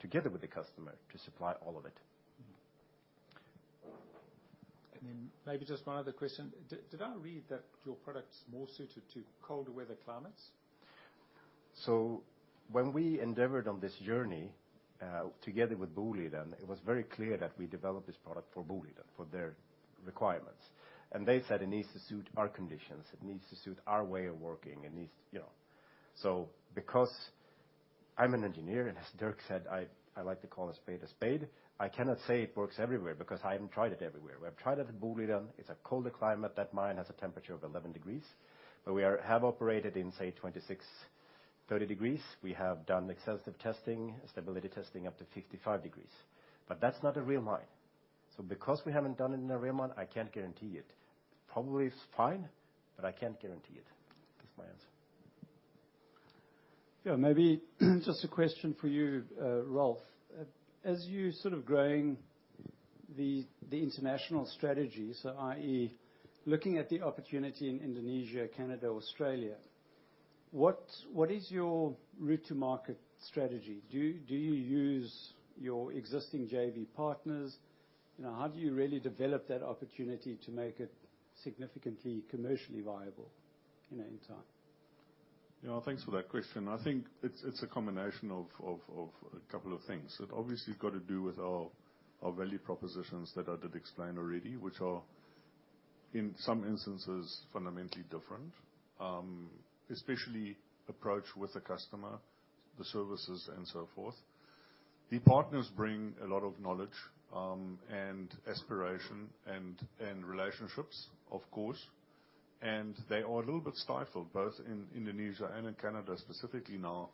together with the customer, to supply all of it. Mm-hmm. And then maybe just one other question. Did I read that your product's more suited to colder weather climates? So when we endeavored on this journey together with Boliden, it was very clear that we developed this product for Boliden, for their requirements. And they said, "It needs to suit our conditions, it needs to suit our way of working, it needs," you know. Because I'm an engineer, and as Dirk said, I like to call a spade a spade, I cannot say it works everywhere, because I haven't tried it everywhere. We have tried it at Boliden. It's a colder climate. That mine has a temperature of eleven degrees, but we have operated in, say, 26, 30 degrees. We have done extensive testing, stability testing, up to 55 degrees. But that's not a real mine. Because we haven't done it in a real mine, I can't guarantee it. Probably is fine, but I can't guarantee it. That's my answer. Yeah, maybe just a question for you, Ralf. As you're sort of growing the international strategy, so i.e., looking at the opportunity in Indonesia, Canada, Australia, what is your route to market strategy? Do you use your existing JV partners? You know, how do you really develop that opportunity to make it significantly commercially viable, you know, in time? Yeah, thanks for that question. I think it's a combination of a couple of things. It obviously has got to do with our value propositions that I did explain already, which are, in some instances, fundamentally different, especially approach with the customer, the services and so forth. The partners bring a lot of knowledge, and aspiration and relationships, of course, and they are a little bit stifled, both in Indonesia and in Canada, specifically now,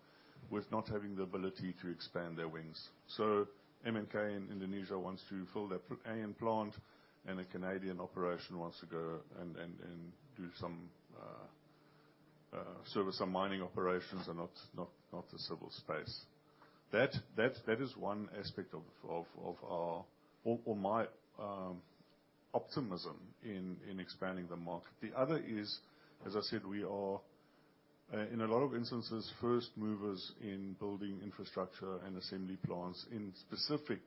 with not having the ability to expand their wings. So MNK in Indonesia wants to fill their own plant, and a Canadian operation wants to go and do some service on mining operations and not the civil space. That is one aspect of our, or my optimism in expanding the market. The other is, as I said, we are in a lot of instances first movers in building infrastructure and assembly plants in specifically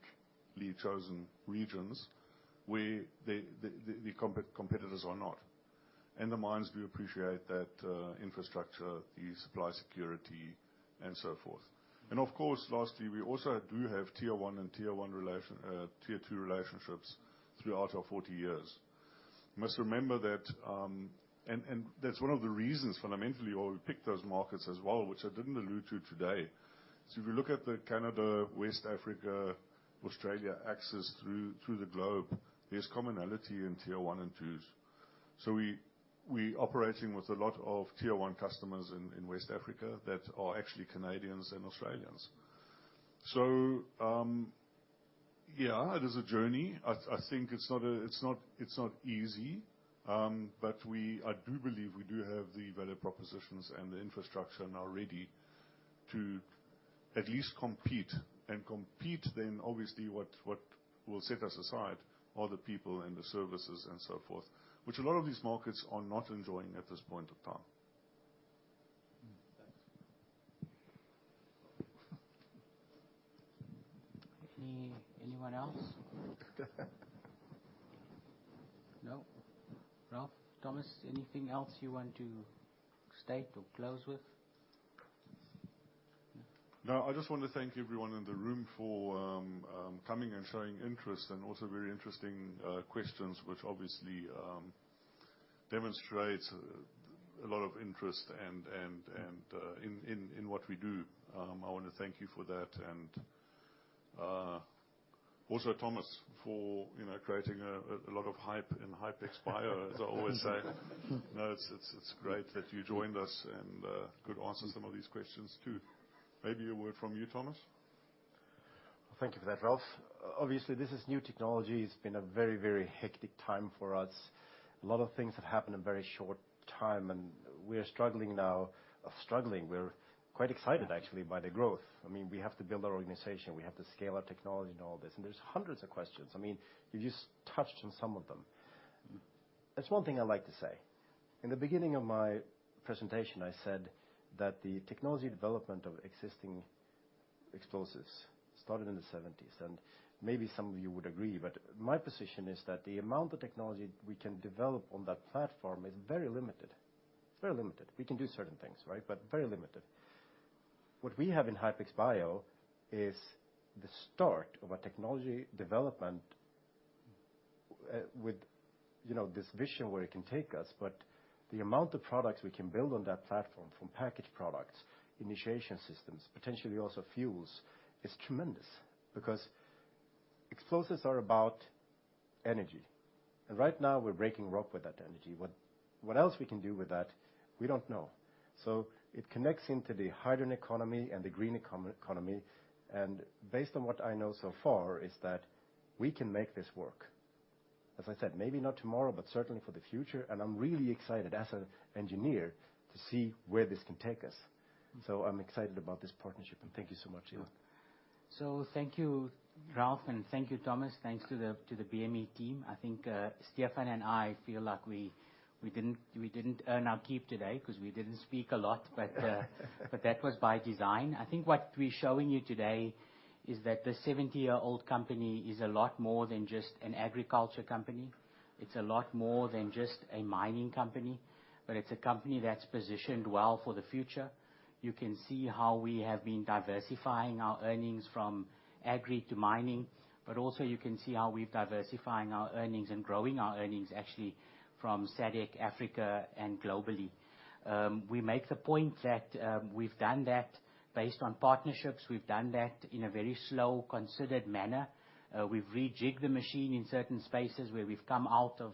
chosen regions where the competitors are not, and the mines appreciate that infrastructure, the supply security, and so forth. Of course, lastly, we also do have Tier One and Tier Two relationships throughout our forty years. You must remember that, and that's one of the reasons, fundamentally, why we picked those markets as well, which I didn't allude to today. If you look at Canada, West Africa, Australia, access through the globe, there's commonality in Tier one and twos. We operating with a lot of Tier one customers in West Africa that are actually Canadians and Australians. Yeah, it is a journey. I think it's not easy, but I do believe we do have the value propositions and the infrastructure now ready to at least compete, and compete then, obviously, what will set us aside are the people and the services and so forth, which a lot of these markets are not enjoying at this point in time. Thanks. Anyone else? No. Ralf, Thomas, anything else you want to state or close with? No, I just want to thank everyone in the room for coming and showing interest, and also very interesting questions, which obviously demonstrate a lot of interest and in what we do. I wanna thank you for that. And also, Thomas, for, you know, creating a lot of hype in Hypex Bio, as I always say. No, it's great that you joined us, and could answer some of these questions, too. Maybe a word from you, Thomas? Thank you for that, Ralf. Obviously, this is new technology. It's been a very, very hectic time for us. A lot of things have happened in a very short time, and we are struggling now. Struggling, we're quite excited, actually, by the growth. I mean, we have to build our organization, we have to scale our technology and all this, and there's hundreds of questions. I mean, you just touched on some of them. There's one thing I'd like to say: In the beginning of my presentation, I said that the technology development of existing explosives started in the seventies, and maybe some of you would agree, but my position is that the amount of technology we can develop on that platform is very limited. Very limited. We can do certain things, right? But very limited. What we have in Hypex Bio is the start of a technology development, with, you know, this vision, where it can take us, but the amount of products we can build on that platform, from package products, initiation systems, potentially also fuels, is tremendous, because explosives are about energy, and right now, we're breaking rock with that energy. What else we can do with that, we don't know. So it connects into the hydrogen economy and the green eco-economy, and based on what I know so far, is that we can make this work. As I said, maybe not tomorrow, but certainly for the future, and I'm really excited, as an engineer, to see where this can take us. So I'm excited about this partnership, and thank you so much, Elon. So thank you, Ralf, and thank you, Thomas. Thanks to the BME team. I think Stefan and I feel like we didn't earn our keep today, 'cause we didn't speak a lot, but that was by design. I think what we're showing you today is that the seventy-year-old company is a lot more than just an agriculture company. It's a lot more than just a mining company, but it's a company that's positioned well for the future. You can see how we have been diversifying our earnings from agri to mining, but also, you can see how we've diversifying our earnings and growing our earnings, actually, from SADC, Africa and globally. We make the point that we've done that based on partnerships. We've done that in a very slow, considered manner. We've rejigged the machine in certain spaces, where we've come out of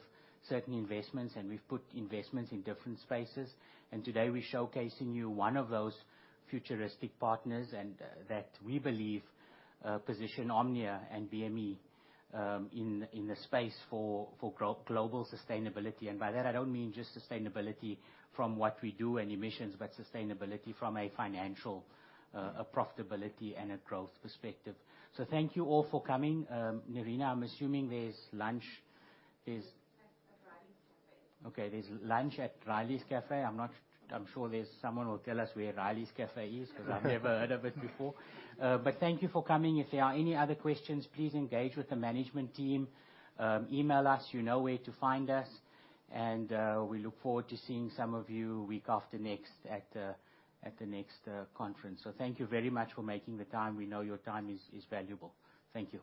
certain investments, and we've put investments in different spaces. And today, we're showcasing you one of those futuristic partners, and that we believe position Omnia and BME in the space for global sustainability. And by that, I don't mean just sustainability from what we do and emissions, but sustainability from a financial, a profitability and a growth perspective. So thank you all for coming. Nerina, I'm assuming there's lunch. There's- At Riley's Cafe. Okay, there's lunch at Riley's Cafe. I'm sure there's someone who will tell us where Riley's Cafe is—'cause I've never heard of it before. But thank you for coming. If there are any other questions, please engage with the management team. Email us. You know where to find us, and we look forward to seeing some of you week after next at the next conference. So thank you very much for making the time. We know your time is valuable. Thank you.